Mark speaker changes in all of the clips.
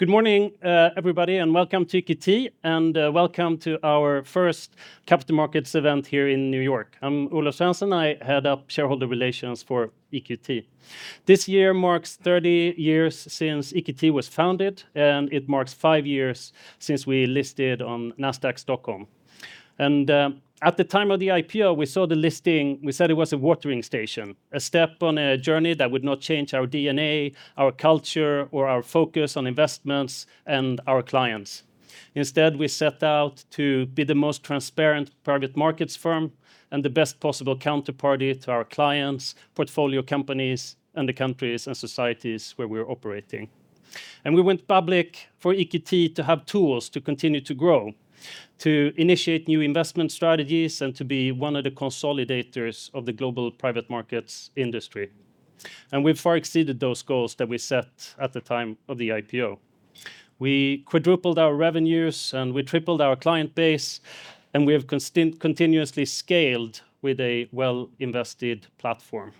Speaker 1: Good morning, everybody, and welcome to EQT, and welcome to our first capital markets event here in New York. I'm Olof Svensson, I head up shareholder relations for EQT. This year marks 30 years since EQT was founded, and it marks five years since we listed on Nasdaq Stockholm. And, at the time of the IPO, we saw the listing, we said it was a watering station, a step on a journey that would not change our DNA, our culture, or our focus on investments and our clients. Instead, we set out to be the most transparent private markets firm and the best possible counterparty to our clients, portfolio companies, and the countries and societies where we're operating. We went public for EQT to have tools to continue to grow, to initiate new investment strategies, and to be one of the consolidators of the global private markets industry. We've far exceeded those goals that we set at the time of the IPO. We quadrupled our revenues, and we tripled our client base, and we have continuously scaled with a well-invested platform.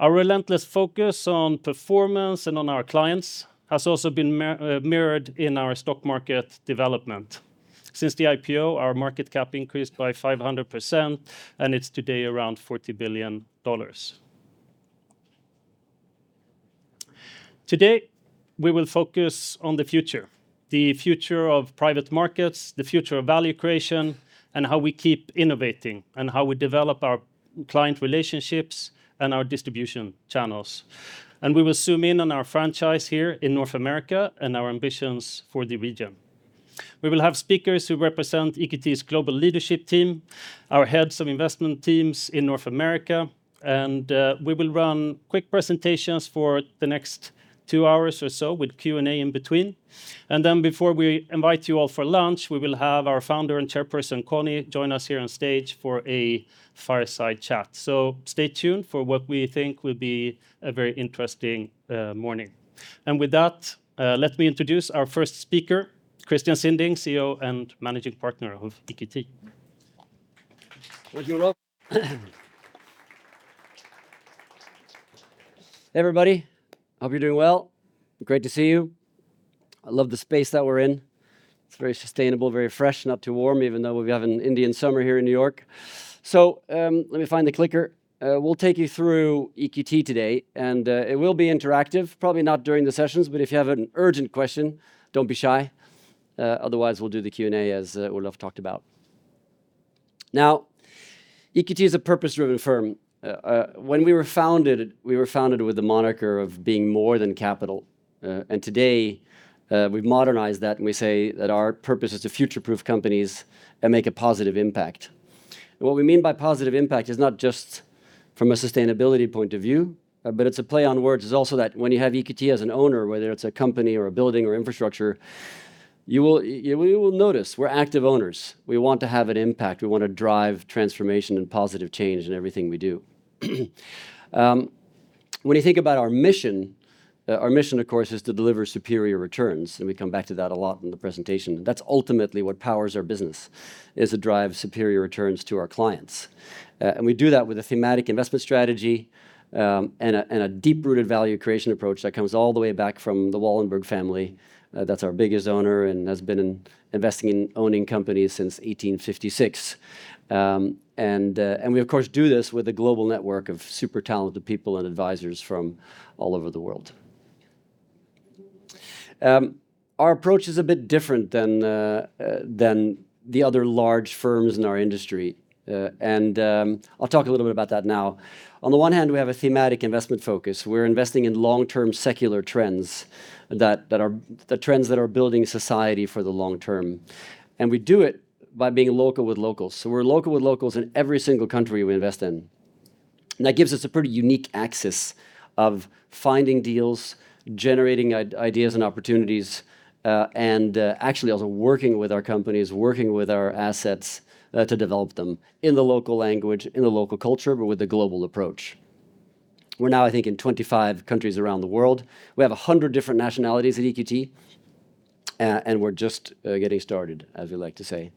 Speaker 1: Our relentless focus on performance and on our clients has also been mirrored in our stock market development. Since the IPO, our market cap increased by 500%, and it's today around $40 billion. Today, we will focus on the future, the future of private markets, the future of value creation, and how we keep innovating, and how we develop our client relationships and our distribution channels. And we will zoom in on our franchise here in North America and our ambitions for the region. We will have speakers who represent EQT's global leadership team, our heads of investment teams in North America, and we will run quick presentations for the next two hours or so with Q&A in between. And then before we invite you all for lunch, we will have our Founder and Chairperson, Conni, join us here on stage for a fireside chat. So stay tuned for what we think will be a very interesting morning. And with that, let me introduce our first speaker, Christian Sinding, CEO and Managing Partner of EQT.
Speaker 2: Thank you, Olof. Hey, everybody, hope you're doing well. Great to see you. I love the space that we're in. It's very sustainable, very fresh, not too warm, even though we have an Indian summer here in New York. So, let me find the clicker. We'll take you through EQT today, and it will be interactive, probably not during the sessions, but if you have an urgent question, don't be shy. Otherwise, we'll do the Q&A, as Olof talked about. Now, EQT is a purpose-driven firm. When we were founded, we were founded with the moniker of being more than capital. And today, we've modernized that, and we say that our purpose is to future-proof companies and make a positive impact. What we mean by positive impact is not just from a sustainability point of view, but it's a play on words. It's also that when you have EQT as an owner, whether it's a company or a building or infrastructure, you will notice we're active owners. We want to have an impact. We want to drive transformation and positive change in everything we do. When you think about our mission, our mission, of course, is to deliver superior returns, and we come back to that a lot in the presentation. That's ultimately what powers our business, is to drive superior returns to our clients. And we do that with a thematic investment strategy, and a deep-rooted value creation approach that comes all the way back from the Wallenberg family. That's our biggest owner and has been investing in owning companies since 1856. And we, of course, do this with a global network of super talented people and advisors from all over the world. Our approach is a bit different than the other large firms in our industry, and I'll talk a little bit about that now. On the one hand, we have a thematic investment focus. We're investing in long-term secular trends that are the trends that are building society for the long term, and we do it by being local with locals. So we're local with locals in every single country we invest in. That gives us a pretty unique access to finding deals, generating ideas and opportunities, and actually also working with our companies, working with our assets, to develop them in the local language, in the local culture, but with a global approach. We're now, I think, in 25 countries around the world. We have 100 different nationalities at EQT, and we're just getting started, as we like to say.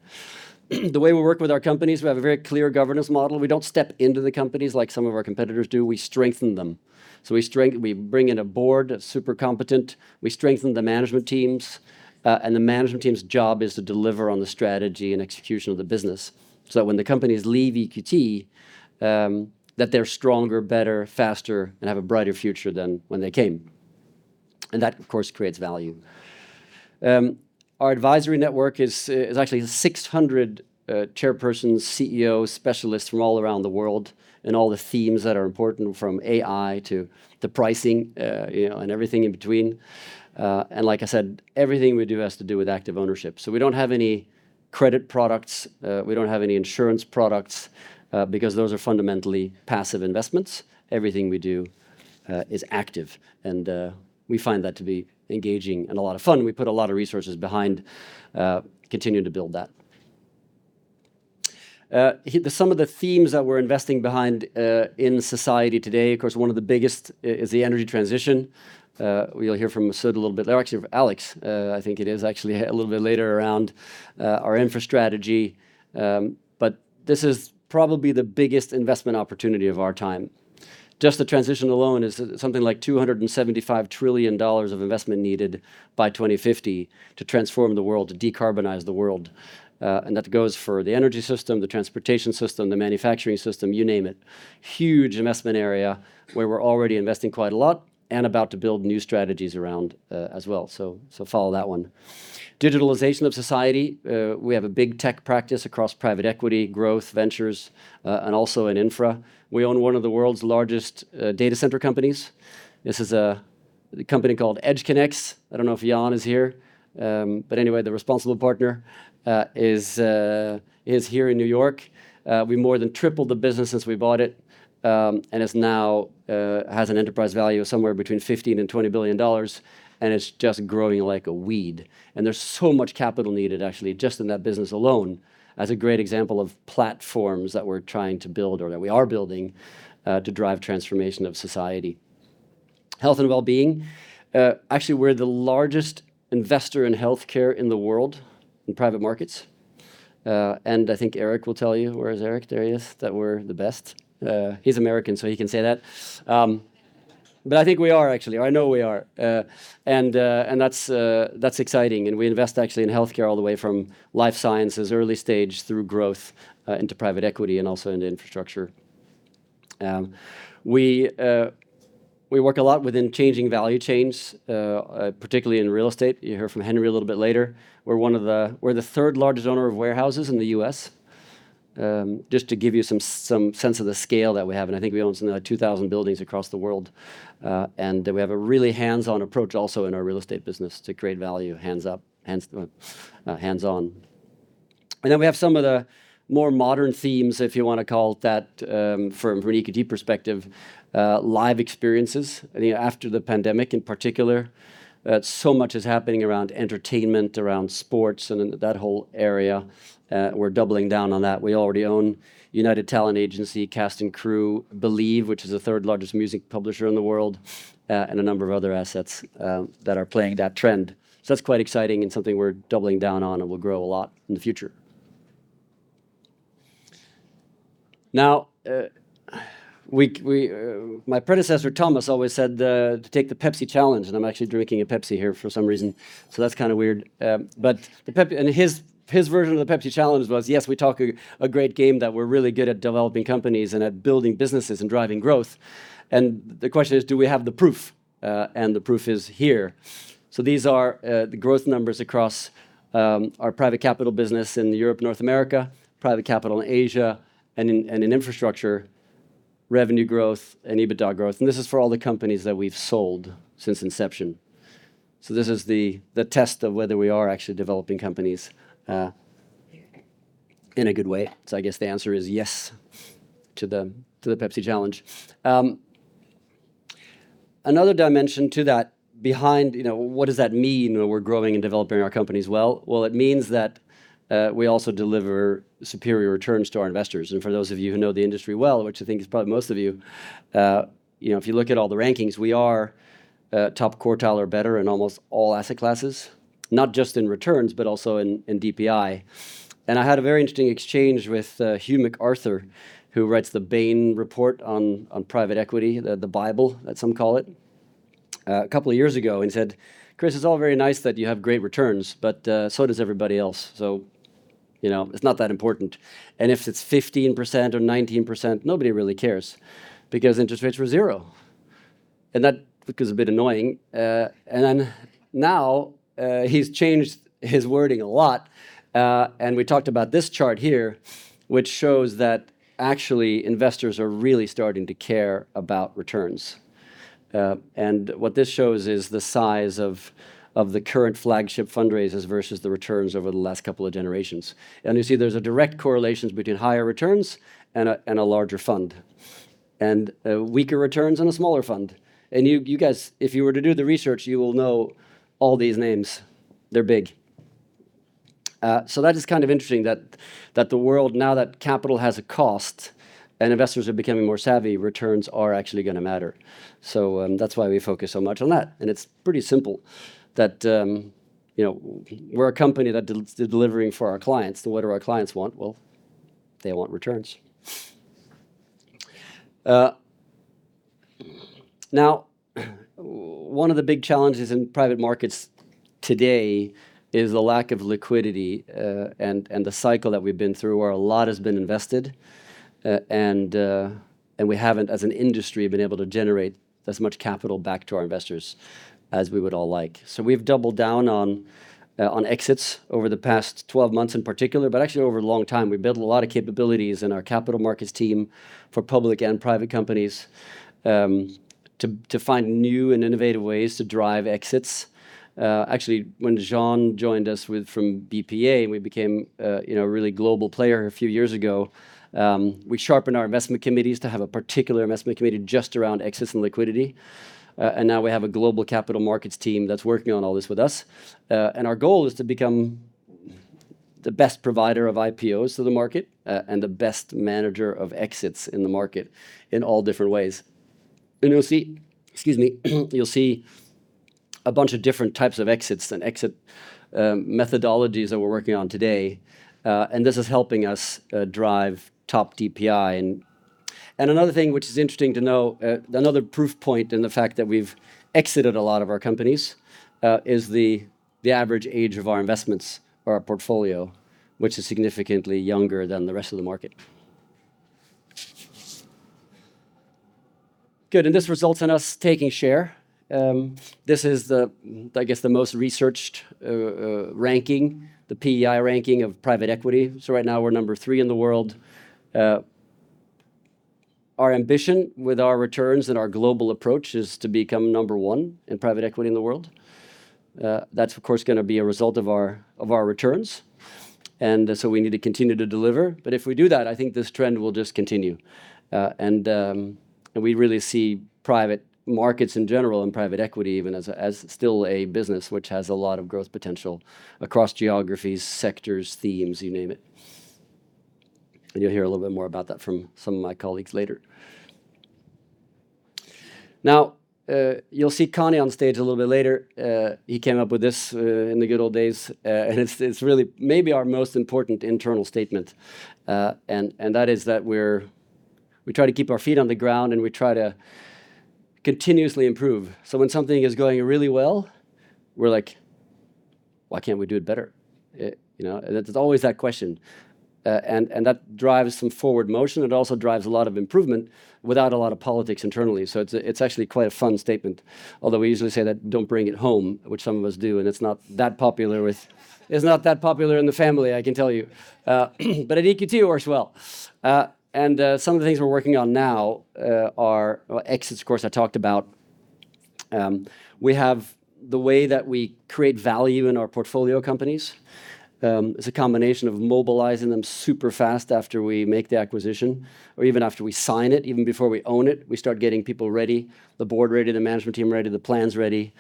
Speaker 2: The way we work with our companies, we have a very clear governance model. We don't step into the companies like some of our competitors do, we strengthen them. So we strengthen them. We bring in a board of super competent. We strengthen the management teams, and the management team's job is to deliver on the strategy and execution of the business. So that when the companies leave EQT, that they're stronger, better, faster, and have a brighter future than when they came, and that, of course, creates value. Our advisory network is actually 600 chairpersons, CEOs, specialists from all around the world, and all the themes that are important, from AI to the pricing, you know, and everything in between, and like I said, everything we do has to do with active ownership, so we don't have any credit products, we don't have any insurance products, because those are fundamentally passive investments. Everything we do is active, and we find that to be engaging and a lot of fun, and we put a lot of resources behind continuing to build that... Some of the themes that we're investing behind in society today, of course, one of the biggest is the energy transition. We'll hear from Sud a little bit later, or actually Alex, I think it is, actually, a little bit later around our infra strategy. But this is probably the biggest investment opportunity of our time. Just the transition alone is something like $275 trillion of investment needed by 2050 to transform the world, to decarbonize the world. And that goes for the energy system, the transportation system, the manufacturing system, you name it. Huge investment area, where we're already investing quite a lot, and about to build new strategies around, as well. So follow that one. Digitalization of society. We have a big tech practice across private equity, growth, Ventures, and also in infra. We own one of the world's largest data center companies. This is a company called EdgeConneX. I don't know if Jan is here, but anyway, the responsible partner is here in New York. We more than tripled the business since we bought it, and it's now has an enterprise value of somewhere between $15 billion and $20 billion, and it's just growing like a weed, and there's so much capital needed, actually, just in that business alone, as a great example of platforms that we're trying to build or that we are building to drive transformation of society. Health and well-being. Actually, we're the largest investor in healthcare in the world, in private markets. I think Eric will tell you, where is Eric? There he is, that we're the best. He's American, so he can say that. I think we are actually, I know we are. That's exciting, and we invest actually in healthcare all the way from life sciences, early stage through growth, into private equity, and also into infrastructure. We work a lot within changing value chains, particularly in real estate. You'll hear from Henry a little bit later. We're the third largest owner of warehouses in the U.S., just to give you some sense of the scale that we have, and I think we own some 2,000 buildings across the world. And we have a really hands-on approach also in our real estate business to create value, hands-on. And then we have some of the more modern themes, if you wanna call it that, from an equity perspective, live experiences, you know, after the pandemic, in particular. So much is happening around entertainment, around sports, and in that whole area, we're doubling down on that. We already own United Talent Agency, Cast & Crew, Believe, which is the third largest music publisher in the world, and a number of other assets that are playing that trend. So that's quite exciting and something we're doubling down on and will grow a lot in the future. Now, my predecessor, Thomas, always said to take the Pepsi Challenge, and I'm actually drinking a Pepsi here for some reason, so that's kinda weird. But the Pepsi Challenge was, yes, we talk a great game that we're really good at developing companies and at building businesses and driving growth, and the question is, do we have the proof? And the proof is here. So these are the growth numbers across our private capital business in Europe, North America, private capital in Asia, and infrastructure, revenue growth, and EBITDA growth, and this is for all the companies that we've sold since inception. So this is the test of whether we are actually developing companies in a good way. So I guess the answer is yes to the Pepsi Challenge. Another dimension to that behind, you know, what does that mean when we're growing and developing our companies well? Well, it means that we also deliver superior returns to our investors. And for those of you who know the industry well, which I think is probably most of you, you know, if you look at all the rankings, we are top quartile or better in almost all asset classes, not just in returns, but also in DPI. And I had a very interesting exchange with Hugh MacArthur, who writes the Bain report on private equity, the Bible, as some call it, a couple of years ago, and he said, "Chris, it's all very nice that you have great returns, but so does everybody else. So, you know, it's not that important. And if it's 15% or 19%, nobody really cares because interest rates were zero." And that was a bit annoying, and then now, he's changed his wording a lot, and we talked about this chart here, which shows that actually, investors are really starting to care about returns. And what this shows is the size of the current flagship fundraisers versus the returns over the last couple of generations. And you see, there's a direct correlation between higher returns and a larger fund, and weaker returns and a smaller fund. And you guys, if you were to do the research, you will know all these names. They're big. So that is kind of interesting that the world, now that capital has a cost and investors are becoming more savvy, returns are actually gonna matter. That's why we focus so much on that, and it's pretty simple that you know, we're a company that delivering for our clients. What do our clients want? They want returns. Now, one of the big challenges in private markets today is the lack of liquidity, and the cycle that we've been through, where a lot has been invested, and we haven't, as an industry, been able to generate as much capital back to our investors as we would all like. So we've doubled down on exits over the past 12 months in particular, but actually, over a long time, we've built a lot of capabilities in our capital markets team for public and private companies to find new and innovative ways to drive exits. Actually, when Jean joined us from BPEA, we became, you know, a really global player a few years ago. We sharpened our investment committees to have a particular investment committee just around exits and liquidity. And now we have a global capital markets team that's working on all this with us. And our goal is to become the best provider of IPOs to the market, and the best manager of exits in the market in all different ways. You'll see a bunch of different types of exits and exit methodologies that we're working on today. And this is helping us drive top DPI. And another thing which is interesting to know, another proof point in the fact that we've exited a lot of our companies is the average age of our investments or our portfolio, which is significantly younger than the rest of the market. Good, and this results in us taking share. This is, I guess, the most researched ranking, the PEI ranking of private equity. So right now, we're number three in the world. Our ambition with our returns and our global approach is to become number one in private equity in the world. That's, of course, gonna be a result of our returns, and so we need to continue to deliver. But if we do that, I think this trend will just continue. And we really see private markets in general and private equity even as still a business, which has a lot of growth potential across geographies, sectors, themes, you name it. And you'll hear a little bit more about that from some of my colleagues later. Now, you'll see Conni on stage a little bit later. He came up with this in the good old days, and it's really maybe our most important internal statement. And that is that we try to keep our feet on the ground, and we try to continuously improve. When something is going really well, we're like: Why can't we do it better, eh? You know, and there's always that question that drives some forward motion. It also drives a lot of improvement without a lot of politics internally. It's actually quite a fun statement, although we usually say that, "Don't bring it home," which some of us do, and it's not that popular in the family, I can tell you, but at EQT it works well. Some of the things we're working on now are exits, of course I talked about. We have the way that we create value in our portfolio companies is a combination of mobilizing them super fast after we make the acquisition or even after we sign it. Even before we own it, we start getting people ready, the board ready, the management team ready, the plans ready.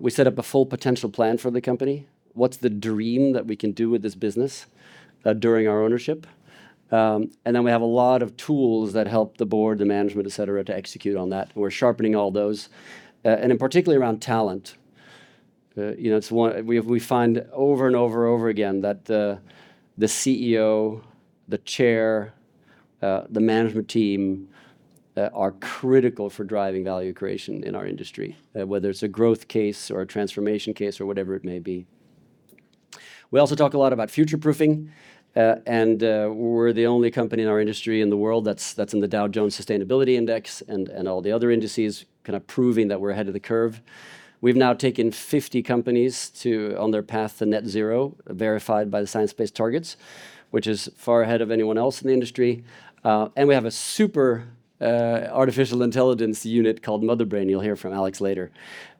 Speaker 2: We set up a full potential plan for the company. What's the dream that we can do with this business during our ownership? And then we have a lot of tools that help the board, the management, et cetera, to execute on that. We're sharpening all those, and in particular around talent. You know, it's one. We find over and over and over again that the CEO, the chair, the management team are critical for driving value creation in our industry, whether it's a growth case or a transformation case or whatever it may be. We also talk a lot about future-proofing, and we're the only company in our industry in the world that's in the Dow Jones Sustainability Index and all the other indices, kind of proving that we're ahead of the curve. We've now taken 50 companies on their path to net zero, verified by the Science Based Targets, which is far ahead of anyone else in the industry. And we have a super artificial intelligence unit called Motherbrain. You'll hear from Alex later,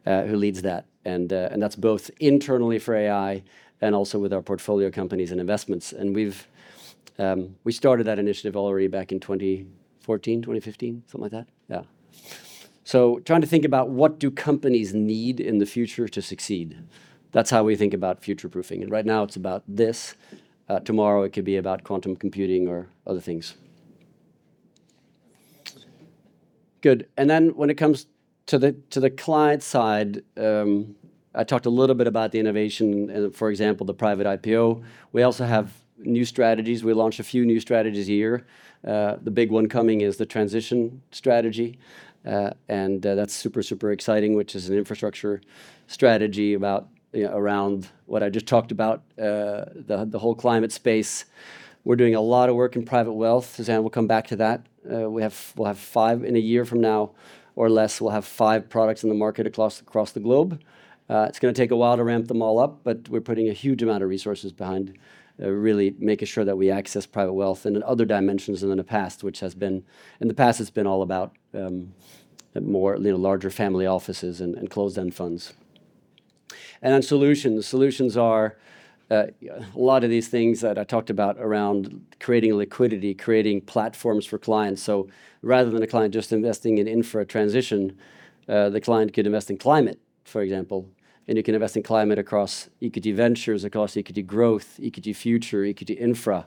Speaker 2: who leads that. And that's both internally for AI and also with our portfolio companies and investments. And we've started that initiative already back in 2014, 2015, something like that? Yeah. So trying to think about what do companies need in the future to succeed, that's how we think about future-proofing. Right now, it's about this. Tomorrow, it could be about quantum computing or other things. Good, and then when it comes to the client side, I talked a little bit about the innovation, for example, the private IPO. We also have new strategies. We launch a few new strategies a year. The big one coming is the transition strategy, and that's super, super exciting, which is an infrastructure strategy about around what I just talked about, the whole climate space. We're doing a lot of work in private wealth, and we'll come back to that. We have—we'll have five in a year from now, or less, we'll have five products in the market across the globe. It's gonna take a while to ramp them all up, but we're putting a huge amount of resources behind really making sure that we access private wealth in other dimensions than in the past, which has been... In the past, it's been all about more larger family offices and closed-end funds. And then solutions. Solutions are a lot of these things that I talked about around creating liquidity, creating platforms for clients. So rather than a client just investing in infra transition, the client could invest in climate, for example, and you can invest in climate across EQT Ventures, across EQT Growth, EQT Future, EQT Infra.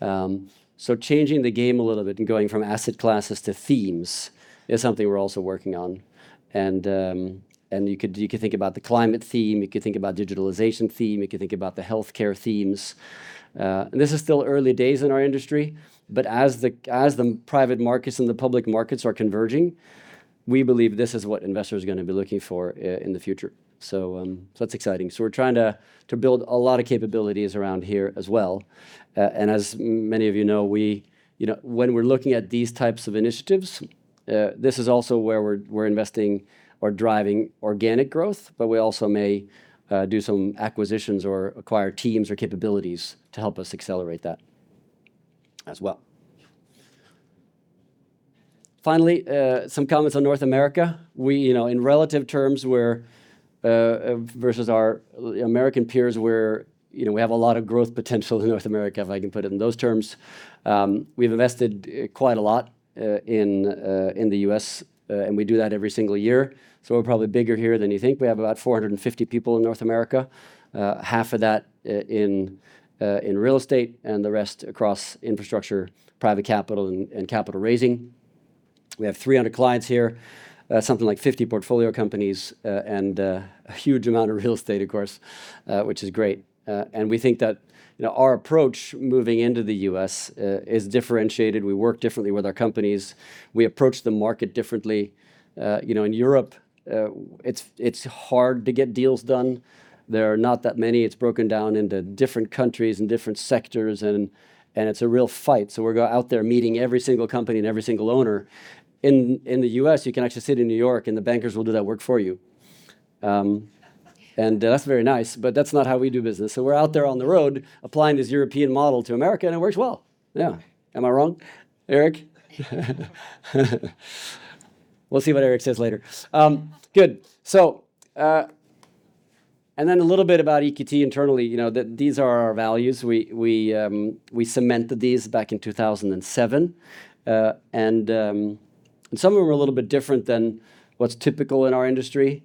Speaker 2: So changing the game a little bit and going from asset classes to themes is something we're also working on. You could think about the climate theme, you could think about digitalization theme, you could think about the healthcare themes. This is still early days in our industry, but as the private markets and the public markets are converging, we believe this is what investors are gonna be looking for in the future. That's exciting. We're trying to build a lot of capabilities around here as well. As many of you know, you know, when we're looking at these types of initiatives, this is also where we're investing or driving organic growth, but we also may do some acquisitions or acquire teams or capabilities to help us accelerate that as well. Finally, some comments on North America. We, you know, in relative terms, we're versus our American peers, we're, you know, we have a lot of growth potential in North America, if I can put it in those terms. We've invested quite a lot in the U.S., and we do that every single year, so we're probably bigger here than you think. We have about 450 people in North America, half of that in real estate, and the rest across infrastructure, private capital, and capital raising. We have 300 clients here, something like 50 portfolio companies, and a huge amount of real estate, of course, which is great. And we think that, you know, our approach moving into the U.S. is differentiated. We work differently with our companies. We approach the market differently. You know, in Europe, it's hard to get deals done. There are not that many. It's broken down into different countries and different sectors, and it's a real fight, so we're out there, meeting every single company and every single owner. In the U.S., you can actually sit in New York, and the bankers will do that work for you. That's very nice, but that's not how we do business, so we're out there on the road, applying this European model to America, and it works well. Yeah. Am I wrong, Eric? We'll see what Eric says later. Good, so then a little bit about EQT internally, you know, these are our values. We cemented these back in 2007, and some of them are a little bit different than what's typical in our industry.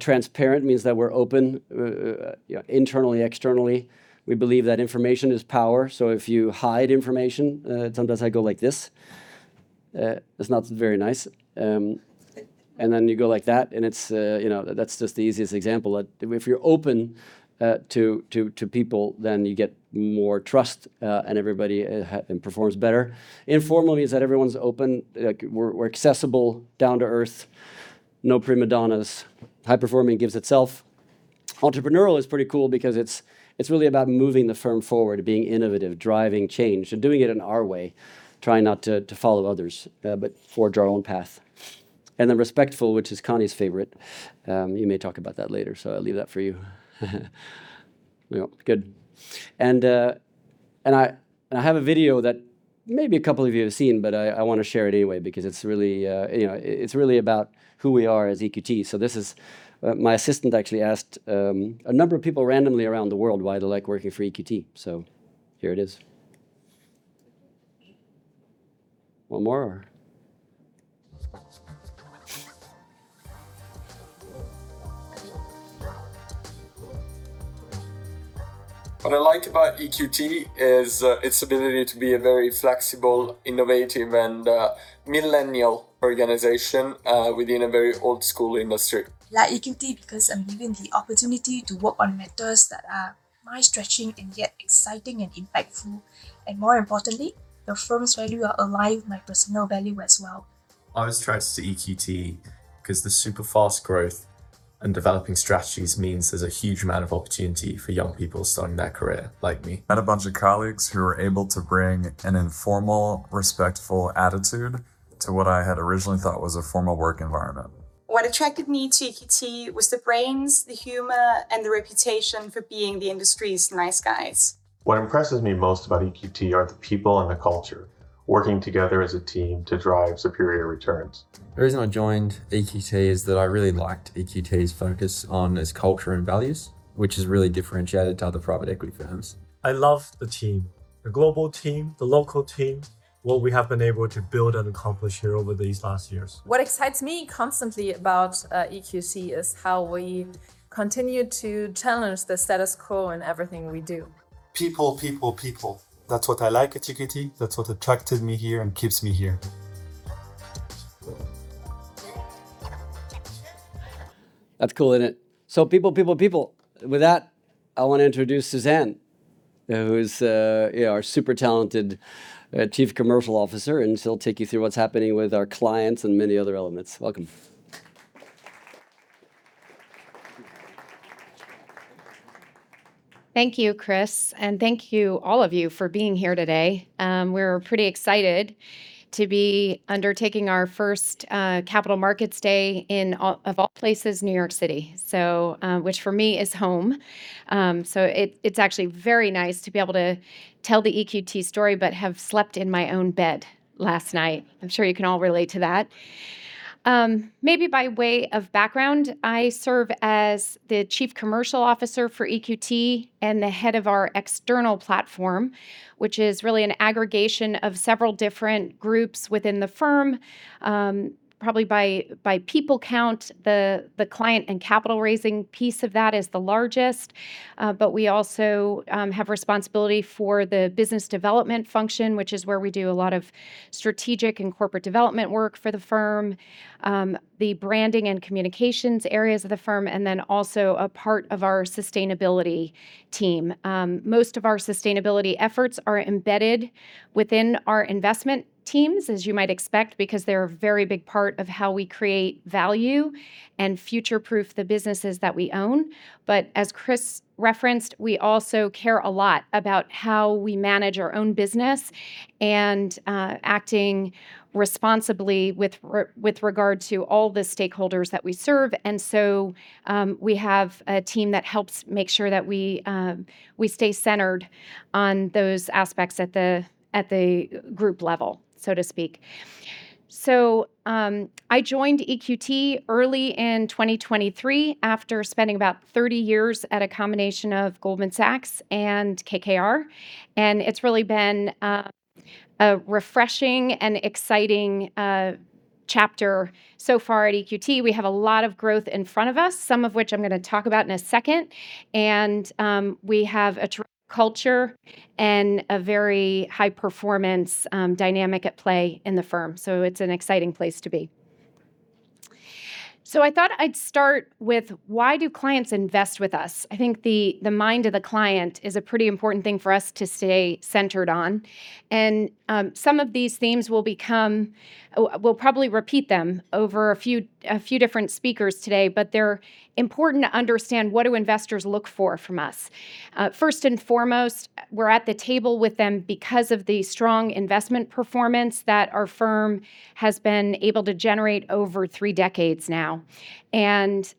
Speaker 2: Transparent means that we're open, you know, internally, externally. We believe that information is power, so if you hide information, sometimes I go like this. It's not very nice. And then you go like that, and it's, you know, that's just the easiest example. If you're open to people, then you get more trust, and everybody performs better. Informal means that everyone's open, like we're accessible, down-to-earth, no prima donnas. High-performing gives itself. Entrepreneurial is pretty cool because it's really about moving the firm forward and being innovative, driving change, and doing it in our way, trying not to follow others, but forge our own path. And then respectful, which is Conni's favorite, you may talk about that later, so I'll leave that for you. Well, good, and I have a video that maybe a couple of you have seen, but I wanna share it anyway because it's really, you know, it's really about who we are as EQT, so this is. My assistant actually asked a number of people randomly around the world why they like working for EQT, so here it is. One more or? What I like about EQT is its ability to be a very flexible, innovative, and millennial organization within a very old-school industry. I like EQT because I'm given the opportunity to work on matters that are mind-stretching and yet exciting and impactful, and more importantly, the firm's value are aligned with my personal value as well. I was attracted to EQT 'cause the super fast growth and developing strategies means there's a huge amount of opportunity for young people starting their career, like me. I had a bunch of colleagues who were able to bring an informal, respectful attitude to what I had originally thought was a formal work environment. What attracted me to EQT was the brains, the humor, and the reputation for being the industry's nice guys. What impresses me most about EQT are the people and the culture, working together as a team to drive superior returns. The reason I joined EQT is that I really liked EQT's focus on its culture and values, which is really differentiated to other private equity firms. I love the team, the global team, the local team, what we have been able to build and accomplish here over these last years. What excites me constantly about EQT is how we continue to challenge the status quo in everything we do. People, people, people, that's what I like at EQT. That's what attracted me here and keeps me here. That's cool, isn't it? So people. With that, I wanna introduce Suzanne, who is, you know, our super talented Chief Commercial Officer, and she'll take you through what's happening with our clients and many other elements. Welcome.
Speaker 3: Thank you, Chris, and thank you, all of you, for being here today. We're pretty excited to be undertaking our first capital markets day in, of all places, New York City, so, which for me is home. So it, it's actually very nice to be able to tell the EQT story but have slept in my own bed last night. I'm sure you can all relate to that. Maybe by way of background, I serve as the Chief Commercial Officer for EQT and the head of our external platform, which is really an aggregation of several different groups within the firm. Probably by people count, the client and capital-raising piece of that is the largest, but we also have responsibility for the business development function, which is where we do a lot of strategic and corporate development work for the firm, the branding and communications areas of the firm, and then also a part of our sustainability team. Most of our sustainability efforts are embedded within our investment teams, as you might expect, because they're a very big part of how we create value and future-proof the businesses that we own. But as Chris referenced, we also care a lot about how we manage our own business and, acting responsibly with regard to all the stakeholders that we serve, and so, we have a team that helps make sure that we stay centered on those aspects at the group level, so to speak. I joined EQT early in 2023 after spending about 30 years at a combination of Goldman Sachs and KKR, and it's really been a refreshing and exciting chapter so far at EQT. We have a lot of growth in front of us, some of which I'm gonna talk about in a second, and we have a culture and a very high-performance dynamic at play in the firm, so it's an exciting place to be. So I thought I'd start with: why do clients invest with us? I think the mind of the client is a pretty important thing for us to stay centered on, and some of these themes will become, we'll probably repeat them over a few different speakers today, but they're important to understand, what do investors look for from us? First and foremost, we're at the table with them because of the strong investment performance that our firm has been able to generate over three decades now, and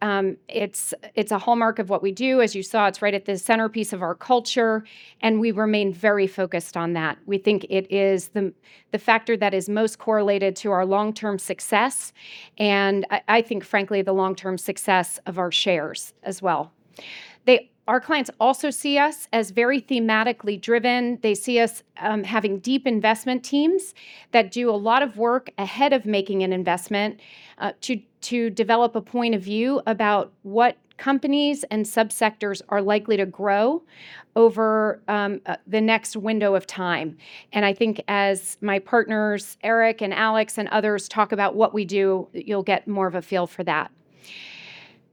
Speaker 3: it's a hallmark of what we do. As you saw, it's right at the centerpiece of our culture, and we remain very focused on that. We think it is the factor that is most correlated to our long-term success, and I think, frankly, the long-term success of our shares as well. Our clients also see us as very thematically driven. They see us having deep investment teams that do a lot of work ahead of making an investment to develop a point of view about what companies and subsectors are likely to grow over the next window of time, and I think as my partners, Eric and Alex, and others talk about what we do, you'll get more of a feel for that.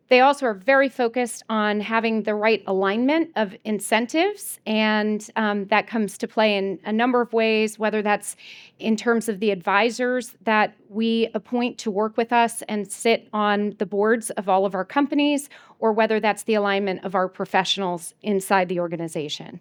Speaker 3: They also are very focused on having the right alignment of incentives, and that comes to play in a number of ways, whether that's in terms of the advisors that we appoint to work with us and sit on the boards of all of our companies or whether that's the alignment of our professionals inside the organization.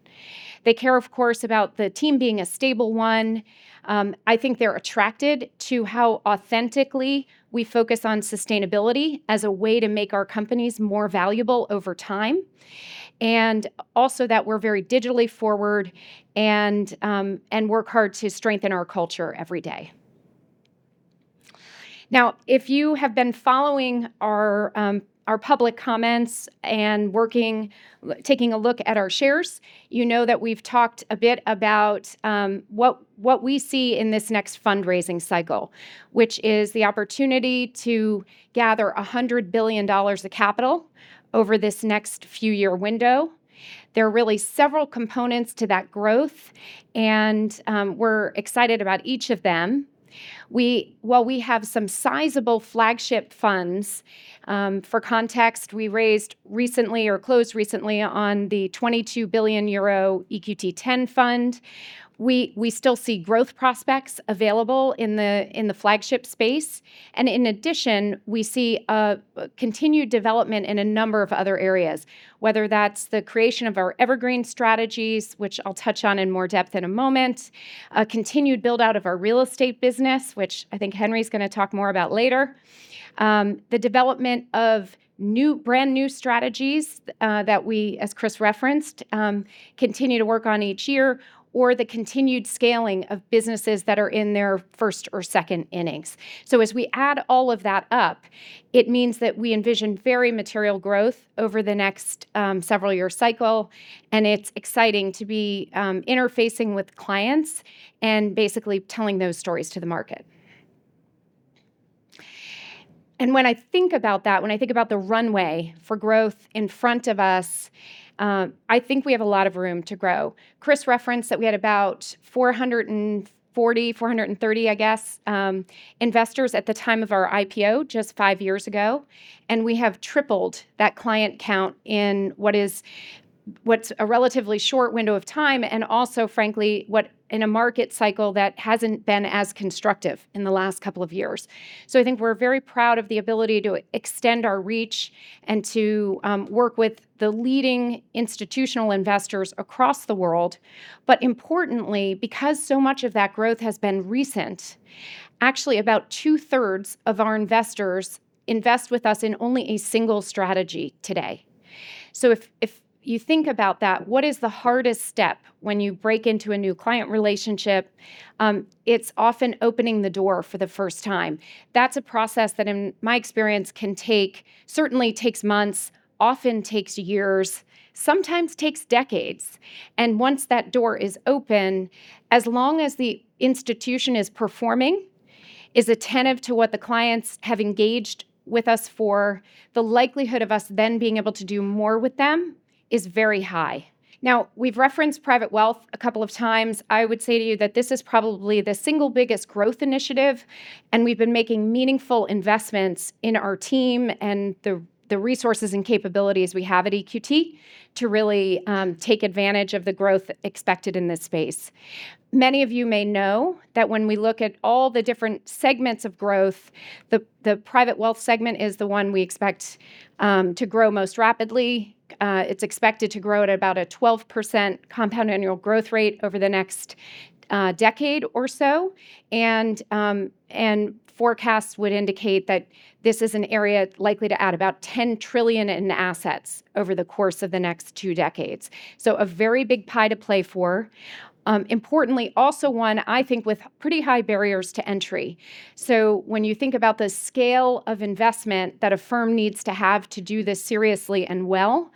Speaker 3: They care, of course, about the team being a stable one. I think they're attracted to how authentically we focus on sustainability as a way to make our companies more valuable over time, and also that we're very digitally forward and work hard to strengthen our culture every day. Now, if you have been following our public comments and working, taking a look at our shares, you know that we've talked a bit about what we see in this next fundraising cycle, which is the opportunity to gather $100 billion of capital over this next few-year window. There are really several components to that growth, and we're excited about each of them. While we have some sizable flagship funds, for context, we raised recently or closed recently on the 22 billion euro EQT Ten fund. We still see growth prospects available in the flagship space, and in addition, we see a continued development in a number of other areas, whether that's the creation of our evergreen strategies, which I'll touch on in more depth in a moment, a continued build-out of our real estate business, which I think Henry's gonna talk more about later, the development of new brand-new strategies that we, as Chris referenced, continue to work on each year, or the continued scaling of businesses that are in their first or second innings. So as we add all of that up, it means that we envision very material growth over the next several-year cycle, and it's exciting to be interfacing with clients and basically telling those stories to the market. And when I think about that, when I think about the runway for growth in front of us, I think we have a lot of room to grow. Chris referenced that we had about 440, 430, I guess, investors at the time of our IPO just five years ago, and we have tripled that client count in what is, what's a relatively short window of time and also, frankly, what in a market cycle that hasn't been as constructive in the last couple of years. So I think we're very proud of the ability to extend our reach and to, work with the leading institutional investors across the world, but importantly, because so much of that growth has been recent, actually, about two-thirds of our investors invest with us in only a single strategy today. So if you think about that, what is the hardest step when you break into a new client relationship? It's often opening the door for the first time. That's a process that, in my experience, can take, certainly takes months, often takes years, sometimes takes decades, and once that door is open, as long as the institution is performing, is attentive to what the clients have engaged with us for, the likelihood of us then being able to do more with them is very high. Now, we've referenced private wealth a couple of times. I would say to you that this is probably the single biggest growth initiative, and we've been making meaningful investments in our team and the resources and capabilities we have at EQT to really take advantage of the growth expected in this space. Many of you may know that when we look at all the different segments of growth, the private wealth segment is the one we expect to grow most rapidly. It's expected to grow at about a 12% compound annual growth rate over the next decade or so, and forecasts would indicate that this is an area likely to add about $10 trillion in assets over the course of the next two decades, so a very big pie to play for. Importantly, also one I think with pretty high barriers to entry. So when you think about the scale of investment that a firm needs to have to do this seriously and well,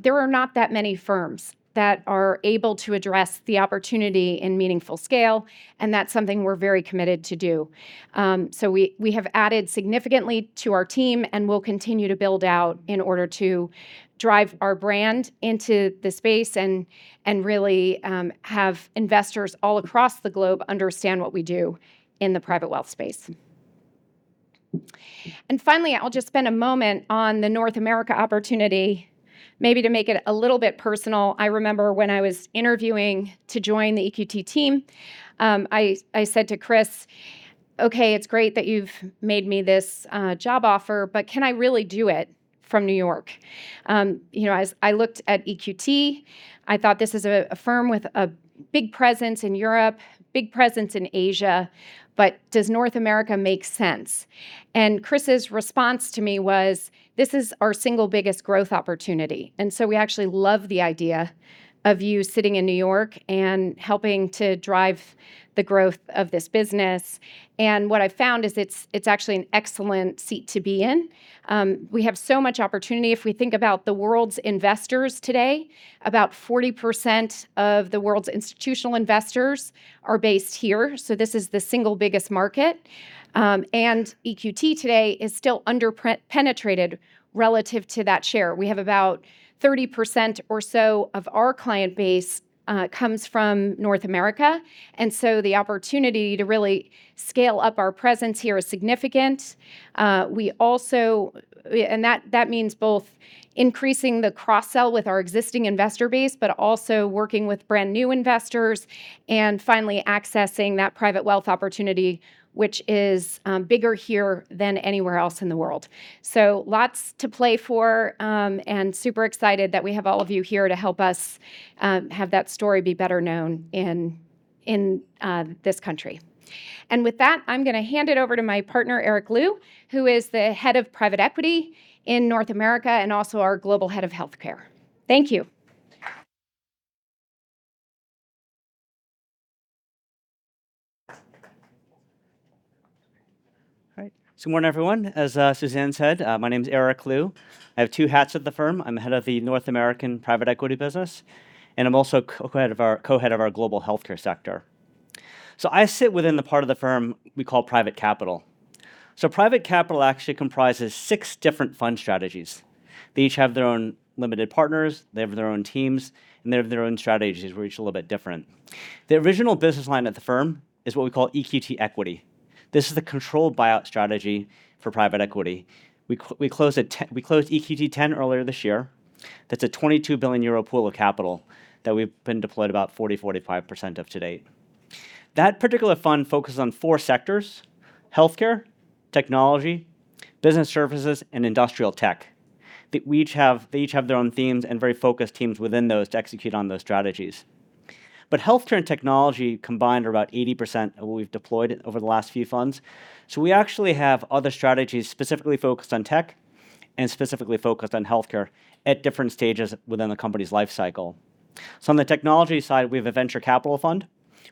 Speaker 3: there are not that many firms that are able to address the opportunity in meaningful scale, and that's something we're very committed to do. So we have added significantly to our team, and we'll continue to build out in order to drive our brand into the space and really have investors all across the globe understand what we do in the private wealth space. And finally, I'll just spend a moment on the North America opportunity, maybe to make it a little bit personal. I remember when I was interviewing to join the EQT team, I said to Chris, "Okay, it's great that you've made me this job offer, but can I really do it from New York?" You know, as I looked at EQT, I thought, this is a firm with a big presence in Europe, big presence in Asia, but does North America make sense? And Chris's response to me was, "This is our single biggest growth opportunity, and so we actually love the idea of you sitting in New York and helping to drive the growth of this business." And what I've found is it's, it's actually an excellent seat to be in. We have so much opportunity. If we think about the world's investors today, about 40% of the world's institutional investors are based here, so this is the single biggest market. And EQT today is still underpenetrated relative to that share. We have about 30% or so of our client base comes from North America, and so the opportunity to really scale up our presence here is significant. We also... And that, that means both increasing the cross-sell with our existing investor base but also working with brand-new investors and finally accessing that private wealth opportunity, which is bigger here than anywhere else in the world. So lots to play for, and super excited that we have all of you here to help us have that story be better known in this country. And with that, I'm gonna hand it over to my partner, Eric Liu, who is the Head of Private Equity in North America and also our Global Head of Healthcare. Thank you.
Speaker 4: All right. Good morning, everyone. As Suzanne said, my name's Eric Liu. I have two hats at the firm. I'm the Head of the North American Private Equity business, and I'm also Co-Head of our Global Healthcare sector. So I sit within the part of the firm we call private capital. So private capital actually comprises six different fund strategies. They each have their own limited partners, they have their own teams, and they have their own strategies, which are a little bit different. The original business line at the firm is what we call EQT Equity. This is a controlled buyout strategy for private equity. We closed EQT Ten earlier this year. That's a 22 billion euro pool of capital that we've deployed about 40%-45% of to date. That particular fund focuses on four sectors: healthcare, technology, business services, and industrial tech. They each have, they each have their own themes and very focused teams within those to execute on those strategies. But healthcare and technology combined are about 80% of what we've deployed over the last few funds. So we actually have other strategies specifically focused on tech and specifically focused on healthcare at different stages within the company's life cycle. So on the technology side, we have a venture capital fund,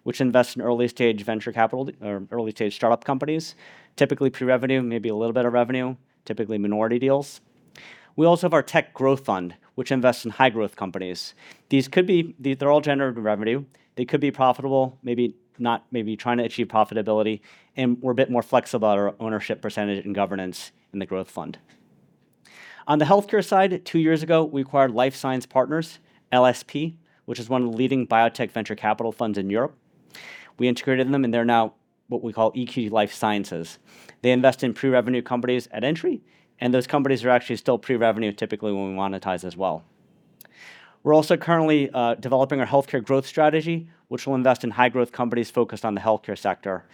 Speaker 4: which invests in early-stage venture capital or early-stage startup companies, typically pre-revenue, maybe a little bit of revenue, typically minority deals. We also have our tech growth fund, which invests in high-growth companies. These could be... They're all generating revenue. They could be profitable, maybe not, maybe trying to achieve profitability, and we're a bit more flexible about our ownership percentage and governance in the growth fund. On the healthcare side, two years ago, we acquired Life Sciences Partners, LSP, which is one of the leading biotech venture capital funds in Europe. We integrated them, and they're now what we call EQT Life Sciences. They invest in pre-revenue companies at entry, and those companies are actually still pre-revenue typically when we monetize as well. We're also currently developing our Healthcare Growth strategy, which will invest in high-growth companies focused on the healthcare sector.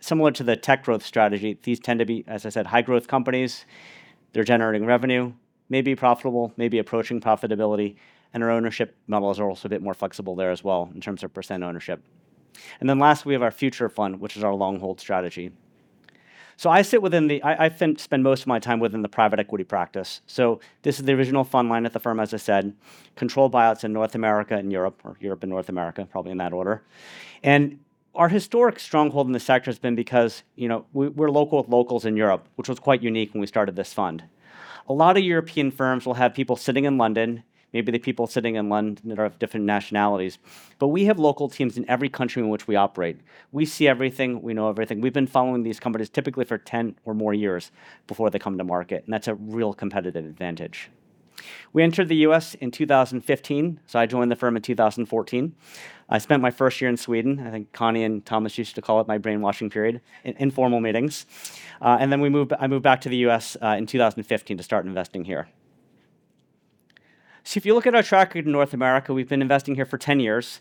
Speaker 4: Similar to the tech growth strategy, these tend to be, as I said, high-growth companies. They're generating revenue, may be profitable, may be approaching profitability, and our ownership models are also a bit more flexible there as well in terms of percent ownership. And then last, we have our Future fund, which is our long-hold strategy. So I sit within the private equity practice. I spend most of my time within the private equity practice. So this is the original fund line at the firm, as I said, controlled buyouts in North America and Europe or Europe and North America, probably in that order. And our historic stronghold in the sector has been because, you know, we're local with locals in Europe, which was quite unique when we started this fund. A lot of European firms will have people sitting in London, maybe the people sitting in London that are of different nationalities, but we have local teams in every country in which we operate. We see everything. We know everything. We've been following these companies typically for 10 or more years before they come to market, and that's a real competitive advantage. We entered the U.S. in 2015, so I joined the firm in 2014. I spent my first year in Sweden. I think Conni and Thomas used to call it my brainwashing period in formal meetings, and then I moved back to the U.S. in 2015 to start investing here. So if you look at our track record in North America, we've been investing here for 10 years,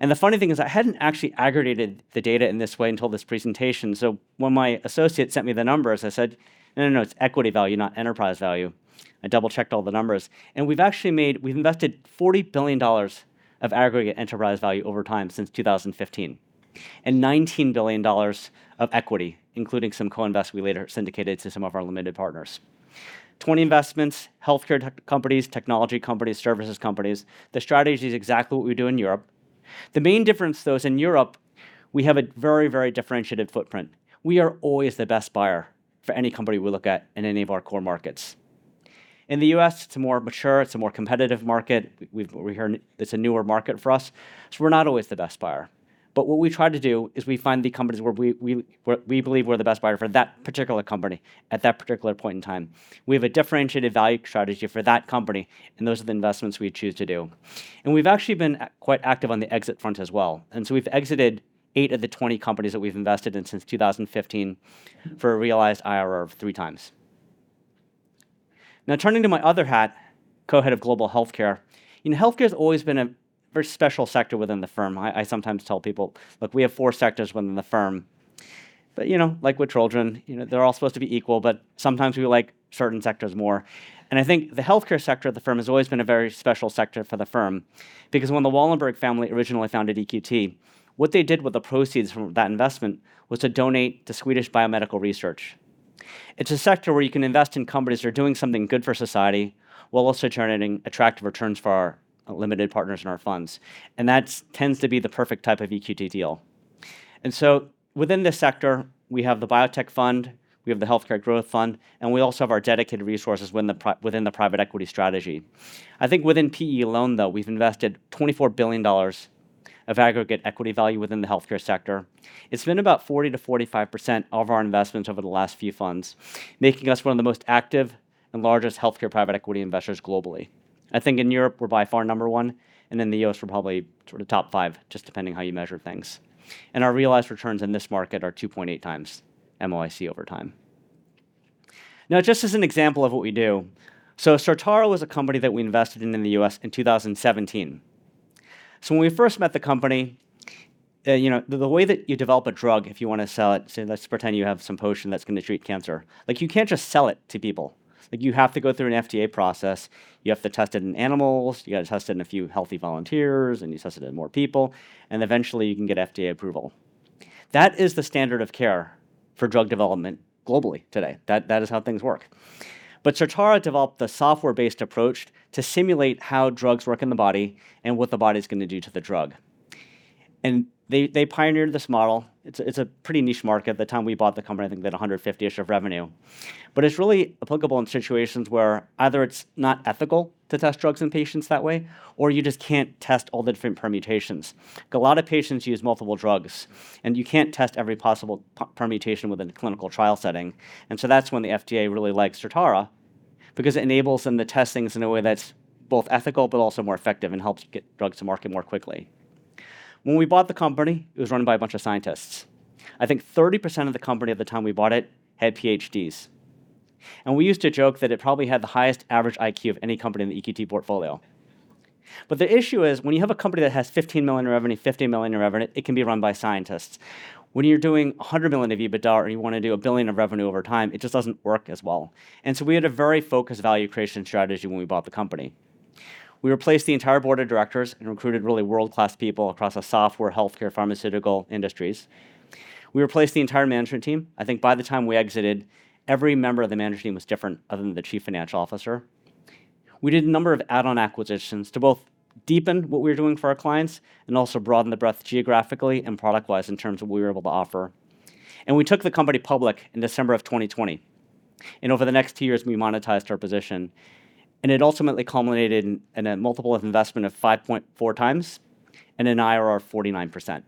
Speaker 4: and the funny thing is I hadn't actually aggregated the data in this way until this presentation. So when my associate sent me the numbers, I said, "No, no, no, it's equity value, not enterprise value." I double-checked all the numbers, and we've invested $40 billion of aggregate enterprise value over time since 2015... and $19 billion of equity, including some co-invest we later syndicated to some of our limited partners. 20 investments, healthcare tech companies, technology companies, services companies. The strategy is exactly what we do in Europe. The main difference, though, is in Europe, we have a very, very differentiated footprint. We are always the best buyer for any company we look at in any of our core markets. In the U.S., it's a more mature, it's a more competitive market. It's a newer market for us, so we're not always the best buyer. But what we try to do is we find the companies where we believe we're the best buyer for that particular company at that particular point in time. We have a differentiated value strategy for that company, and those are the investments we choose to do. We've actually been quite active on the exit front as well, and so we've exited eight of the 20 companies that we've invested in since 2015 for a realized IRR of 3x. Now, turning to my other hat, Co-Head of Global Healthcare. You know, healthcare's always been a very special sector within the firm. I sometimes tell people, "Look, we have four sectors within the firm, but you know, like with children, you know, they're all supposed to be equal, but sometimes we like certain sectors more." And I think the healthcare sector of the firm has always been a very special sector for the firm, because when the Wallenberg family originally founded EQT, what they did with the proceeds from that investment was to donate to Swedish biomedical research. It's a sector where you can invest in companies that are doing something good for society, while also generating attractive returns for our limited partners and our funds, and that tends to be the perfect type of EQT deal. So within this sector, we have the biotech fund, we have the healthcare growth fund, and we also have our dedicated resources within the private equity strategy. I think within PE alone, though, we've invested $24 billion of aggregate equity value within the healthcare sector. It's been about 40%-45% of our investments over the last few funds, making us one of the most active and largest healthcare private equity investors globally. I think in Europe, we're by far number one, and in the U.S., we're probably sort of top five, just depending how you measure things. Our realized returns in this market are 2.8x MOIC over time. Now, just as an example of what we do, so Certara was a company that we invested in in the U.S. in 2017. When we first met the company, you know, the way that you develop a drug, if you wanna sell it, say, let's pretend you have some potion that's gonna treat cancer. Like, you can't just sell it to people. Like, you have to go through an FDA process. You have to test it in animals, you gotta test it in a few healthy volunteers, and you test it in more people, and eventually you can get FDA approval. That is the standard of care for drug development globally today. That, that is how things work. But Certara developed a software-based approach to simulate how drugs work in the body and what the body's gonna do to the drug. And they pioneered this model. It's a pretty niche market. At the time we bought the company, I think they had a $150-ish of revenue. But it's really applicable in situations where either it's not ethical to test drugs in patients that way, or you just can't test all the different permutations. A lot of patients use multiple drugs, and you can't test every possible permutation within a clinical trial setting, and so that's when the FDA really likes Certara because it enables them to test things in a way that's both ethical but also more effective and helps get drugs to market more quickly. When we bought the company, it was run by a bunch of scientists. I think 30% of the company at the time we bought it had PhDs, and we used to joke that it probably had the highest average IQ of any company in the EQT portfolio. But the issue is, when you have a company that has $15 million in revenue, $50 million in revenue, it can be run by scientists. When you're doing $100 million of EBITDA, or you wanna do a $1 billion of revenue over time, it just doesn't work as well. And so we had a very focused value creation strategy when we bought the company. We replaced the entire board of directors and recruited really world-class people across the software, healthcare, pharmaceutical industries. We replaced the entire management team. I think by the time we exited, every member of the management team was different other than the Chief Financial Officer. We did a number of add-on acquisitions to both deepen what we were doing for our clients and also broaden the breadth geographically and product-wise in terms of what we were able to offer. And we took the company public in December of 2020, and over the next two years, we monetized our position, and it ultimately culminated in a multiple of investment of 5.4x and an IRR of 49%.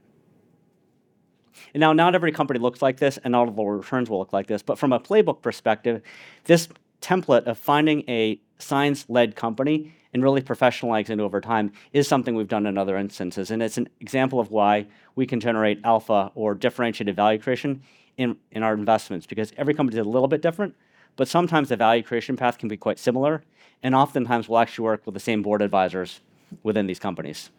Speaker 4: And now, not every company looks like this, and not all returns will look like this, but from a playbook perspective, this template of finding a science-led company and really professionalizing it over time is something we've done in other instances, and it's an example of why we can generate alpha or differentiated value creation in our investments. Because every company is a little bit different, but sometimes the value creation path can be quite similar, and oftentimes we'll actually work with the same board advisors within these companies,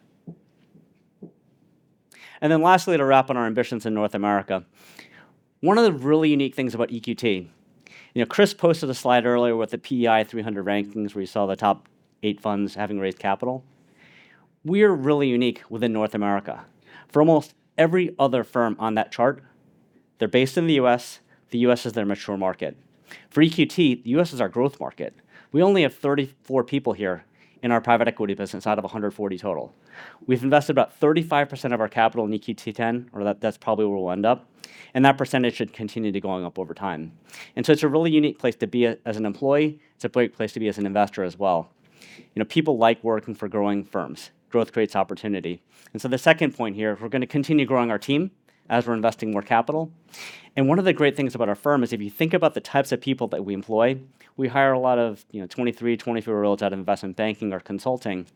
Speaker 4: and then lastly, to wrap on our ambitions in North America, one of the really unique things about EQT... You know, Chris posted a slide earlier with the PEI 300 rankings, where you saw the top eight funds having raised capital. We're really unique within North America. For almost every other firm on that chart, they're based in the U.S., the U.S. is their mature market. For EQT, the U.S. is our growth market. We only have 34 people here in our private equity business out of 140 total. We've invested about 35% of our capital in EQT Ten, or that's probably where we'll end up, and that percentage should continue to going up over time. And so it's a really unique place to be as an employee. It's a great place to be as an investor as well. You know, people like working for growing firms. Growth creates opportunity. And so the second point here, we're gonna continue growing our team as we're investing more capital. And one of the great things about our firm is if you think about the types of people that we employ, we hire a lot of, you know, 23-, 24-year-olds out of investment banking or consulting.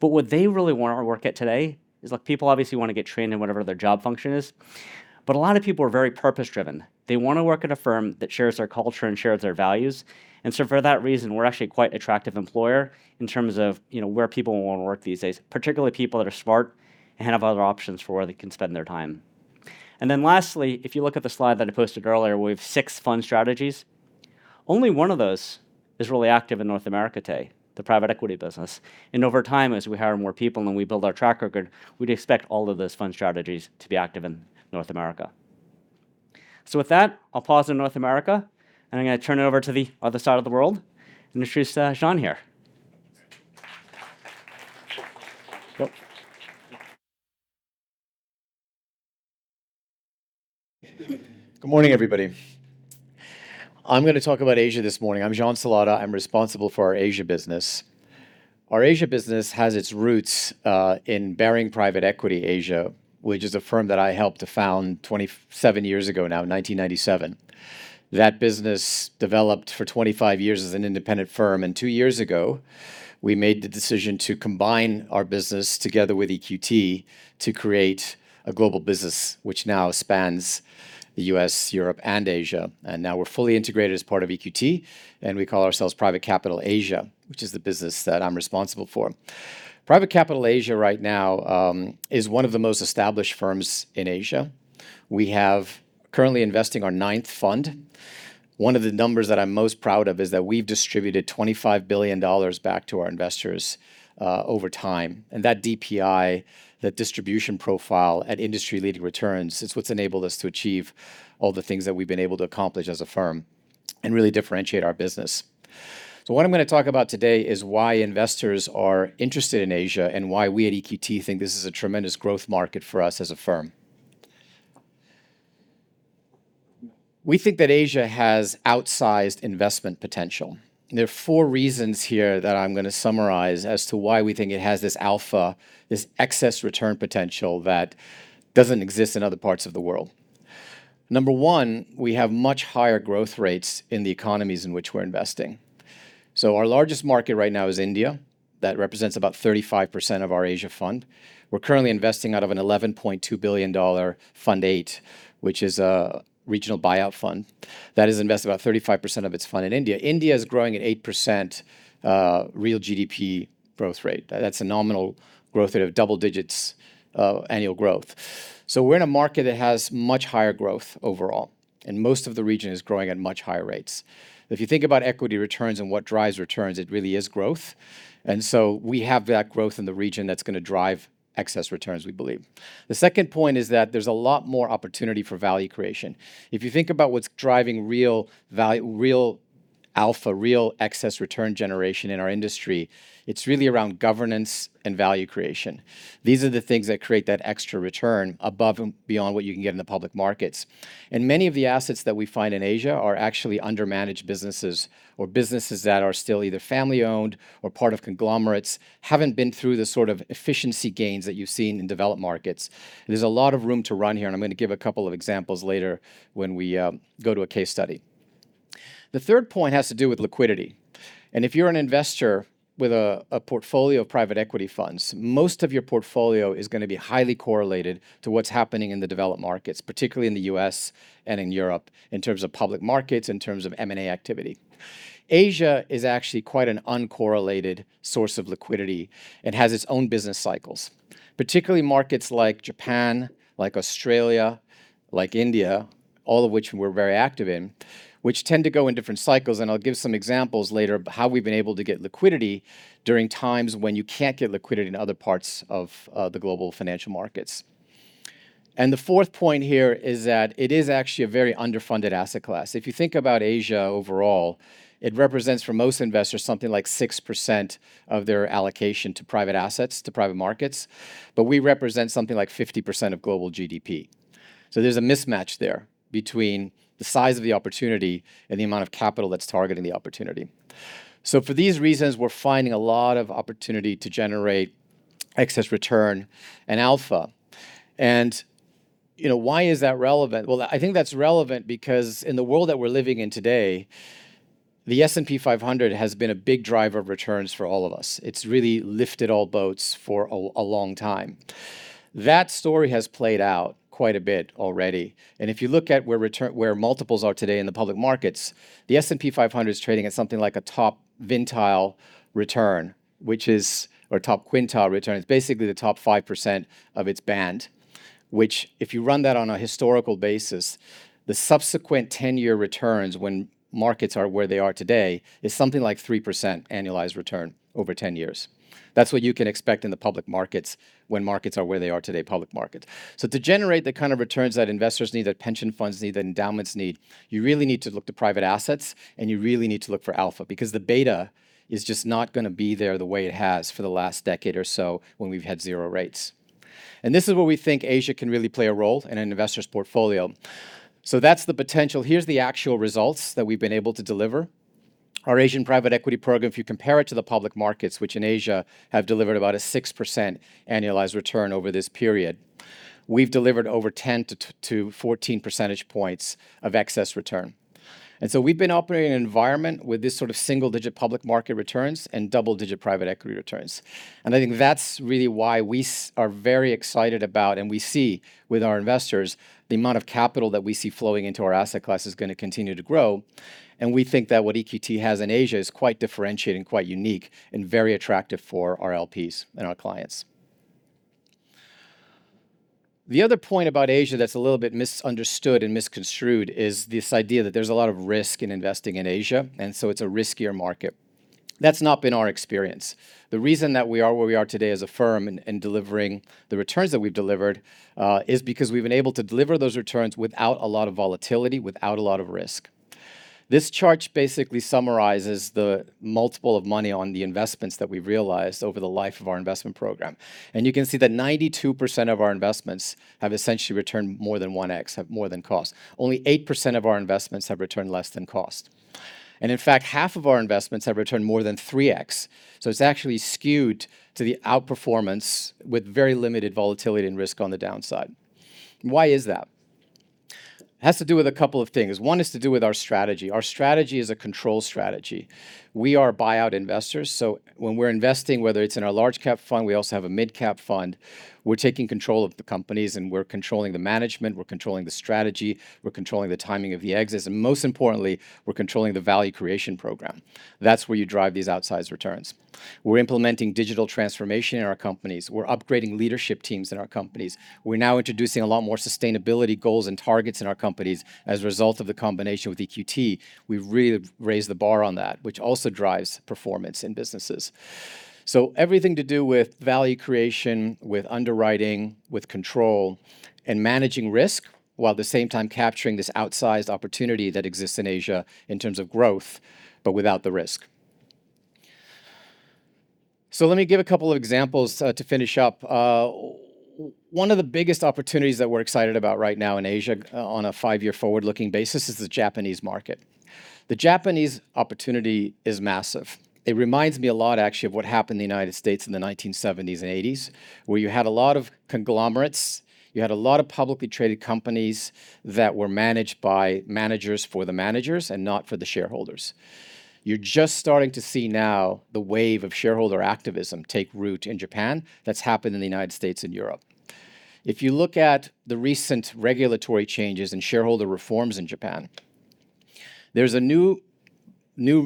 Speaker 4: But what they really want to work at today is, look, people obviously want to get trained in whatever their job function is, but a lot of people are very purpose-driven. They want to work at a firm that shares their culture and shares their values, and so for that reason, we're actually a quite attractive employer in terms of, you know, where people want to work these days, particularly people that are smart and have other options for where they can spend their time. And then lastly, if you look at the slide that I posted earlier, we have six fund strategies. Only one of those is really active in North America today, the private equity business. And over time, as we hire more people and we build our track record, we'd expect all of those fund strategies to be active in North America. So with that, I'll pause in North America, and I'm gonna turn it over to the other side of the world, and it's Jean here.
Speaker 5: Good morning, everybody. I'm gonna talk about Asia this morning. I'm Jean Salata. I'm responsible for our Asia business. Our Asia business has its roots in Baring Private Equity Asia, which is a firm that I helped to found 27 years ago now, in 1997. That business developed for 25 years as an independent firm, and two years ago, we made the decision to combine our business together with EQT to create a global business, which now spans the U.S., Europe, and Asia. And now we're fully integrated as part of EQT, and we call ourselves Private Capital Asia, which is the business that I'm responsible for. Private Capital Asia right now is one of the most established firms in Asia. We have currently investing our ninth fund. One of the numbers that I'm most proud of is that we've distributed $25 billion back to our investors over time, and that DPI, that distribution profile at industry-leading returns, is what's enabled us to achieve all the things that we've been able to accomplish as a firm and really differentiate our business. So what I'm gonna talk about today is why investors are interested in Asia, and why we at EQT think this is a tremendous growth market for us as a firm. We think that Asia has outsized investment potential, and there are four reasons here that I'm gonna summarize as to why we think it has this alpha, this excess return potential that doesn't exist in other parts of the world. Number one, we have much higher growth rates in the economies in which we're investing. So our largest market right now is India. That represents about 35% of our Asia fund. We're currently investing out of an $11.2 billion Fund VIII, which is a regional buyout fund that has invested about 35% of its fund in India. India is growing at 8%, real GDP growth rate. That's a nominal growth rate of double digits of annual growth. So we're in a market that has much higher growth overall, and most of the region is growing at much higher rates. If you think about equity returns and what drives returns, it really is growth, and so we have that growth in the region that's gonna drive excess returns, we believe. The second point is that there's a lot more opportunity for value creation. If you think about what's driving real value, real alpha, real excess return generation in our industry, it's really around governance and value creation. These are the things that create that extra return above and beyond what you can get in the public markets, and many of the assets that we find in Asia are actually undermanaged businesses or businesses that are still either family-owned or part of conglomerates, haven't been through the sort of efficiency gains that you've seen in developed markets. There's a lot of room to run here, and I'm gonna give a couple of examples later when we go to a case study. The third point has to do with liquidity, and if you're an investor with a portfolio of private equity funds, most of your portfolio is gonna be highly correlated to what's happening in the developed markets, particularly in the U.S. and in Europe, in terms of public markets, in terms of M&A activity. Asia is actually quite an uncorrelated source of liquidity and has its own business cycles, particularly markets like Japan, like Australia, like India, all of which we're very active in, which tend to go in different cycles. And I'll give some examples later about how we've been able to get liquidity during times when you can't get liquidity in other parts of the global financial markets. And the fourth point here is that it is actually a very underfunded asset class. If you think about Asia overall, it represents, for most investors, something like 6% of their allocation to private assets, to private markets, but we represent something like 50% of global GDP. So there's a mismatch there between the size of the opportunity and the amount of capital that's targeting the opportunity. So for these reasons, we're finding a lot of opportunity to generate excess return and alpha. And, you know, why is that relevant? Well, I think that's relevant because in the world that we're living in today, the S&P 500 has been a big driver of returns for all of us. It's really lifted all boats for a long time. That story has played out quite a bit already, and if you look at where multiples are today in the public markets, the S&P 500 is trading at something like a top ventile return, which is or top quintile return. It's basically the top 5% of its band, which, if you run that on a historical basis, the subsequent 10-year returns when markets are where they are today, is something like 3% annualized return over 10 years. That's what you can expect in the public markets when markets are where they are today, public markets. So to generate the kind of returns that investors need, that pension funds need, that endowments need, you really need to look to private assets, and you really need to look for alpha because the beta is just not gonna be there the way it has for the last decade or so when we've had zero rates. And this is where we think Asia can really play a role in an investor's portfolio. So that's the potential. Here's the actual results that we've been able to deliver. Our Asian private equity program, if you compare it to the public markets, which in Asia have delivered about a 6% annualized return over this period, we've delivered over 10 to 14 percentage points of excess return. And so we've been operating in an environment with this sort of single-digit public market returns and double-digit private equity returns, and I think that's really why we are very excited about, and we see with our investors, the amount of capital that we see flowing into our asset class is gonna continue to grow. And we think that what EQT has in Asia is quite differentiating, quite unique, and very attractive for our LPs and our clients.... The other point about Asia that's a little bit misunderstood and misconstrued is this idea that there's a lot of risk in investing in Asia, and so it's a riskier market. That's not been our experience. The reason that we are where we are today as a firm and delivering the returns that we've delivered is because we've been able to deliver those returns without a lot of volatility, without a lot of risk. This chart basically summarizes the multiple of money on the investments that we've realized over the life of our investment program, and you can see that 92% of our investments have essentially returned more than 1x, have more than cost. Only 8% of our investments have returned less than cost, and in fact, half of our investments have returned more than 3x, so it's actually skewed to the outperformance with very limited volatility and risk on the downside. Why is that? It has to do with a couple of things. One is to do with our strategy. Our strategy is a control strategy. We are buyout investors, so when we're investing, whether it's in our large cap fund, we also have a midcap fund, we're taking control of the companies, and we're controlling the management, we're controlling the strategy, we're controlling the timing of the exits, and most importantly, we're controlling the value creation program. That's where you drive these outsized returns. We're implementing digital transformation in our companies. We're upgrading leadership teams in our companies. We're now introducing a lot more sustainability goals and targets in our companies. As a result of the combination with EQT, we've really raised the bar on that, which also drives performance in businesses. So everything to do with value creation, with underwriting, with control and managing risk, while at the same time capturing this outsized opportunity that exists in Asia in terms of growth, but without the risk. So let me give a couple of examples to finish up. One of the biggest opportunities that we're excited about right now in Asia, on a five-year forward-looking basis, is the Japanese market. The Japanese opportunity is massive. It reminds me a lot, actually, of what happened in the United States in the 1970s and 1980s, where you had a lot of conglomerates, you had a lot of publicly traded companies that were managed by managers for the managers and not for the shareholders. You're just starting to see now the wave of shareholder activism take root in Japan that's happened in the United States and Europe. If you look at the recent regulatory changes and shareholder reforms in Japan, there's a new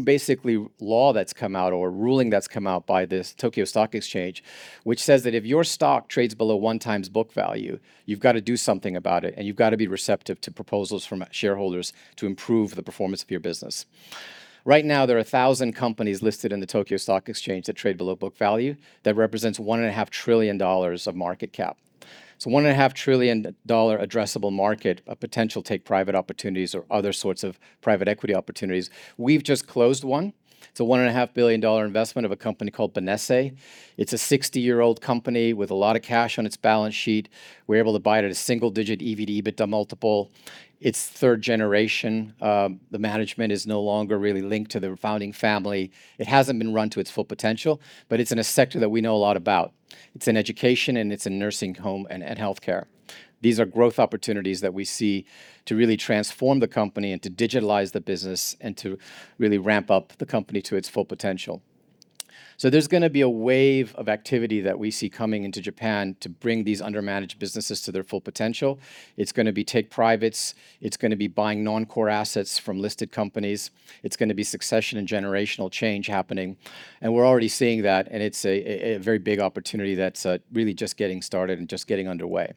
Speaker 5: basically law that's come out, or ruling that's come out by this Tokyo Stock Exchange, which says that if your stock trades below 1x book value, you've got to do something about it, and you've got to be receptive to proposals from shareholders to improve the performance of your business. Right now, there are 1,000 companies listed in the Tokyo Stock Exchange that trade below book value. That represents $1.5 trillion of market cap. So $1.5 trillion addressable market of potential take private opportunities or other sorts of private equity opportunities. We've just closed one. It's a $1.5 billion investment of a company called Benesse. It's a 60-year-old company with a lot of cash on its balance sheet. We were able to buy it at a single-digit EV/EBITDA multiple. It's third generation. The management is no longer really linked to the founding family. It hasn't been run to its full potential, but it's in a sector that we know a lot about. It's in education, and it's in nursing home and healthcare. These are growth opportunities that we see to really transform the company and to digitalize the business and to really ramp up the company to its full potential. So there's gonna be a wave of activity that we see coming into Japan to bring these undermanaged businesses to their full potential. It's gonna be take privates. It's gonna be buying non-core assets from listed companies. It's gonna be succession and generational change happening, and we're already seeing that, and it's a very big opportunity that's really just getting started and just getting underway.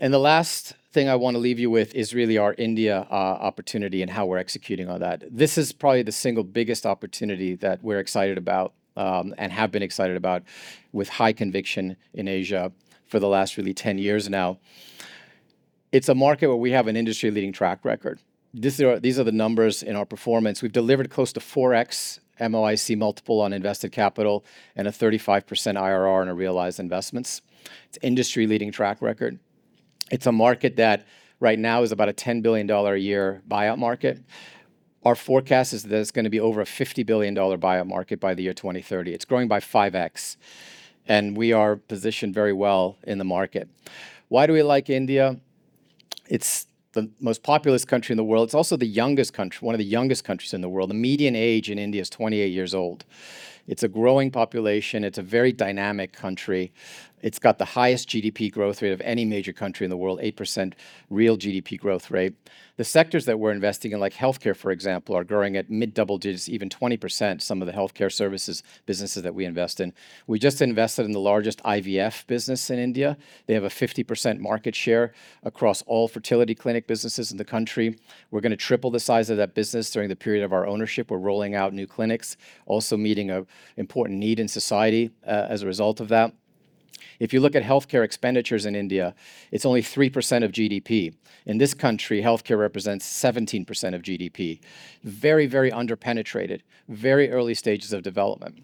Speaker 5: And the last thing I want to leave you with is really our India opportunity and how we're executing on that. This is probably the single biggest opportunity that we're excited about and have been excited about with high conviction in Asia for the last really 10 years now. It's a market where we have an industry-leading track record. These are the numbers in our performance. We've delivered close to 4x MOIC multiple on invested capital and a 35% IRR on our realized investments. It's industry-leading track record. It's a market that right now is about a $10 billion a year buyout market. Our forecast is that it's gonna be over a $50 billion buyout market by the year 2030. It's growing by 5x, and we are positioned very well in the market. Why do we like India? It's the most populous country in the world. It's also the youngest country, one of the youngest countries in the world. The median age in India is 28 years old. It's a growing population. It's a very dynamic country. It's got the highest GDP growth rate of any major country in the world, 8% real GDP growth rate. The sectors that we're investing in, like healthcare, for example, are growing at mid double digits, even 20%, some of the healthcare services businesses that we invest in. We just invested in the largest IVF business in India. They have a 50% market share across all fertility clinic businesses in the country. We're gonna triple the size of that business during the period of our ownership. We're rolling out new clinics, also meeting an important need in society, as a result of that. If you look at healthcare expenditures in India, it's only 3% of GDP. In this country, healthcare represents 17% of GDP. Very, very under-penetrated, very early stages of development,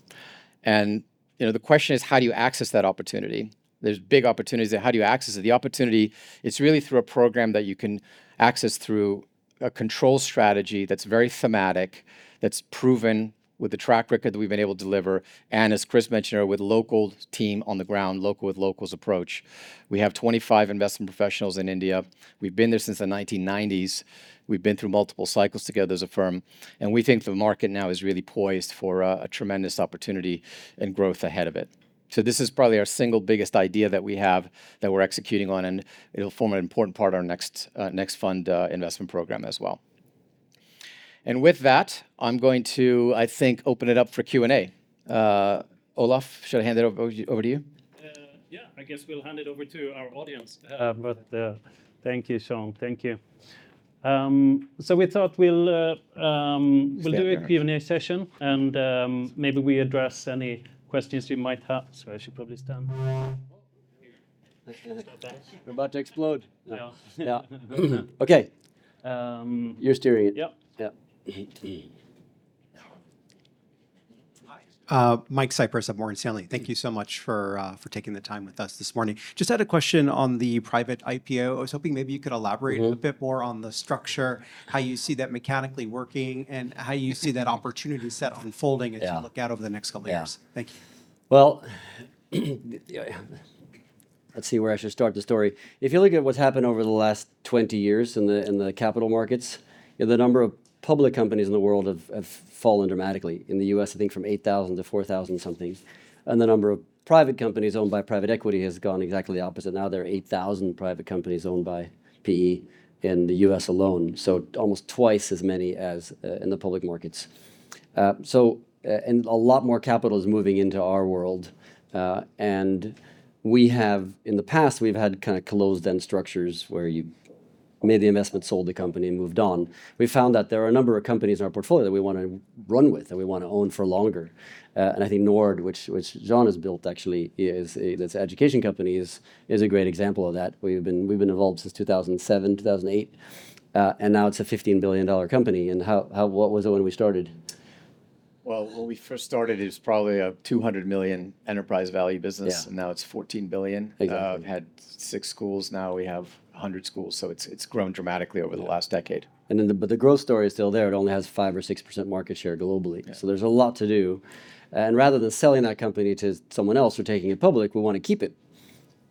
Speaker 5: and, you know, the question is: How do you access that opportunity? There's big opportunities there. How do you access it? The opportunity, it's really through a program that you can access through a control strategy that's very thematic, that's proven with the track record that we've been able to deliver, and as Chris mentioned earlier, with local team on the ground, local with locals approach. We have 25 investment professionals in India. We've been there since the 1990s. We've been through multiple cycles together as a firm, and we think the market now is really poised for a tremendous opportunity and growth ahead of it. So this is probably our single biggest idea that we have that we're executing on, and it'll form an important part of our next fund investment program as well.
Speaker 2: And with that, I'm going to, I think, open it up for Q&A. Olof, should I hand it over to you?
Speaker 1: Yeah, I guess we'll hand it over to our audience. But thank you, Jean. Thank you. So we thought we'll.
Speaker 2: Let's do it.
Speaker 1: We'll do a Q&A session, and maybe we address any questions you might have. So I should probably stand.
Speaker 2: We're about to explode.
Speaker 1: Yeah.
Speaker 2: Yeah. Okay.
Speaker 1: Um-
Speaker 2: You're steering it.
Speaker 1: Yep.
Speaker 2: Yeah.
Speaker 6: Hi. Michael Cyprys of Morgan Stanley. Thank you so much for taking the time with us this morning. Just had a question on the Private IPO. I was hoping maybe you could elaborate.
Speaker 2: Mm-hmm...
Speaker 6: a bit more on the structure, how you see that mechanically working, and how you see that opportunity set unfolding-
Speaker 2: Yeah...
Speaker 6: as you look out over the next couple years.
Speaker 2: Yeah.
Speaker 6: Thank you.
Speaker 2: Well, let's see where I should start the story. If you look at what's happened over the last 20 years in the capital markets, the number of public companies in the world have fallen dramatically. In the U.S., I think from 8,000 to 4,000 something, and the number of private companies owned by private equity has gone exactly the opposite. Now there are 8,000 private companies owned by PE in the U.S. alone, so almost twice as many as in the public markets. So, and a lot more capital is moving into our world, and we have... In the past, we've had kinda closed-end structures where you've made the investment, sold the company, and moved on. We found that there are a number of companies in our portfolio that we wanna run with and we wanna own for longer. And I think Nord, which Jean has built actually, is this education company, is a great example of that, where we've been involved since 2007, 2008, and now it's a $15 billion company. What was it when we started?
Speaker 5: When we first started, it was probably a $200 million enterprise value business-
Speaker 2: Yeah...
Speaker 5: and now it's $14 billion.
Speaker 2: Exactly.
Speaker 5: Had six schools, now we have 100 schools, so it's grown dramatically over the last decade.
Speaker 2: But the growth story is still there. It only has 5% or 6% market share globally.
Speaker 5: Yeah.
Speaker 2: So there's a lot to do, and rather than selling that company to someone else or taking it public, we want to keep it.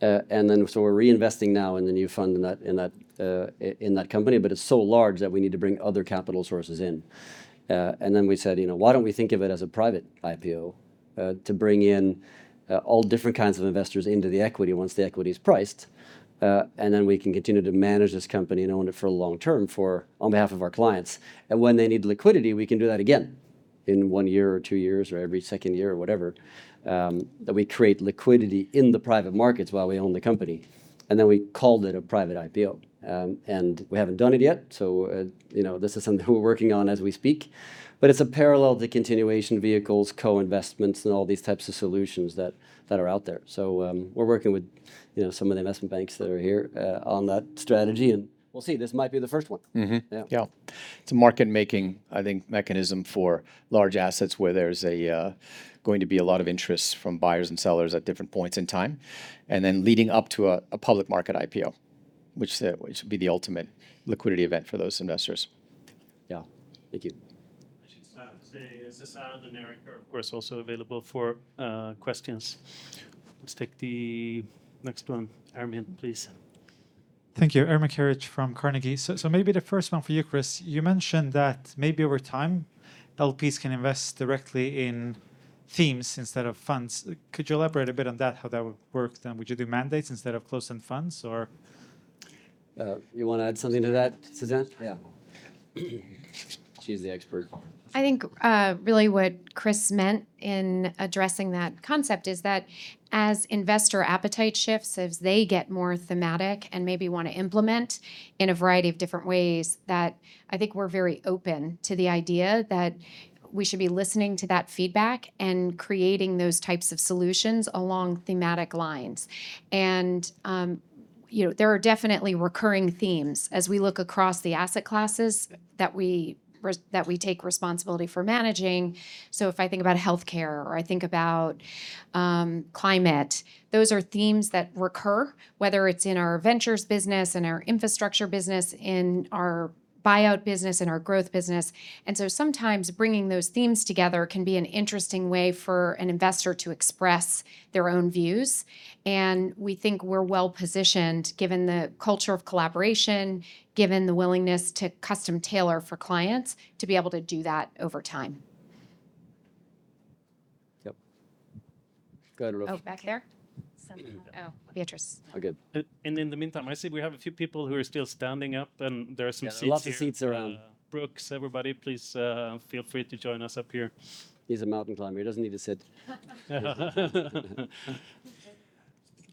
Speaker 2: And then, so we're reinvesting now in the new fund in that company, but it's so large that we need to bring other capital sources in. And then we said, "You know, why don't we think of it as a private IPO to bring in all different kinds of investors into the equity once the equity is priced? And then we can continue to manage this company and own it for the long term on behalf of our clients, and when they need liquidity, we can do that again in one year or two years or every second year, or whatever." That we create liquidity in the private markets while we own the company, and then we called it a private IPO, and we haven't done it yet, so, you know, this is something we're working on as we speak, but it's a parallel to continuation vehicles, co-investments, and all these types of solutions that are out there, so we're working with, you know, some of the investment banks that are here, on that strategy, and we'll see. This might be the first one.
Speaker 5: Mm-hmm.
Speaker 2: Yeah.
Speaker 5: Yeah. It's a market-making, I think, mechanism for large assets where there's a going to be a lot of interest from buyers and sellers at different points in time, and then leading up to a public market IPO, which would be the ultimate liquidity event for those investors.
Speaker 2: Yeah. Thank you.
Speaker 1: I should start to say, Suzanne and Eric are, of course, also available for questions. Let's take the next one. Armin, please.
Speaker 7: Thank you. Armin Keraj from Carnegie. So maybe the first one for you, Chris. You mentioned that maybe over time, LPs can invest directly in themes instead of funds. Could you elaborate a bit on that, how that would work then? Would you do mandates instead of closed-end funds, or...?
Speaker 2: You wanna add something to that, Suzanne?
Speaker 5: Yeah.
Speaker 2: She's the expert.
Speaker 3: I think really what Chris meant in addressing that concept is that as investor appetite shifts, as they get more thematic and maybe want to implement in a variety of different ways, that I think we're very open to the idea that we should be listening to that feedback and creating those types of solutions along thematic lines, and you know, there are definitely recurring themes as we look across the asset classes that we take responsibility for managing, so if I think about healthcare or I think about climate, those are themes that recur, whether it's in our ventures business, in our infrastructure business, in our buyout business, in our growth business, and so sometimes bringing those themes together can be an interesting way for an investor to express their own views. We think we're well-positioned, given the culture of collaboration, given the willingness to custom-tailor for clients, to be able to do that over time.
Speaker 2: Yep. Go ahead, Robbie.
Speaker 3: Oh, back there? Oh, Beatrice.
Speaker 2: Okay.
Speaker 1: In the meantime, I see we have a few people who are still standing up, and there are some seats here.
Speaker 2: Yeah, lots of seats around.
Speaker 1: Brooks, everybody, please, feel free to join us up here.
Speaker 2: He's a mountain climber. He doesn't need to sit.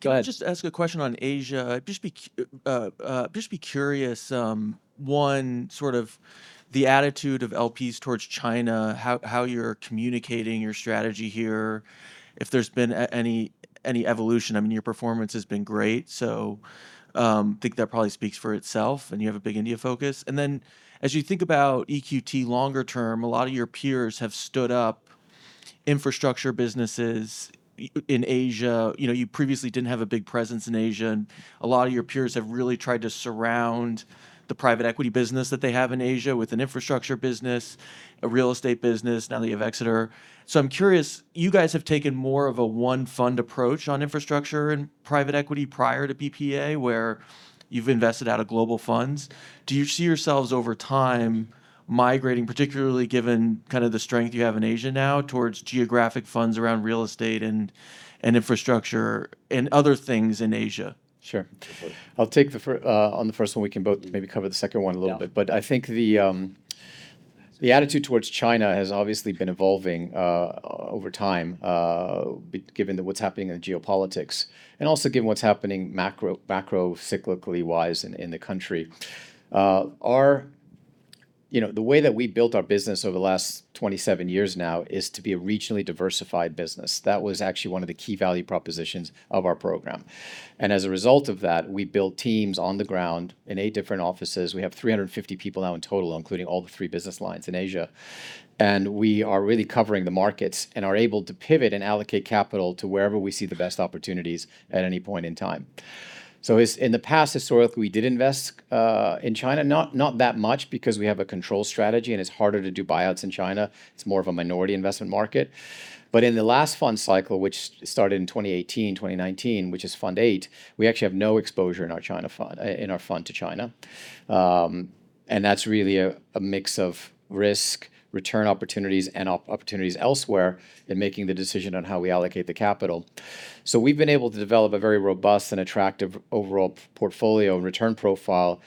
Speaker 2: Go ahead. Just ask a question on Asia. I'd just be curious, one, sort of the attitude of LPs towards China, how you're communicating your strategy here, if there's been any evolution. I mean, your performance has been great, so think that probably speaks for itself, and you have a big India focus. And then, as you think about EQT longer term, a lot of your peers have stood up infrastructure businesses in Asia. You know, you previously didn't have a big presence in Asia, and a lot of your peers have really tried to surround the private equity business that they have in Asia with an infrastructure business, a real estate business, now that you have Exeter. So I'm curious, you guys have taken more of a one-fund approach on infrastructure and private equity prior to BPEA, where you've invested out of global funds. Do you see yourselves, over time, migrating, particularly given kind of the strength you have in Asia now, towards geographic funds around real estate and infrastructure and other things in Asia?
Speaker 5: Sure. I'll take the first one. On the first one, we can both maybe cover the second one a little bit.
Speaker 2: Yeah.
Speaker 5: But I think the attitude towards China has obviously been evolving over time, given what's happening in the geopolitics, and also given what's happening macro cyclically-wise in the country. Our, you know, the way that we built our business over the last 27 years now is to be a regionally diversified business. That was actually one of the key value propositions of our program. And as a result of that, we built teams on the ground in eight different offices. We have 350 people now in total, including all the three business lines in Asia. And we are really covering the markets and are able to pivot and allocate capital to wherever we see the best opportunities at any point in time. So as in the past, historically, we did invest in China, not that much because we have a control strategy, and it's harder to do buyouts in China. It's more of a minority investment market. But in the last fund cycle, which started in 2018, 2019, which is Fund VIII, we actually have no exposure in our China fund, in our fund to China. And that's really a mix of risk, return opportunities, and opportunities elsewhere in making the decision on how we allocate the capital. So we've been able to develop a very robust and attractive overall portfolio and return profile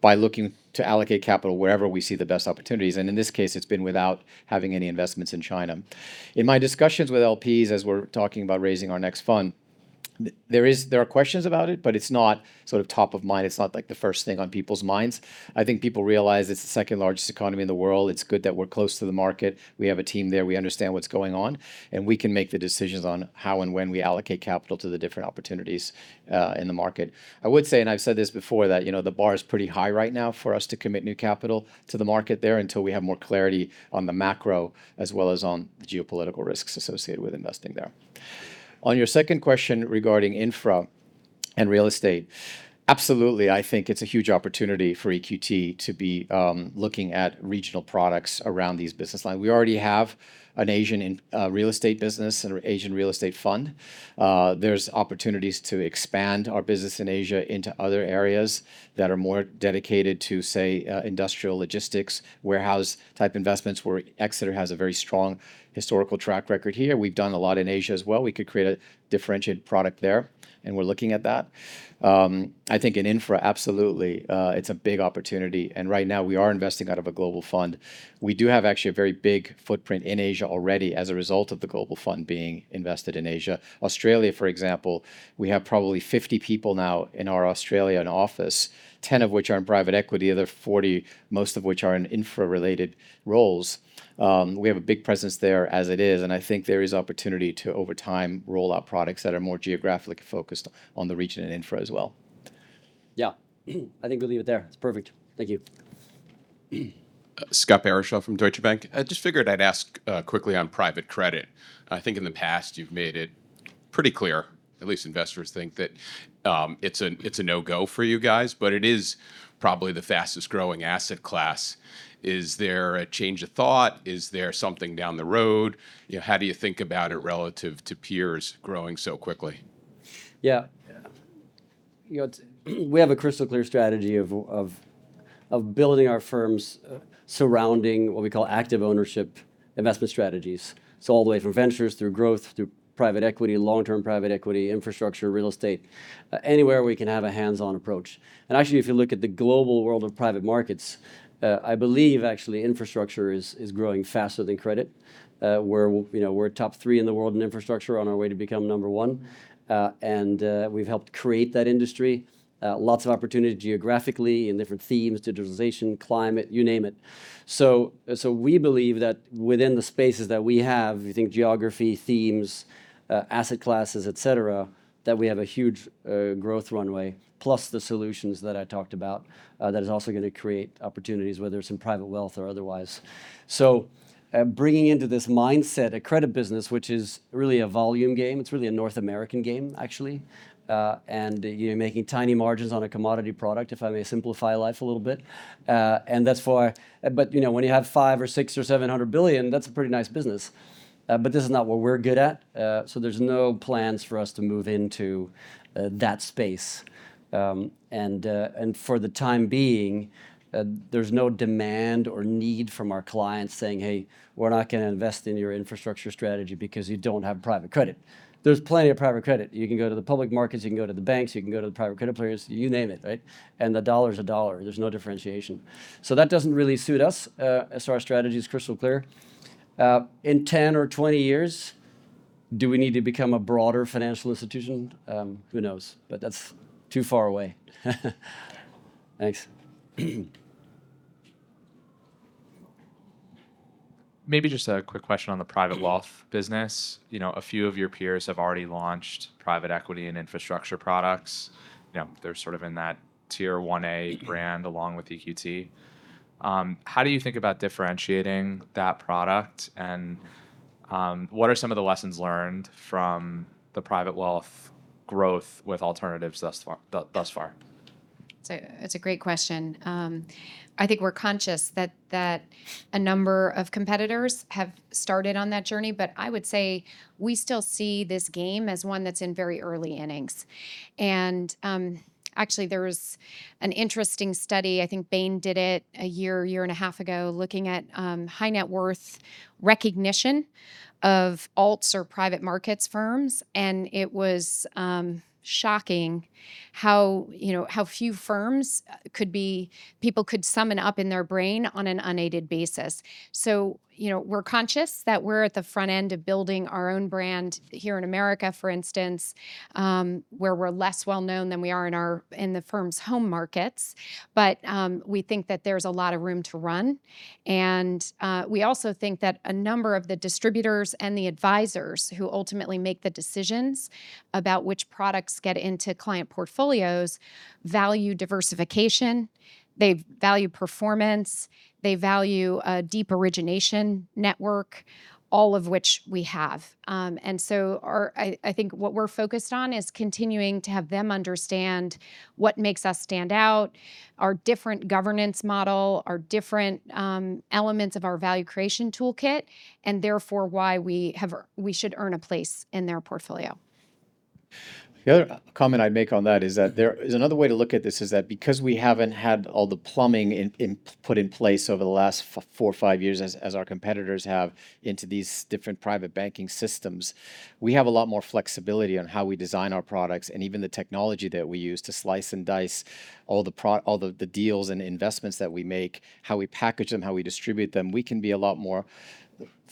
Speaker 5: by looking to allocate capital wherever we see the best opportunities, and in this case, it's been without having any investments in China. In my discussions with LPs, as we're talking about raising our next fund, there are questions about it, but it's not sort of top of mind. It's not, like, the first thing on people's minds. I think people realize it's the second-largest economy in the world. It's good that we're close to the market. We have a team there. We understand what's going on, and we can make the decisions on how and when we allocate capital to the different opportunities in the market. I would say, and I've said this before, that, you know, the bar is pretty high right now for us to commit new capital to the market there until we have more clarity on the macro, as well as on the geopolitical risks associated with investing there. On your second question regarding infra and real estate, absolutely, I think it's a huge opportunity for EQT to be looking at regional products around these business lines. We already have an Asian real estate business and an Asian real estate fund. There's opportunities to expand our business in Asia into other areas that are more dedicated to, say, industrial logistics, warehouse-type investments, where Exeter has a very strong historical track record here. We've done a lot in Asia as well. We could create a differentiated product there, and we're looking at that. I think in infra, absolutely, it's a big opportunity, and right now, we are investing out of a global fund. We do have actually a very big footprint in Asia already as a result of the global fund being invested in Asia. Australia, for example, we have probably 50 people now in our Australian office, 10 of which are in private equity, other 40, most of which are in infra-related roles. We have a big presence there as it is, and I think there is opportunity to, over time, roll out products that are more geographically focused on the region and infra as well.
Speaker 2: Yeah. I think we'll leave it there. It's perfect. Thank you.
Speaker 8: Scott Barishaw from Deutsche Bank. I just figured I'd ask quickly on private credit. I think in the past, you've made it pretty clear, at least investors think, that it's a no-go for you guys, but it is probably the fastest-growing asset class. Is there a change of thought? Is there something down the road? You know, how do you think about it relative to peers growing so quickly?
Speaker 5: Yeah. You know, we have a crystal-clear strategy of building our firms surrounding what we call active ownership investment strategies, so all the way from ventures through growth to private equity, long-term private equity, infrastructure, real estate, anywhere we can have a hands-on approach. And actually, if you look at the global world of private markets, I believe actually infrastructure is growing faster than credit. We're, you know, we're top three in the world in infrastructure, on our way to become number one, and we've helped create that industry. Lots of opportunity geographically in different themes, digitalization, climate, you name it. So we believe that within the spaces that we have, we think geography, themes, asset classes, et cetera, that we have a huge growth runway, plus the solutions that I talked about, that is also gonna create opportunities, whether it's in private wealth or otherwise. So, bringing into this mindset, a credit business, which is really a volume game, it's really a North American game, actually, and you're making tiny margins on a commodity product, if I may simplify life a little bit. And that's, but, you know, when you have $500 billion, $600 billion, or $700 billion, that's a pretty nice business, but this is not what we're good at, so there's no plans for us to move into that space. And for the time being, there's no demand or need from our clients saying, "Hey, we're not gonna invest in your infrastructure strategy because you don't have private credit." There's plenty of private credit. You can go to the public markets, you can go to the banks, you can go to the private credit players, you name it, right? And a dollar is a dollar. There's no differentiation. So that doesn't really suit us, as our strategy is crystal clear. In 10 or 20 years, do we need to become a broader financial institution? Who knows? But that's too far away. Thanks.
Speaker 8: Maybe just a quick question on the private wealth business. You know, a few of your peers have already launched private equity and infrastructure products. You know, they're sort of in that tier one A brand along with EQT. How do you think about differentiating that product, and what are some of the lessons learned from the private wealth growth with alternatives thus far?
Speaker 3: So that's a great question. I think we're conscious that a number of competitors have started on that journey, but I would say we still see this game as one that's in very early innings. And, actually, there was an interesting study, I think Bain did it a year, a year and a half ago, looking at high net worth recognition of alts or private markets firms, and it was shocking how, you know, how few firms could be- people could summon up in their brain on an unaided basis. So, you know, we're conscious that we're at the front end of building our own brand here in America, for instance, where we're less well known than we are in our, in the firm's home markets. But we think that there's a lot of room to run, and we also think that a number of the distributors and the advisors who ultimately make the decisions about which products get into client portfolios value diversification, they value performance, they value a deep origination network, all of which we have. And so I think what we're focused on is continuing to have them understand what makes us stand out, our different governance model, our different elements of our value creation toolkit, and therefore, why we should earn a place in their portfolio.
Speaker 5: The other comment I'd make on that is that there is another way to look at this, is that because we haven't had all the plumbing in put in place over the last four or five years as our competitors have into these different private banking systems, we have a lot more flexibility on how we design our products and even the technology that we use to slice and dice all the deals and investments that we make, how we package them, how we distribute them. We can be a lot more flexible,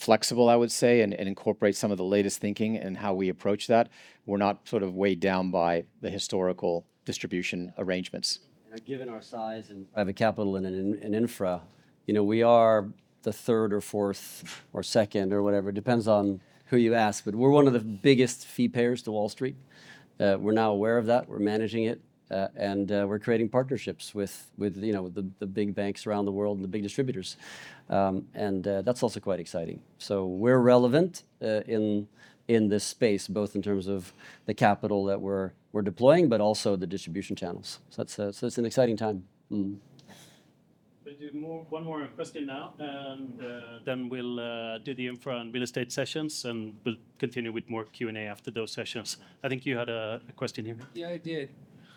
Speaker 5: I would say, and incorporate some of the latest thinking in how we approach that. We're not sort of weighed down by the historical distribution arrangements.
Speaker 2: And given our size in private capital and in infra, you know, we are the third or fourth or second or whatever, depends on who you ask, but we're one of the biggest fee payers to Wall Street. We're now aware of that, we're managing it, and we're creating partnerships with you know, the big banks around the world and the big distributors. That's also quite exciting. So we're relevant in this space, both in terms of the capital that we're deploying, but also the distribution channels. So that's. So it's an exciting time.
Speaker 1: We'll do more, one more question now, and then we'll do the infra and real estate sessions, and we'll continue with more Q&A after those sessions. I think you had a question here.
Speaker 6: Yeah, I did.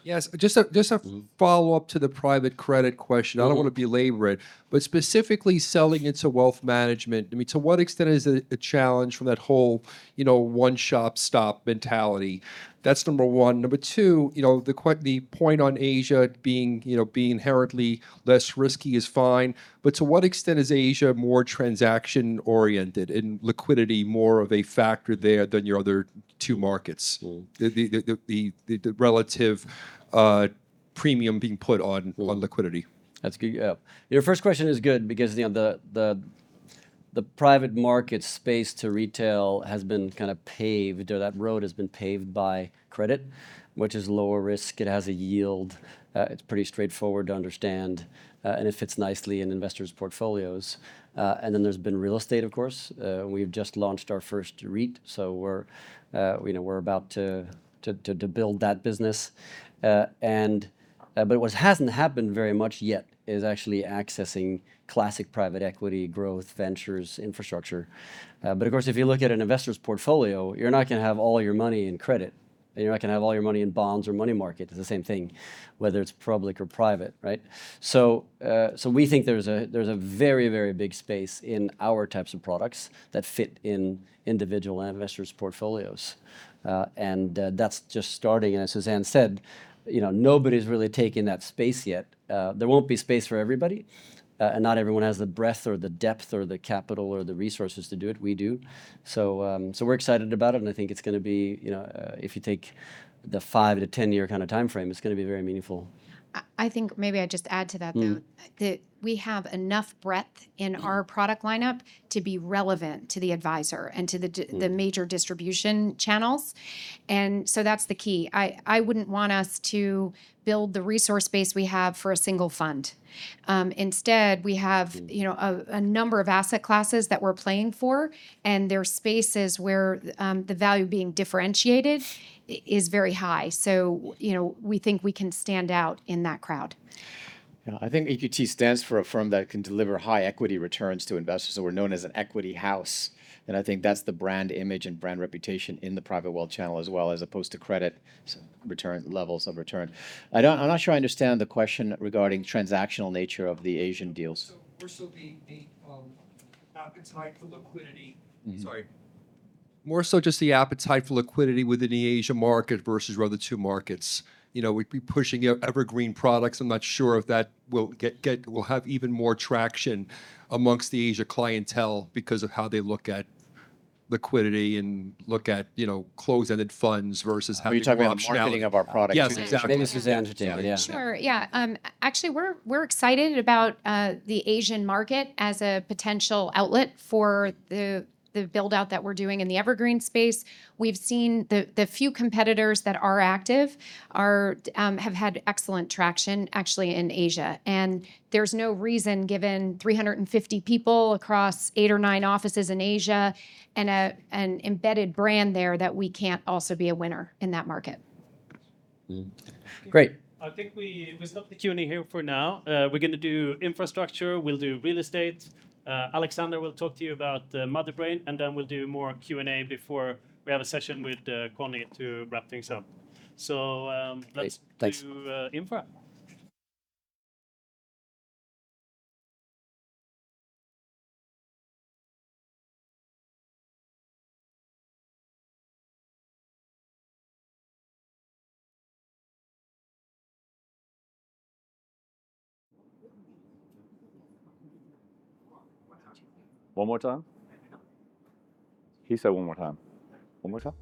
Speaker 6: Yes, just a follow-up to the private credit question.
Speaker 2: Mm-hmm.
Speaker 6: I don't want to belabor it, but specifically selling into wealth management, I mean, to what extent is it a challenge from that whole, you know, one-stop shop mentality? That's number one. Number two, you know, the point on Asia being, you know, being inherently less risky is fine, but to what extent is Asia more transaction-oriented, and liquidity more of a factor there than your other two markets?
Speaker 2: Mm.
Speaker 6: The relative premium being put on-
Speaker 2: Mm...
Speaker 6: on liquidity.
Speaker 2: Yeah. Your first question is good because, you know, the private market space to retail has been kind of paved, or that road has been paved by credit, which is lower risk. It has a yield. It's pretty straightforward to understand, and it fits nicely in investors' portfolios. And then there's been real estate, of course. We've just launched our first REIT, so we're, you know, we're about to to build that business. But what hasn't happened very much yet is actually accessing classic private equity growth, ventures, infrastructure. But of course, if you look at an investor's portfolio, you're not gonna have all your money in credit, and you're not gonna have all your money in bonds or money market. It's the same thing, whether it's public or private, right? We think there's a very, very big space in our types of products that fit in individual investors' portfolios. That's just starting. As Suzanne said, you know, nobody's really taken that space yet. There won't be space for everybody, and not everyone has the breadth or the depth or the capital or the resources to do it. We do. We're excited about it, and I think it's gonna be, you know, if you take the five-to-10-year kind of timeframe, it's gonna be very meaningful.
Speaker 3: I think maybe I'd just add to that, though-
Speaker 2: Mm...
Speaker 3: that we have enough breadth in our product lineup to be relevant to the advisor and to the d-
Speaker 2: Mm...
Speaker 3: the major distribution channels, and so that's the key. I wouldn't want us to build the resource base we have for a single fund. Instead, we have-
Speaker 2: Mm...
Speaker 3: you know, a number of asset classes that we're playing for, and there are spaces where the value being differentiated is very high. So, you know, we think we can stand out in that crowd.
Speaker 5: Yeah, I think EQT stands for a firm that can deliver high equity returns to investors, so we're known as an equity house, and I think that's the brand image and brand reputation in the private wealth channel as well, as opposed to credit return levels of return. I don't. I'm not sure I understand the question regarding transactional nature of the Asian deals.
Speaker 6: So more so the appetite for liquidity.
Speaker 5: Mm-hmm.
Speaker 6: Sorry. More so just the appetite for liquidity within the Asia market versus your other two markets. You know, we'd be pushing, you know, evergreen products. I'm not sure if that will have even more traction amongst the Asia clientele because of how they look at liquidity and look at, you know, closed-ended funds versus how you-
Speaker 5: Are you talking about the marketing of our products?
Speaker 6: Yes, exactly.
Speaker 2: Maybe Suzanne can take that.
Speaker 5: Yeah.
Speaker 2: Yeah.
Speaker 3: Sure, yeah. Actually, we're excited about the Asian market as a potential outlet for the build-out that we're doing in the evergreen space. We've seen the few competitors that are active have had excellent traction, actually, in Asia, and there's no reason, given 350 people across eight or nine offices in Asia and an embedded brand there, that we can't also be a winner in that market....
Speaker 9: Mm-hmm. Great!
Speaker 1: I think we stop the Q&A here for now. We're gonna do infrastructure, we'll do real estate. Alexandra will talk to you about Motherbrain, and then we'll do more Q&A before we have a session with Conni to wrap things up. So, let's-
Speaker 9: Great. Thanks
Speaker 1: -do, infra. One more time? He said one more time. One more time?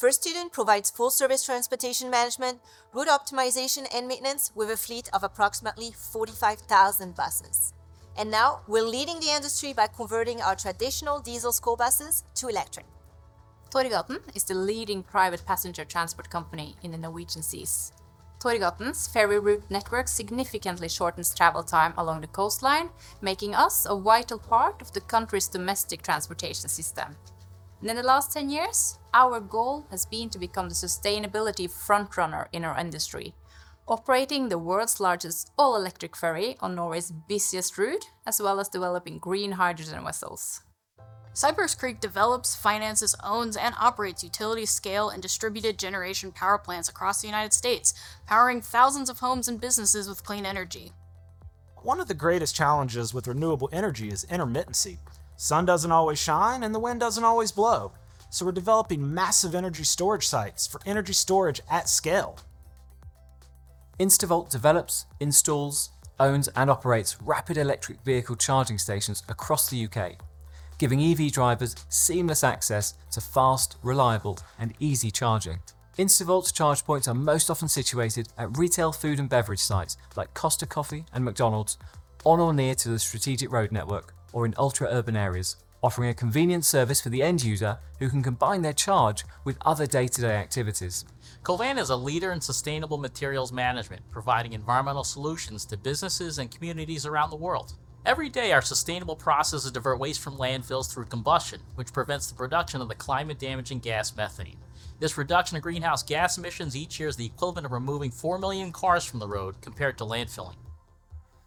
Speaker 1: First Student provides full service transportation management, route optimization, and maintenance with a fleet of approximately 45,000 buses, and now, we're leading the industry by converting our traditional diesel school buses to electric. Torghatten is the leading private passenger transport company in the Norwegian seas. Torghatten's ferry route network significantly shortens travel time along the coastline, making us a vital part of the country's domestic transportation system. And in the last 10 years, our goal has been to become the sustainability frontrunner in our industry, operating the world's largest all-electric ferry on Norway's busiest route, as well as developing green hydrogen vessels. Cypress Creek develops, finances, owns, and operates utility-scale and distributed generation power plants across the United States, powering thousands of homes and businesses with clean energy. One of the greatest challenges with renewable energy is intermittency. The sun doesn't always shine, and the wind doesn't always blow, so we're developing massive energy storage sites for energy storage at scale. InstaVolt develops, installs, owns, and operates rapid electric vehicle charging stations across the UK, giving EV drivers seamless access to fast, reliable, and easy charging. InstaVolt's charge points are most often situated at retail food and beverage sites, like Costa Coffee and McDonald's, on or near to the strategic road network or in ultra-urban areas, offering a convenient service for the end user, who can combine their charge with other day-to-day activities. Covanta is a leader in sustainable materials management, providing environmental solutions to businesses and communities around the world. Every day, our sustainable processes divert waste from landfills through combustion, which prevents the production of the climate-damaging gas, methane. This reduction in greenhouse gas emissions each year is the equivalent of removing 4 million cars from the road compared to landfilling.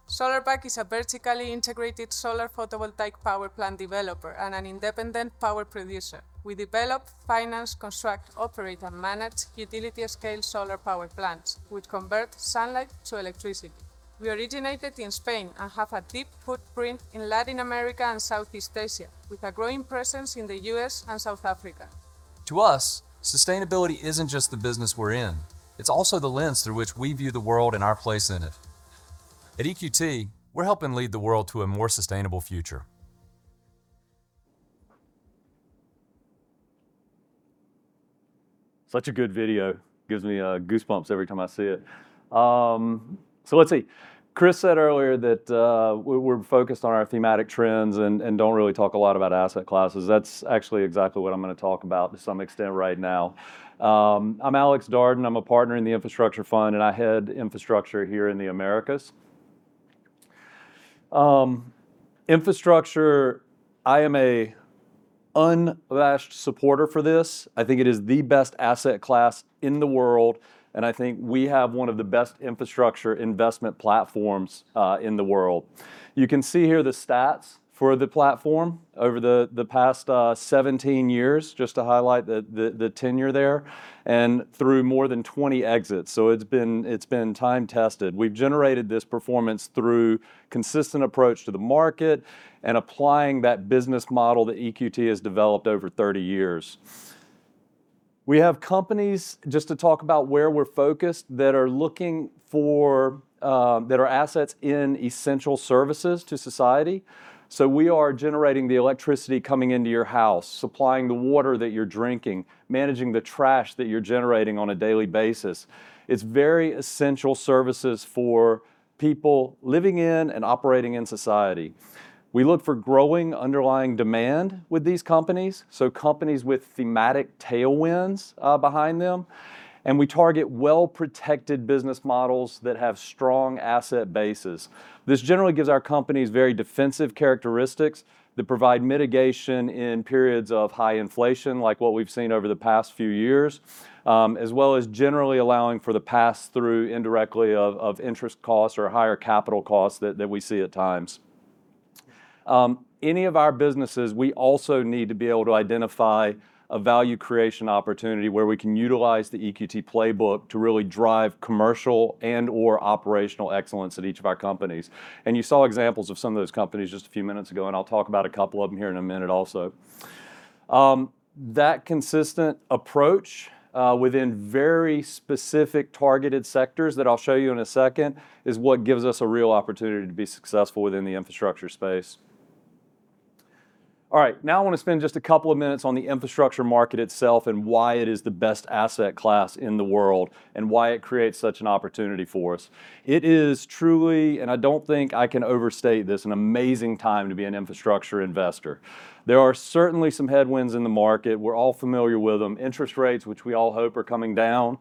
Speaker 1: Solarpack is a vertically integrated solar photovoltaic power plant developer and an independent power producer. We develop, finance, construct, operate, and manage utility-scale solar power plants, which convert sunlight to electricity. We originated in Spain and have a deep footprint in Latin America and Southeast Asia, with a growing presence in the U.S. and South Africa. To us, sustainability isn't just the business we're in, it's also the lens through which we view the world and our place in it. At EQT, we're helping lead the world to a more sustainable future.
Speaker 9: Such a good video. Gives me goosebumps every time I see it. So let's see. Chris said earlier that we're focused on our thematic trends and don't really talk a lot about asset classes. That's actually exactly what I'm gonna talk about to some extent right now. I'm Alex Darden, I'm a partner in the infrastructure fund, and I head infrastructure here in the Americas. Infrastructure, I am an unabashed supporter for this. I think it is the best asset class in the world, and I think we have one of the best infrastructure investment platforms in the world. You can see here the stats for the platform over the past 17 years, just to highlight the tenure there, and through more than 20 exits. So it's been time-tested. We've generated this performance through consistent approach to the market and applying that business model that EQT has developed over 30 years. We have companies, just to talk about where we're focused, that are assets in essential services to society. So we are generating the electricity coming into your house, supplying the water that you're drinking, managing the trash that you're generating on a daily basis. It's very essential services for people living in and operating in society. We look for growing underlying demand with these companies, so companies with thematic tailwinds behind them, and we target well-protected business models that have strong asset bases. This generally gives our companies very defensive characteristics that provide mitigation in periods of high inflation, like what we've seen over the past few years. As well as generally allowing for the pass-through, indirectly, of interest costs or higher capital costs that we see at times. Any of our businesses, we also need to be able to identify a value creation opportunity where we can utilize the EQT playbook to really drive commercial and/or operational excellence at each of our companies, and you saw examples of some of those companies just a few minutes ago, and I'll talk about a couple of them here in a minute also. That consistent approach, within very specific targeted sectors, that I'll show you in a second, is what gives us a real opportunity to be successful within the infrastructure space. All right, now I want to spend just a couple of minutes on the infrastructure market itself and why it is the best asset class in the world, and why it creates such an opportunity for us. It is truly, and I don't think I can overstate this, an amazing time to be an infrastructure investor. There are certainly some headwinds in the market. We're all familiar with them: interest rates, which we all hope are coming down,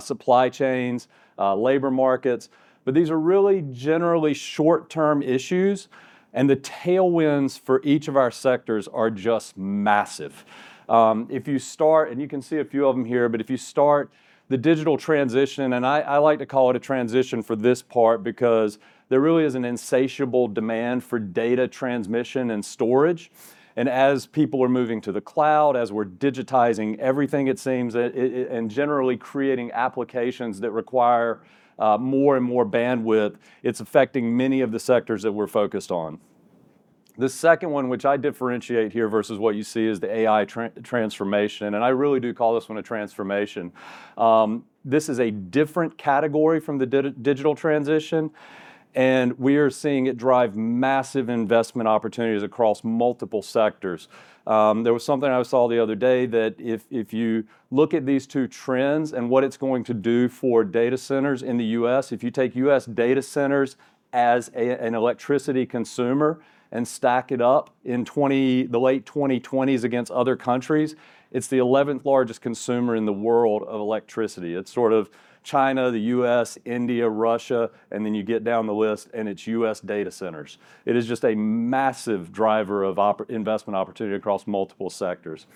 Speaker 9: supply chains, labor markets. But these are really generally short-term issues, and the tailwinds for each of our sectors are just massive. If you start, and you can see a few of them here, but if you start, the digital transition, and I like to call it a transition for this part because there really is an insatiable demand for data transmission and storage. As people are moving to the cloud, as we're digitizing everything it seems, it, and generally creating applications that require more and more bandwidth, it's affecting many of the sectors that we're focused on. The second one, which I differentiate here versus what you see, is the AI transformation, and I really do call this one a transformation. This is a different category from the digital transition, and we are seeing it drive massive investment opportunities across multiple sectors. There was something I saw the other day that if you look at these two trends and what it's going to do for data centers in the U.S., if you take U.S. data centers as an electricity consumer and stack it up in the late 2020s against other countries, it's the 11th-largest consumer in the world of electricity. It's sort of China, the US, India, Russia, and then you get down the list, and it's U.S. data centers. It is just a massive driver of investment opportunity across multiple sectors.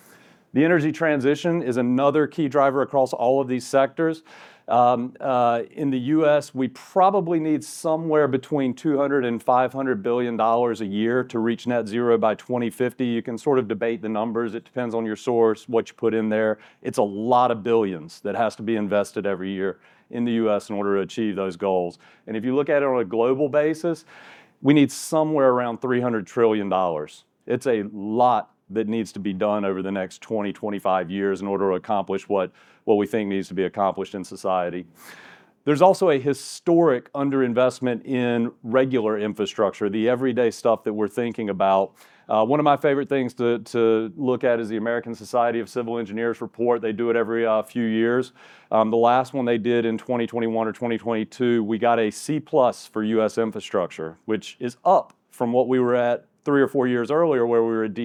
Speaker 9: The energy transition is another key driver across all of these sectors. In the U.S., we probably need somewhere between $200 billion and $500 billion a year to reach net zero by 2050. You can sort of debate the numbers. It depends on your source, what you put in there. It's a lot of billions that has to be invested every year in the U.S. in order to achieve those goals, and if you look at it on a global basis, we need somewhere around $300 trillion. It's a lot that needs to be done over the next 20, 25 years in order to accomplish what we think needs to be accomplished in society. There's also a historic underinvestment in regular infrastructure, the everyday stuff that we're thinking about. One of my favorite things to look at is the American Society of Civil Engineers report. They do it every few years. The last one they did in 2021 or 2022, we got a C+ for U.S. infrastructure, which is up from what we were at three or four years earlier, where we were at D-.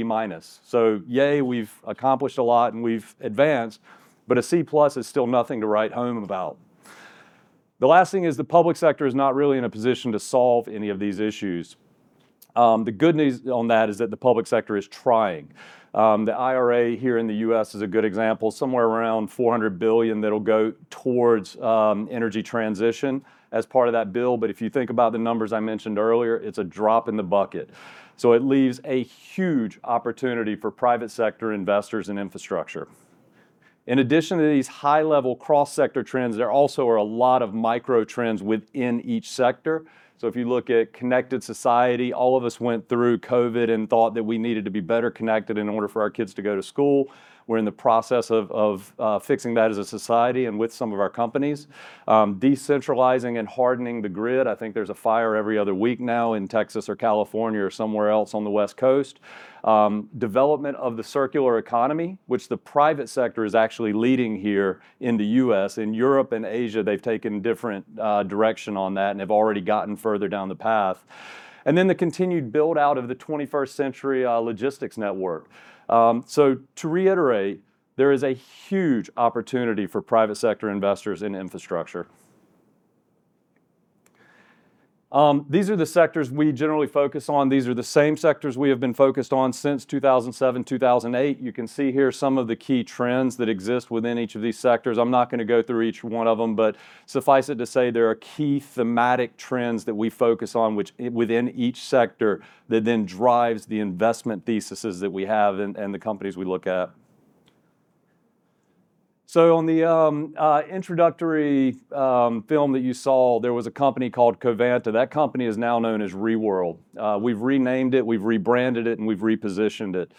Speaker 9: So yay, we've accomplished a lot and we've advanced, but a C+ is still nothing to write home about. The last thing is the public sector is not really in a position to solve any of these issues. The good news on that is that the public sector is trying. The IRA here in the U.S. is a good example, somewhere around $400 billion that'll go towards energy transition as part of that bill. But if you think about the numbers I mentioned earlier, it's a drop in the bucket. So it leaves a huge opportunity for private sector investors in infrastructure. In addition to these high-level cross-sector trends, there also are a lot of micro trends within each sector. So if you look at Connected Society, all of us went through COVID and thought that we needed to be better connected in order for our kids to go to school. We're in the process of fixing that as a society and with some of our companies. Decentralizing and hardening the grid, I think there's a fire every other week now in Texas or California or somewhere else on the West Coast. Development of the Circular Economy, which the private sector is actually leading here in the U.S. In Europe and Asia, they've taken different direction on that and have already gotten further down the path. And then the continued build-out of the 21st century logistics network. So to reiterate, there is a huge opportunity for private sector investors in infrastructure. These are the sectors we generally focus on. These are the same sectors we have been focused on since 2007, 2008. You can see here some of the key trends that exist within each of these sectors. I'm not gonna go through each one of them, but suffice it to say, there are key thematic trends that we focus on which, within each sector, that then drives the investment theses that we have and, and the companies we look at. So on the introductory film that you saw, there was a company called Covanta. That company is now known as Reworld. We've renamed it, we've rebranded it, and we've repositioned it.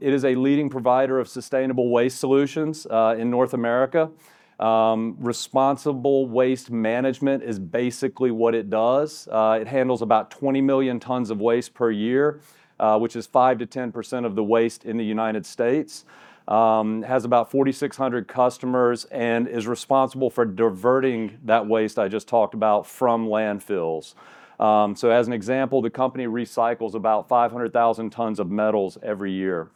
Speaker 9: It is a leading provider of sustainable waste solutions in North America. Responsible waste management is basically what it does. It handles about 20 million tons of waste per year, which is 5%-10% of the waste in the United States. Has about 4,600 customers and is responsible for diverting that waste I just talked about from landfills. As an example, the company recycles about 500,000 tons of metals every year.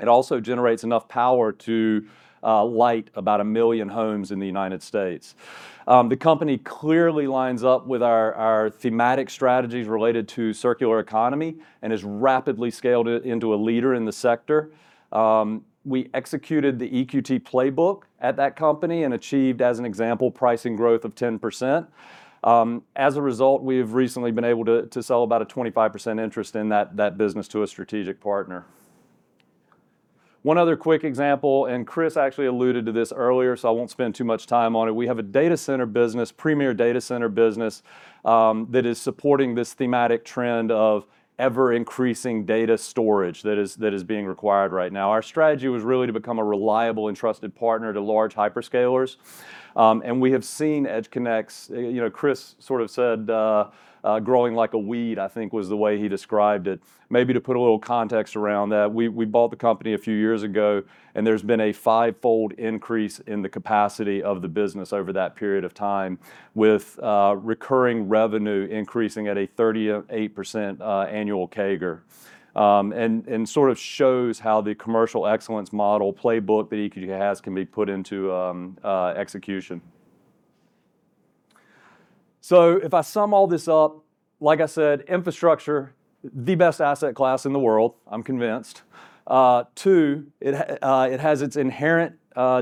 Speaker 9: It also generates enough power to light about 1 million homes in the United States. The company clearly lines up with our thematic strategies related to circular economy and has rapidly scaled it into a leader in the sector. We executed the EQT playbook at that company and achieved, as an example, pricing growth of 10%. As a result, we've recently been able to sell about a 25% interest in that business to a strategic partner. One other quick example, and Chris actually alluded to this earlier, so I won't spend too much time on it. We have a data center business, premier data center business that is supporting this thematic trend of ever-increasing data storage that is being required right now. Our strategy was really to become a reliable and trusted partner to large hyperscalers. And we have seen EdgeConneX, you know, Chris sort of said growing like a weed, I think, was the way he described it. Maybe to put a little context around that, we bought the company a few years ago, and there's been a fivefold increase in the capacity of the business over that period of time, with recurring revenue increasing at a 38% annual CAGR. And sort of shows how the commercial excellence model playbook that EQT has can be put into execution. So if I sum all this up, like I said, infrastructure, the best asset class in the world, I'm convinced. Two, it has its inherent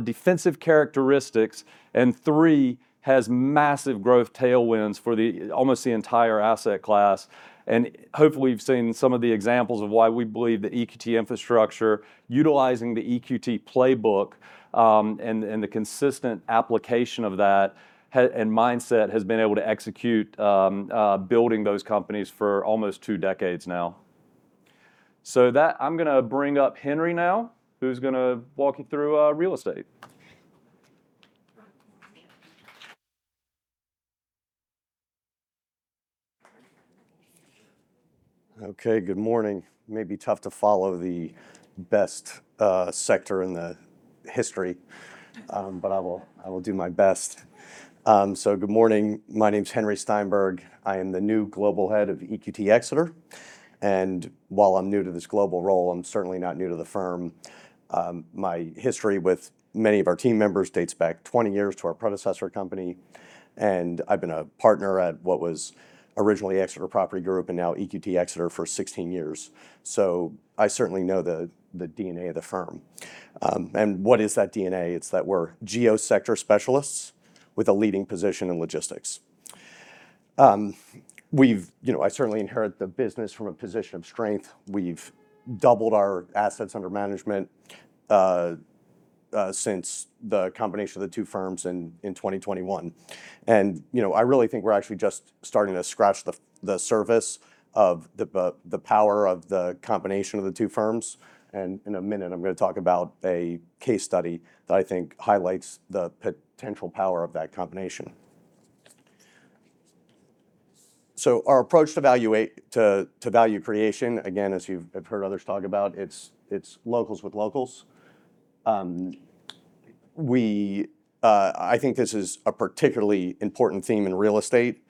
Speaker 9: defensive characteristics, and three, has massive growth tailwinds for almost the entire asset class. And hopefully, you've seen some of the examples of why we believe that EQT Infrastructure, utilizing the EQT playbook, and the consistent application of that, and mindset has been able to execute, building those companies for almost two decades now. So that, I'm gonna bring up Henry now, who's gonna walk you through real estate.
Speaker 10: Okay, good morning. It may be tough to follow the best sector in history, but I will do my best. So good morning. My name's Henry Steinberg. I am the new Global Head of EQT Exeter, and while I'm new to this global role, I'm certainly not new to the firm. My history with many of our team members dates back 20 years to our predecessor company, and I've been a partner at what was originally Exeter Property Group and now EQT Exeter for 16 years. So I certainly know the DNA of the firm. And what is that DNA? It's that we're geo-sector specialists with a leading position in logistics. You know, I certainly inherit the business from a position of strength. We've doubled our assets under management since the combination of the two firms in 2021. You know, I really think we're actually just starting to scratch the surface of the power of the combination of the two firms, and in a minute, I'm gonna talk about a case study that I think highlights the potential power of that combination. Our approach to value creation, again, as you've heard others talk about, it's locals with locals. I think this is a particularly important theme in real estate.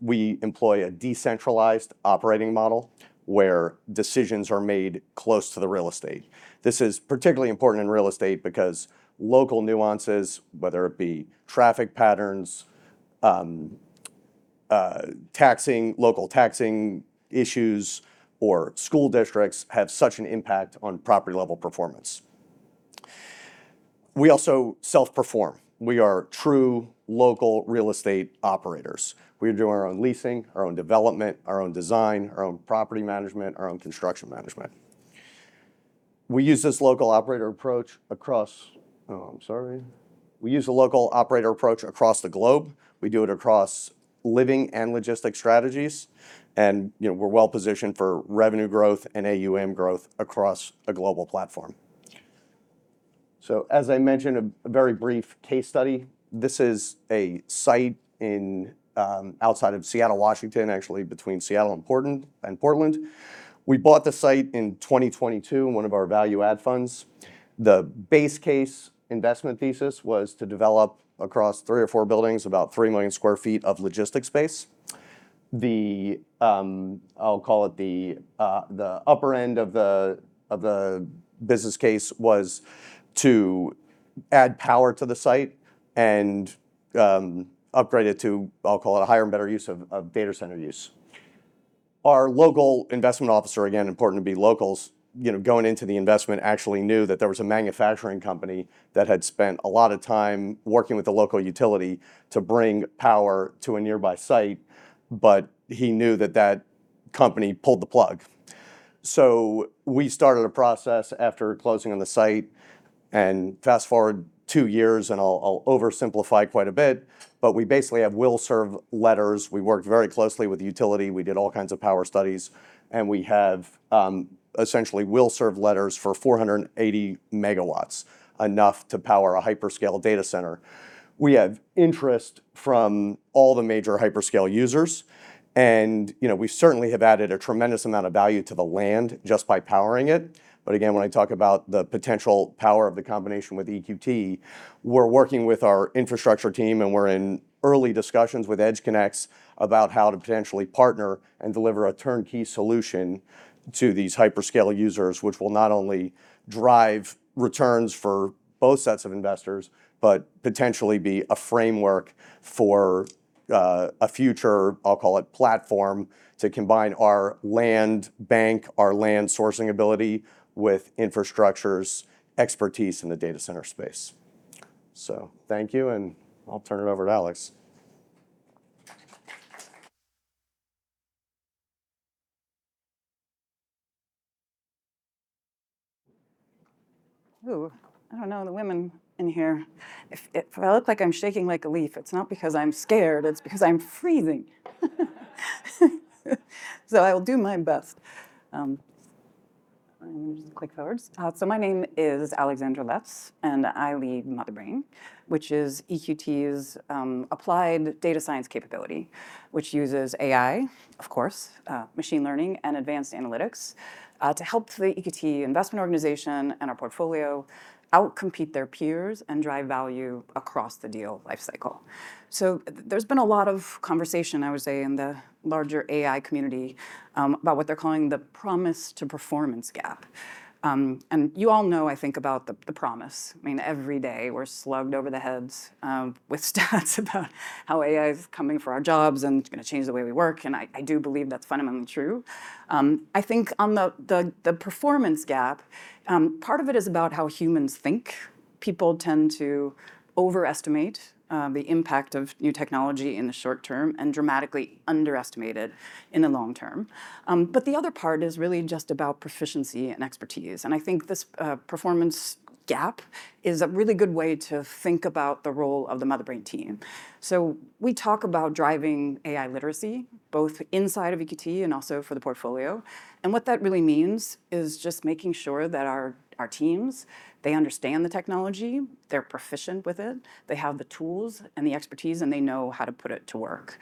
Speaker 10: We employ a decentralized operating model, where decisions are made close to the real estate. This is particularly important in real estate because local nuances, whether it be traffic patterns, taxing, local taxing issues, or school districts, have such an impact on property-level performance. We also self-perform. We are true local real estate operators. We do our own leasing, our own development, our own design, our own property management, our own construction management. Oh, I'm sorry. We use a local operator approach across the globe. We do it across living and logistics strategies, and, you know, we're well positioned for revenue growth and AUM growth across a global platform. So, as I mentioned, a very brief case study. This is a site outside of Seattle, Washington, actually between Seattle and Portland. We bought the site in 2022, in one of our value add funds. The base case investment thesis was to develop across three or four buildings, about 3 million sq ft of logistics space. The, I'll call it the upper end of the business case was to add power to the site and, upgrade it to, I'll call it, a higher and better use of data center use. Our local investment officer, again, important to be locals, you know, going into the investment, actually knew that there was a manufacturing company that had spent a lot of time working with the local utility to bring power to a nearby site, but he knew that that company pulled the plug. So we started a process after closing on the site, and fast-forward two years, and I'll oversimplify quite a bit, but we basically have will-serve letters. We worked very closely with the utility. We did all kinds of power studies, and we have essentially will-serve letters for 480 MW, enough to power a hyperscale data center. We have interest from all the major hyperscale users, and you know, we certainly have added a tremendous amount of value to the land just by powering it. But again, when I talk about the potential power of the combination with EQT, we're working with our infrastructure team, and we're in early discussions with EdgeConneX about how to potentially partner and deliver a turnkey solution to these hyperscale users, which will not only drive returns for both sets of investors, but potentially be a framework for a future, I'll call it, platform, to combine our land bank, our land sourcing ability, with infrastructure's expertise in the data center space. So thank you, and I'll turn it over to Alex.
Speaker 11: Ooh, I don't know the women in here. If I look like I'm shaking like a leaf, it's not because I'm scared, it's because I'm freezing. So I will do my best. I'm just clicking forwards. So my name is Alexandra Lutz, and I lead Motherbrain, which is EQT's applied data science capability, which uses AI, of course, machine learning, and advanced analytics, to help the EQT investment organization and our portfolio out-compete their peers and drive value across the deal lifecycle. So there's been a lot of conversation, I would say, in the larger AI community, about what they're calling the promise-to-performance gap. And you all know, I think, about the promise. I mean, every day we're slugged over the heads with stats about how AI is coming for our jobs, and it's gonna change the way we work, and I do believe that's fundamentally true. I think on the performance gap, part of it is about how humans think. People tend to overestimate the impact of new technology in the short term and dramatically underestimate it in the long term. But the other part is really just about proficiency and expertise, and I think this performance gap is a really good way to think about the role of the Motherbrain team. We talk about driving AI literacy, both inside of EQT and also for the portfolio, and what that really means is just making sure that our teams, they understand the technology, they're proficient with it, they have the tools and the expertise, and they know how to put it to work.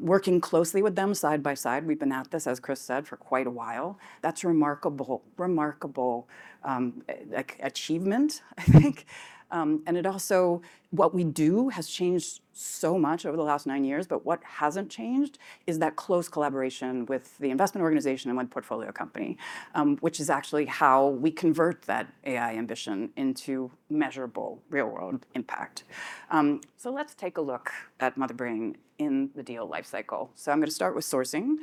Speaker 11: Working closely with them side by side, we've been at this, as Chris said, for quite a while. That's remarkable, like achievement, I think. And it also... What we do has changed so much over the last nine years, but what hasn't changed is that close collaboration with the investment organization and one portfolio company, which is actually how we convert that AI ambition into measurable, real-world impact. So let's take a look at Motherbrain in the deal lifecycle. So I'm gonna start with sourcing.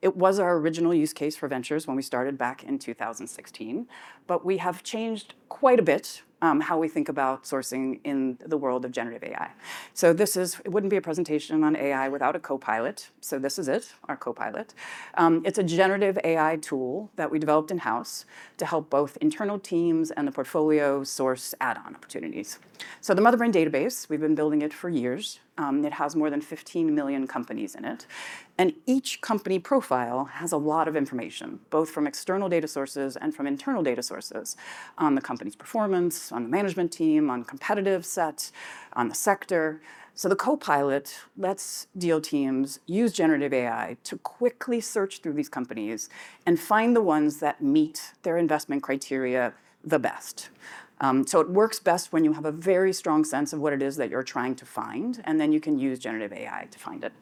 Speaker 11: It was our original use case for ventures when we started back in 2016, but we have changed quite a bit how we think about sourcing in the world of generative AI. It wouldn't be a presentation on AI without a copilot, so this is it, our copilot. It's a generative AI tool that we developed in-house to help both internal teams and the portfolio source add-on opportunities. The Motherbrain database, we've been building it for years. It has more than 15 million companies in it, and each company profile has a lot of information, both from external data sources and from internal data sources, on the company's performance, on the management team, on competitive set, on the sector. So the copilot lets deal teams use generative AI to quickly search through these companies and find the ones that meet their investment criteria the best. So it works best when you have a very strong sense of what it is that you're trying to find, and then you can use generative AI to find it.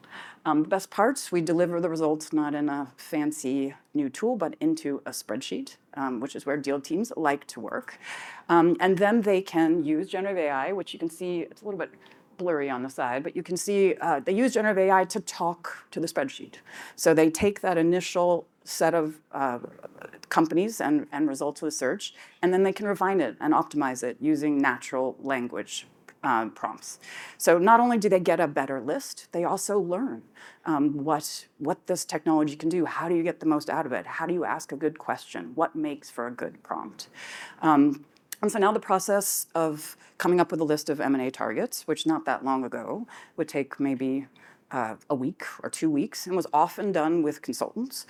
Speaker 11: The best parts, we deliver the results not in a fancy new tool, but into a spreadsheet, which is where deal teams like to work. And then they can use generative AI, which you can see, it's a little bit blurry on the side, but you can see, they use generative AI to talk to the spreadsheet. So they take that initial set of companies and results to a search, and then they can refine it and optimize it using natural language prompts. So not only do they get a better list, they also learn what, what this technology can do. How do you get the most out of it? How do you ask a good question? What makes for a good prompt, and so now the process of coming up with a list of M&A targets, which not that long ago would take maybe a week or two weeks, and was often done with consultants,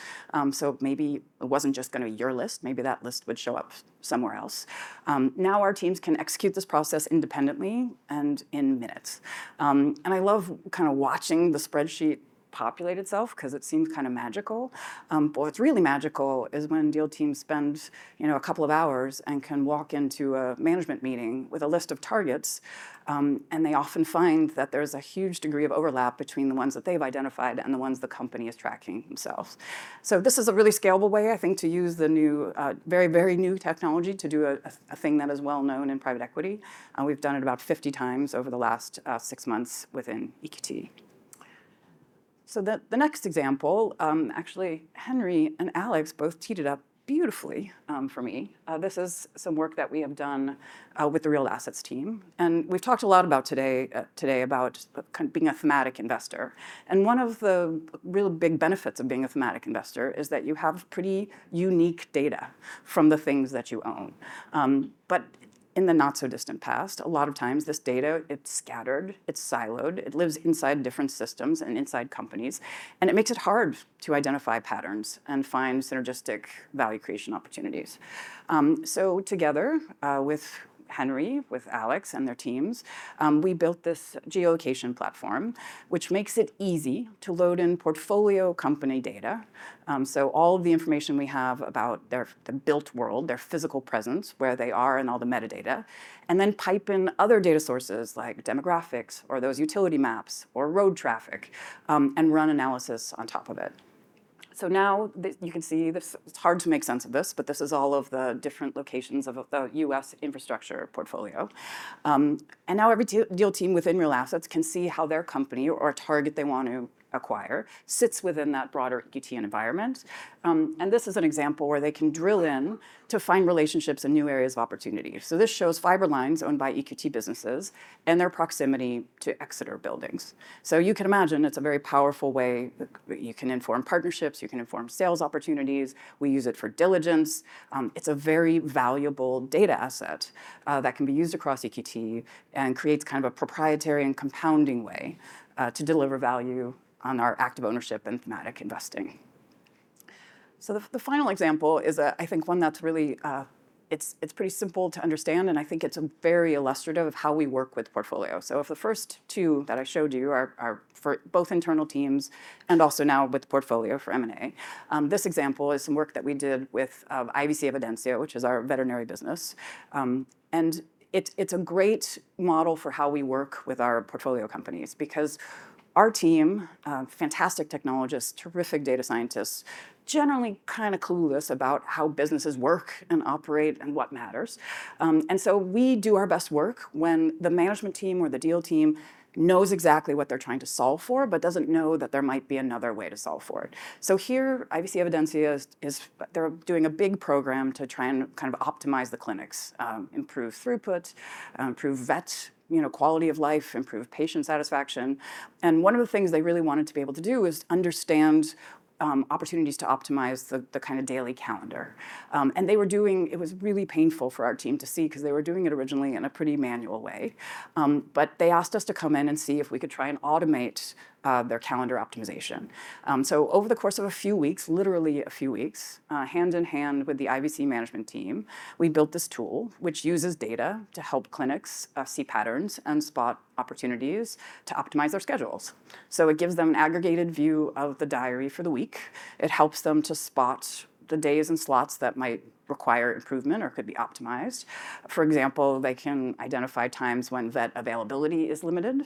Speaker 11: so maybe it wasn't just gonna be your list. Maybe that list would show up somewhere else. Now our teams can execute this process independently and in minutes, and I love kinda watching the spreadsheet populate itself 'cause it seems kinda magical. But what's really magical is when deal teams spend, you know, a couple of hours and can walk into a management meeting with a list of targets, and they often find that there's a huge degree of overlap between the ones that they've identified and the ones the company is tracking themselves. So this is a really scalable way, I think, to use the new, very, very new technology to do a thing that is well known in private equity, and we've done it about 50 times over the last, six months within EQT. So the next example, actually, Henry and Alex both teed it up beautifully, for me. This is some work that we have done, with the Real Assets team, and we've talked a lot about today, about EQT being a thematic investor. One of the real big benefits of being a thematic investor is that you have pretty unique data from the things that you own. But in the not-so-distant past, a lot of times this data, it's scattered, it's siloed, it lives inside different systems and inside companies, and it makes it hard to identify patterns and find synergistic value creation opportunities, so together with Henry, with Alex, and their teams, we built this geolocation platform, which makes it easy to load in portfolio company data, so all of the information we have about the built world, their physical presence, where they are, and all the metadata, and then pipe in other data sources like demographics or those utility maps or road traffic, and run analysis on top of it. Now you can see this. It's hard to make sense of this, but this is all of the different locations of the U.S. infrastructure portfolio. Now every deal team within Real Assets can see how their company or a target they want to acquire sits within that broader EQT environment. This is an example where they can drill in to find relationships and new areas of opportunity. This shows fiber lines owned by EQT businesses and their proximity to Exeter buildings. You can imagine it's a very powerful way that you can inform partnerships, you can inform sales opportunities. We use it for diligence. It's a very valuable data asset that can be used across EQT and creates kind of a proprietary and compounding way to deliver value on our active ownership and thematic investing. So the final example is. I think one that's really. It's pretty simple to understand, and I think it's very illustrative of how we work with portfolio. If the first two that I showed you are for both internal teams and also now with portfolio for M&A, this example is some work that we did with IVC Evidensia, which is our veterinary business. And it's a great model for how we work with our portfolio companies, because our team, fantastic technologists, terrific data scientists, generally kinda clueless about how businesses work and operate and what matters. And so we do our best work when the management team or the deal team knows exactly what they're trying to solve for, but doesn't know that there might be another way to solve for it. So here, IVC Evidensia is. They're doing a big program to try and kind of optimize the clinics, improve throughput, improve vet, you know, quality of life, improve patient satisfaction. And one of the things they really wanted to be able to do is understand opportunities to optimize the kinda daily calendar. It was really painful for our team to see, 'cause they were doing it originally in a pretty manual way. But they asked us to come in and see if we could try and automate their calendar optimization. So over the course of a few weeks, literally a few weeks, hand in hand with the IVC management team, we built this tool, which uses data to help clinics see patterns and spot opportunities to optimize their schedules. So it gives them an aggregated view of the diary for the week. It helps them to spot the days and slots that might require improvement or could be optimized. For example, they can identify times when vet availability is limited,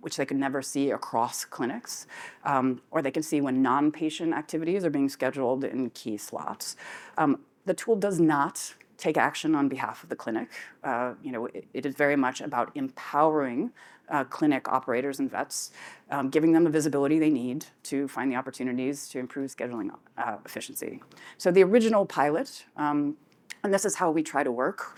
Speaker 11: which they could never see across clinics. Or they can see when non-patient activities are being scheduled in key slots. The tool does not take action on behalf of the clinic. You know, it is very much about empowering clinic operators and vets, giving them the visibility they need to find the opportunities to improve scheduling efficiency. So the original pilot, and this is how we try to work,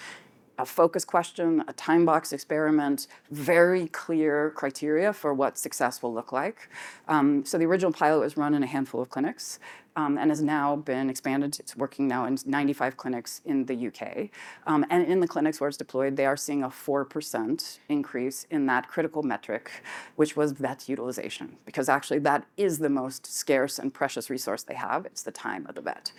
Speaker 11: a focus question, a time box experiment, very clear criteria for what success will look like. So the original pilot was run in a handful of clinics, and has now been expanded. It's working now in 95 clinics in the U.K. And in the clinics where it's deployed, they are seeing a 4% increase in that critical metric, which was vet utilization, because actually that is the most scarce and precious resource they have. It's the time of the vet.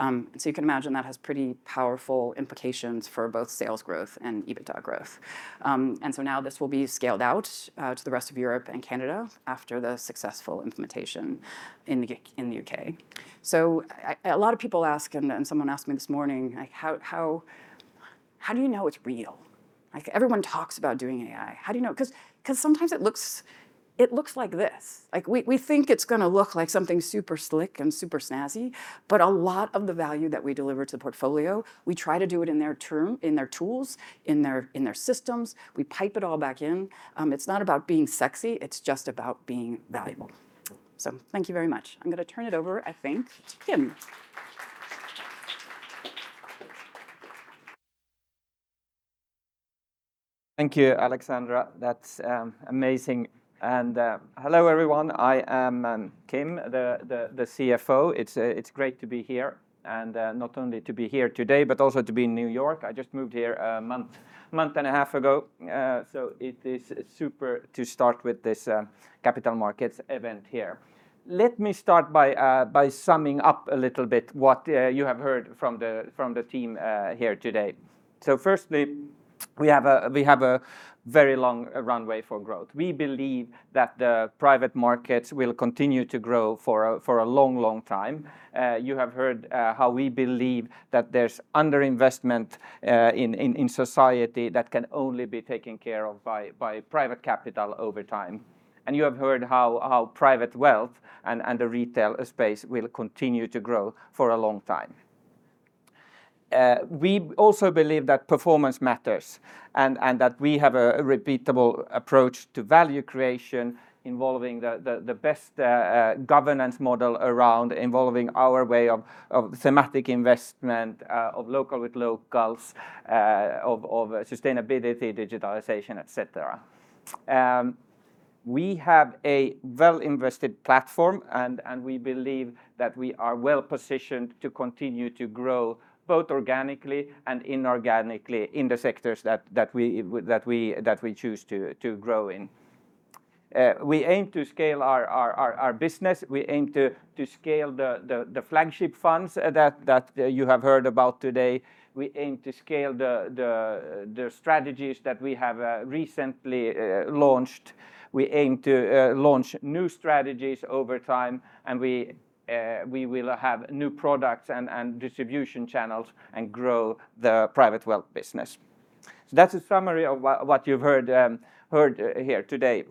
Speaker 11: So you can imagine that has pretty powerful implications for both sales growth and EBITDA growth. And so now this will be scaled out to the rest of Europe and Canada after the successful implementation in the U.K. So a lot of people ask, and someone asked me this morning, like: How do you know it's real? Like, everyone talks about doing AI. How do you know?... 'Cause sometimes it looks like this. Like, we think it's gonna look like something super slick and super snazzy, but a lot of the value that we deliver to the portfolio, we try to do it in their term, in their tools, in their systems. We pipe it all back in. It's not about being sexy, it's just about being valuable. So thank you very much. I'm gonna turn it over, I think, to Kim.
Speaker 12: Thank you, Alexandra. That's amazing, and hello, everyone. I am Kim, the CFO. It's great to be here, and not only to be here today, but also to be in New York. I just moved here a month and a half ago, so it is super to start with this capital markets event here. Let me start by summing up a little bit what you have heard from the team here today, so firstly, we have a very long runway for growth. We believe that the private markets will continue to grow for a long, long time. You have heard how we believe that there's underinvestment in society that can only be taken care of by private capital over time. And you have heard how private wealth and the retail space will continue to grow for a long time. We also believe that performance matters, and that we have a repeatable approach to value creation involving the best governance model around, involving our way of thematic investment, of local with locals, of sustainability, digitalization, et cetera. We have a well-invested platform, and we believe that we are well-positioned to continue to grow, both organically and inorganically in the sectors that we choose to grow in. We aim to scale our business. We aim to scale the flagship funds that you have heard about today. We aim to scale the strategies that we have recently launched. We aim to launch new strategies over time, and we will have new products and distribution channels and grow the private wealth business. So that's a summary of what you've heard here today.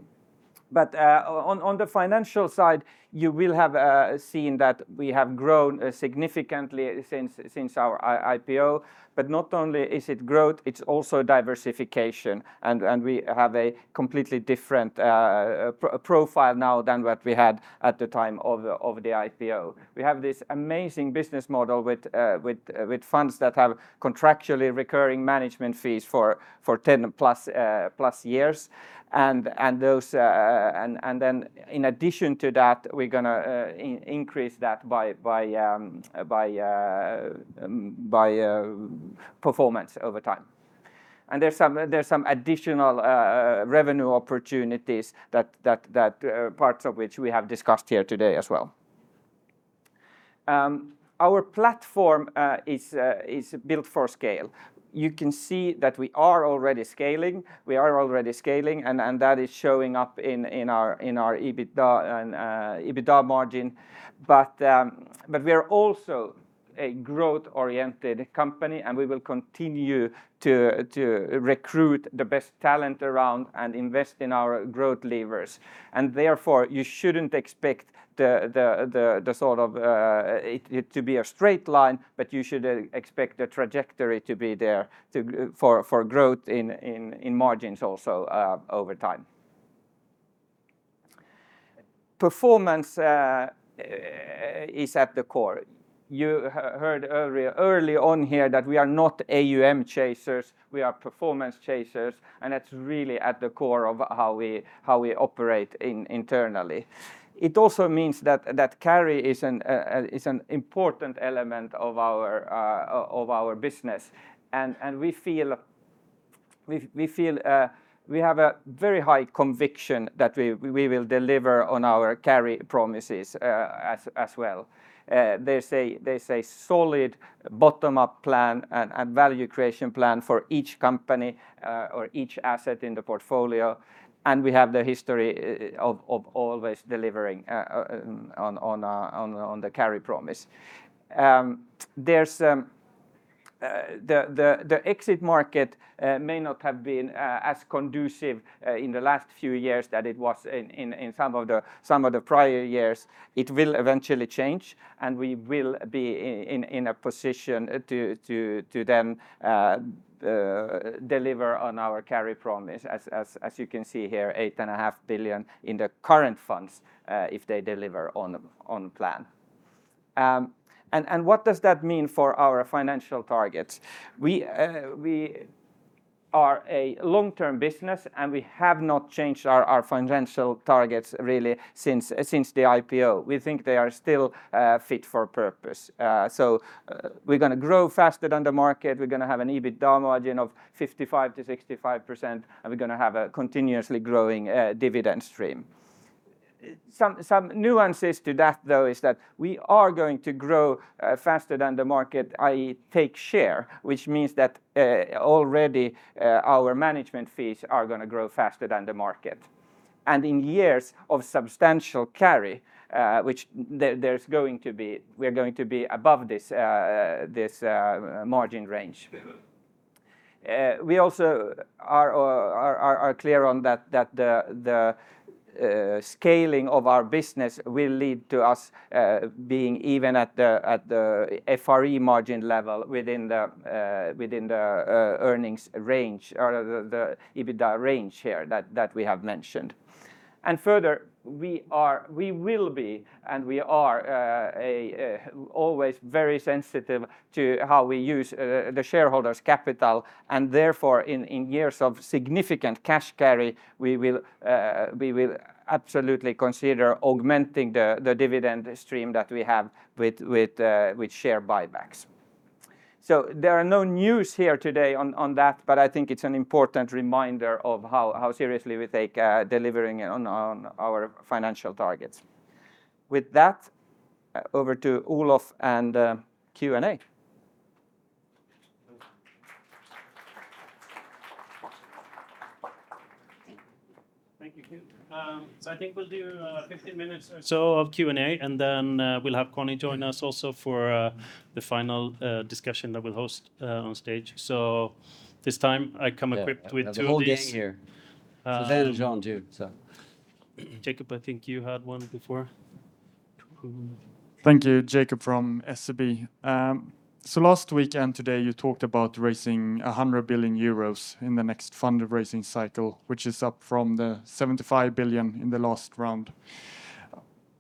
Speaker 12: But on the financial side, you will have seen that we have grown significantly since our IPO. But not only is it growth, it's also diversification, and we have a completely different profile now than what we had at the time of the IPO. We have this amazing business model with funds that have contractually recurring management fees for 10+ years, and those. And then in addition to that, we're gonna increase that by performance over time. There's some additional revenue opportunities that parts of which we have discussed here today as well. Our platform is built for scale. You can see that we are already scaling, and that is showing up in our EBITDA and EBITDA margin. But we're also a growth-oriented company, and we will continue to recruit the best talent around and invest in our growth levers. Therefore, you shouldn't expect the sort of it to be a straight line, but you should expect the trajectory to be there for growth in margins also over time. Performance is at the core. You heard earlier, early on here that we are not AUM chasers, we are performance chasers, and that's really at the core of how we operate internally. It also means that carry is an important element of our business. We feel we have a very high conviction that we will deliver on our carry promises as well. There's a solid bottom-up plan and value creation plan for each company or each asset in the portfolio, and we have the history of always delivering on our carry promise. There's the exit market may not have been as conducive in the last few years than it was in some of the prior years. It will eventually change, and we will be in a position to then deliver on our carry promise, as you can see here, 8.5 billion in the current funds, if they deliver on plan. And what does that mean for our financial targets? We are a long-term business, and we have not changed our financial targets really since the IPO. We think they are still fit for purpose. So, we're gonna grow faster than the market. We're gonna have an EBITDA margin of 55%-65%, and we're gonna have a continuously growing dividend stream. Some nuances to that, though, is that we are going to grow faster than the market, i.e., take share, which means that already our management fees are gonna grow faster than the market. And in years of substantial carry, which there's going to be, we're going to be above this margin range. We also are clear on that, that the scaling of our business will lead to us being even at the FRE margin level within the earnings range or the EBITDA range here that we have mentioned. And further, we are... We will be, and we are, always very sensitive to how we use the shareholders' capital, and therefore, in years of significant cash carry, we will absolutely consider augmenting the dividend stream that we have with share buybacks. So there are no news here today on that, but I think it's an important reminder of how seriously we take delivering on our financial targets. With that, over to Olof and Q&A.
Speaker 1: Thank you, Hugh. So I think we'll do 15 minutes or so of Q&A, and then we'll have Conni join us also for the final discussion that we'll host on stage. So this time I come equipped with two of these-
Speaker 2: The whole gang here.
Speaker 1: Uh-
Speaker 2: Suzanne and Jean, too, so...
Speaker 1: Jacob, I think you had one before. Who?
Speaker 13: Thank you. Jacob from SEB. So last week and today, you talked about raising 100 billion euros in the next fundraising cycle, which is up from the 75 billion in the last round.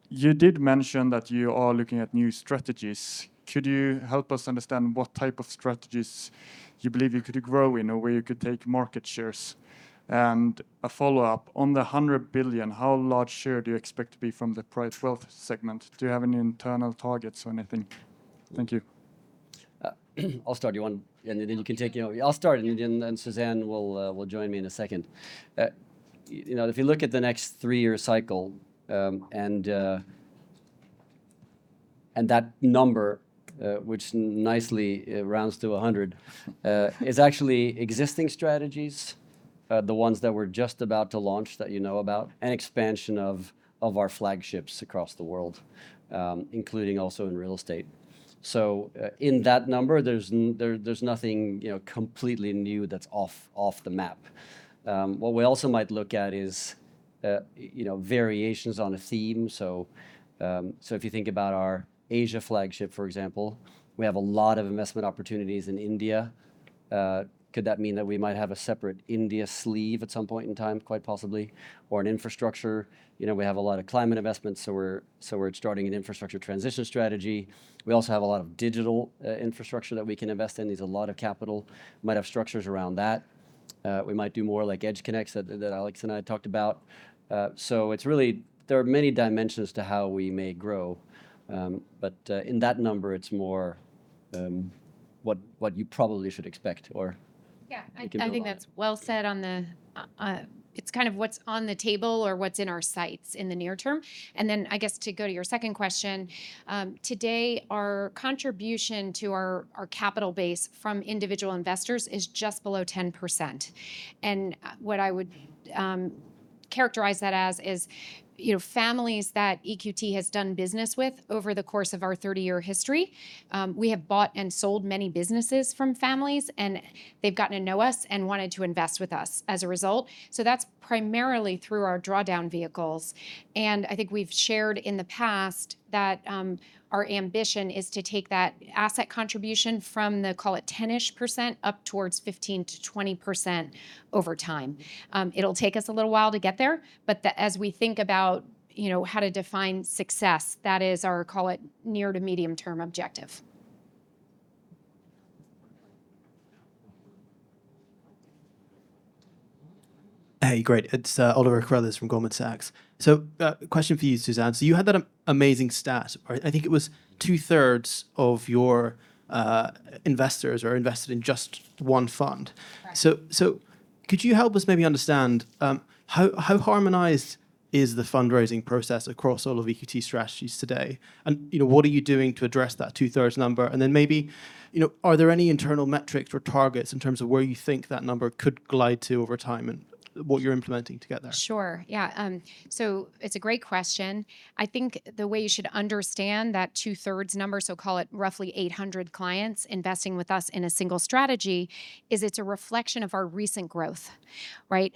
Speaker 13: You did mention that you are looking at new strategies. Could you help us understand what type of strategies you believe you could grow in or where you could take market shares? And a follow-up, on the 100 billion, how large share do you expect to be from the private wealth segment? Do you have any internal targets or anything? Thank you.
Speaker 2: I'll start. You want... And, and then you can take it away. I'll start, and then, and Suzanne will, will join me in a second. You know, if you look at the next three-year cycle, and, and that number, which nicely, rounds to 100, is actually existing strategies, the ones that we're just about to launch that you know about, and expansion of, of our flagships across the world, including also in real estate. So, in that number, there's nothing, you know, completely new that's off, off the map. What we also might look at is, you know, variations on a theme. So, so if you think about our Asia flagship, for example, we have a lot of investment opportunities in India. Could that mean that we might have a separate India sleeve at some point in time? Quite possibly, or in infrastructure. You know, we have a lot of climate investments, so we're starting an infrastructure transition strategy. We also have a lot of digital infrastructure that we can invest in. There's a lot of capital, might have structures around that. We might do more like EdgeConneX that Alex and I talked about. So it's really... There are many dimensions to how we may grow. But in that number, it's more what you probably should expect or-
Speaker 3: Yeah.
Speaker 2: You can go on.
Speaker 3: I think that's well said on the, it's kind of what's on the table or what's in our sights in the near term. And then, I guess to go to your second question, today, our contribution to our, our capital base from individual investors is just below 10%. And, what I would characterize that as is, you know, families that EQT has done business with over the course of our 30-year history. We have bought and sold many businesses from families, and they've gotten to know us and wanted to invest with us as a result. So that's primarily through our drawdown vehicles, and I think we've shared in the past that, our ambition is to take that asset contribution from the, call it 10-ish%, up towards 15%-20% over time. It'll take us a little while to get there, but as we think about, you know, how to define success, that is our, call it, near to medium-term objective.
Speaker 14: Hey, great. It's Oliver Carruthers from Goldman Sachs. So, question for you, Suzanne. So you had that amazing stat, right? I think it was two-thirds of your investors are invested in just one fund.
Speaker 3: Right.
Speaker 14: So, could you help us maybe understand how harmonized is the fundraising process across all of EQT strategies today? And, you know, what are you doing to address that two-thirds number? And then maybe, you know, are there any internal metrics or targets in terms of where you think that number could glide to over time, and what you're implementing to get there?
Speaker 3: Sure, yeah. So it's a great question. I think the way you should understand that two-thirds number, so call it roughly 800 clients investing with us in a single strategy, is it's a reflection of our recent growth, right?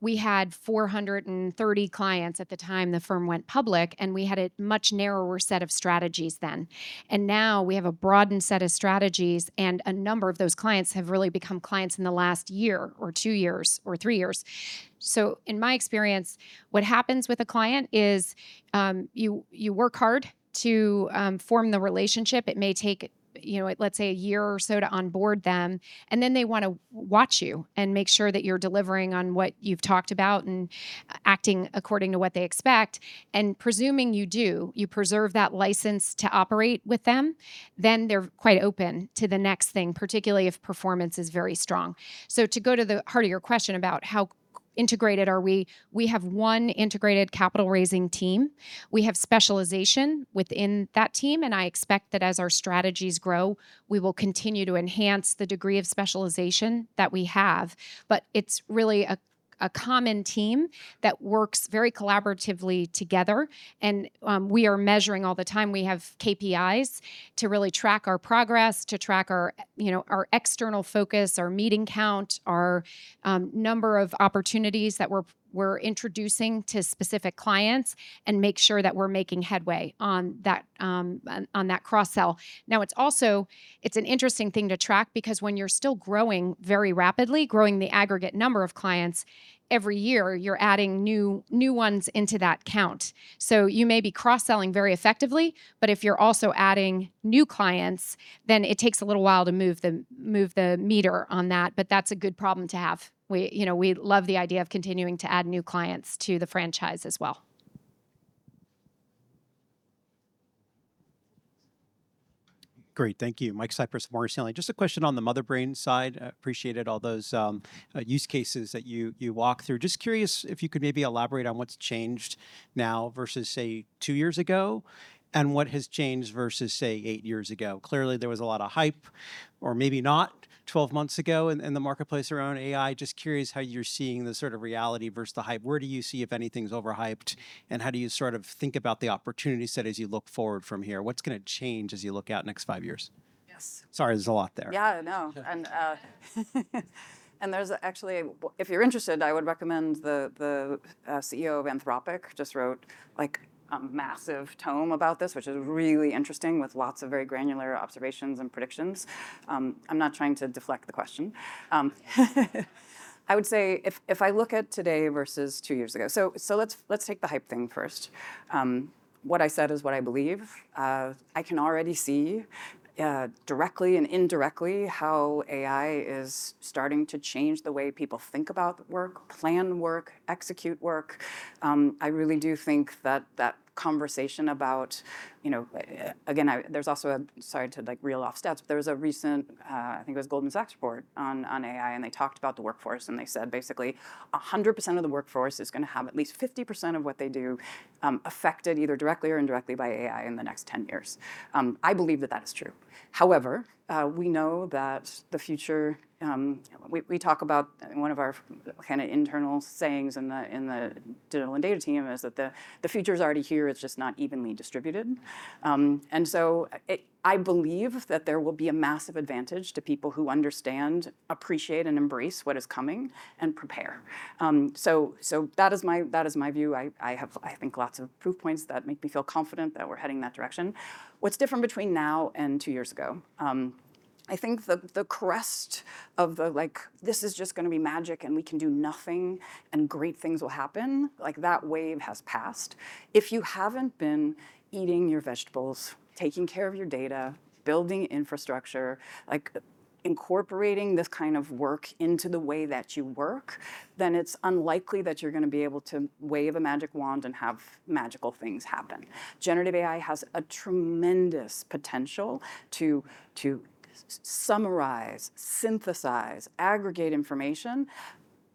Speaker 3: We had 430 clients at the time the firm went public, and we had a much narrower set of strategies then. Now we have a broadened set of strategies, and a number of those clients have really become clients in the last year or two years or three years. In my experience, what happens with a client is, you work hard to form the relationship. It may take, you know, let's say, a year or so to onboard them, and then they wanna watch you and make sure that you're delivering on what you've talked about and acting according to what they expect. And presuming you do, you preserve that license to operate with them, then they're quite open to the next thing, particularly if performance is very strong. So to go to the heart of your question about how integrated are we, we have one integrated capital-raising team. We have specialization within that team, and I expect that as our strategies grow, we will continue to enhance the degree of specialization that we have. But it's really a common team that works very collaboratively together, and we are measuring all the time. We have KPIs to really track our progress, to track our, you know, our external focus, our meeting count, our number of opportunities that we're introducing to specific clients, and make sure that we're making headway on that, on that cross-sell. Now, it's also an interesting thing to track because when you're still growing very rapidly, growing the aggregate number of clients, every year, you're adding new ones into that count. So you may be cross-selling very effectively, but if you're also adding new clients, then it takes a little while to move the meter on that, but that's a good problem to have. We, you know, we love the idea of continuing to add new clients to the franchise as well.
Speaker 6: Great, thank you. Michael Cyprys, Morgan Stanley. Just a question on the Motherbrain side. I appreciated all those use cases that you walked through. Just curious if you could maybe elaborate on what's changed now versus, say, two years ago, and what has changed versus, say, eight years ago. Clearly, there was a lot of hype, or maybe not, 12 months ago in the marketplace around AI. Just curious how you're seeing the sort of reality versus the hype. Where do you see, if anything, is overhyped, and how do you sort of think about the opportunity set as you look forward from here? What's gonna change as you look out next five years?
Speaker 11: Yes.
Speaker 2: Sorry, there's a lot there.
Speaker 11: Yeah, I know, and there's actually, if you're interested, I would recommend the CEO of Anthropic just wrote, like, a massive tome about this, which is really interesting, with lots of very granular observations and predictions. I'm not trying to deflect the question. I would say if I look at today versus two years ago, so let's take the hype thing first. What I said is what I believe. I can already see directly and indirectly how AI is starting to change the way people think about work, plan work, execute work. I really do think that conversation about, you know, again, I... There's also, like, to reel off stats, but there was a recent, I think it was Goldman Sachs report on AI, and they talked about the workforce, and they said, basically, 100% of the workforce is gonna have at least 50% of what they do affected either directly or indirectly by AI in the next 10 years. I believe that that is true. However, we know that the future. We talk about, one of our kind of internal sayings in the digital and data team, is that the, "The future is already here, it's just not evenly distributed." And so, I believe that there will be a massive advantage to people who understand, appreciate, and embrace what is coming, and prepare. So, that is my view. I have, I think, lots of proof points that make me feel confident that we're heading in that direction. What's different between now and two years ago? I think the crest of the like, "This is just gonna be magic, and we can do nothing, and great things will happen," like, that wave has passed. If you haven't been eating your vegetables, taking care of your data, building infrastructure, like, incorporating this kind of work into the way that you work, then it's unlikely that you're gonna be able to wave a magic wand and have magical things happen. Generative AI has a tremendous potential to summarize, synthesize, aggregate information,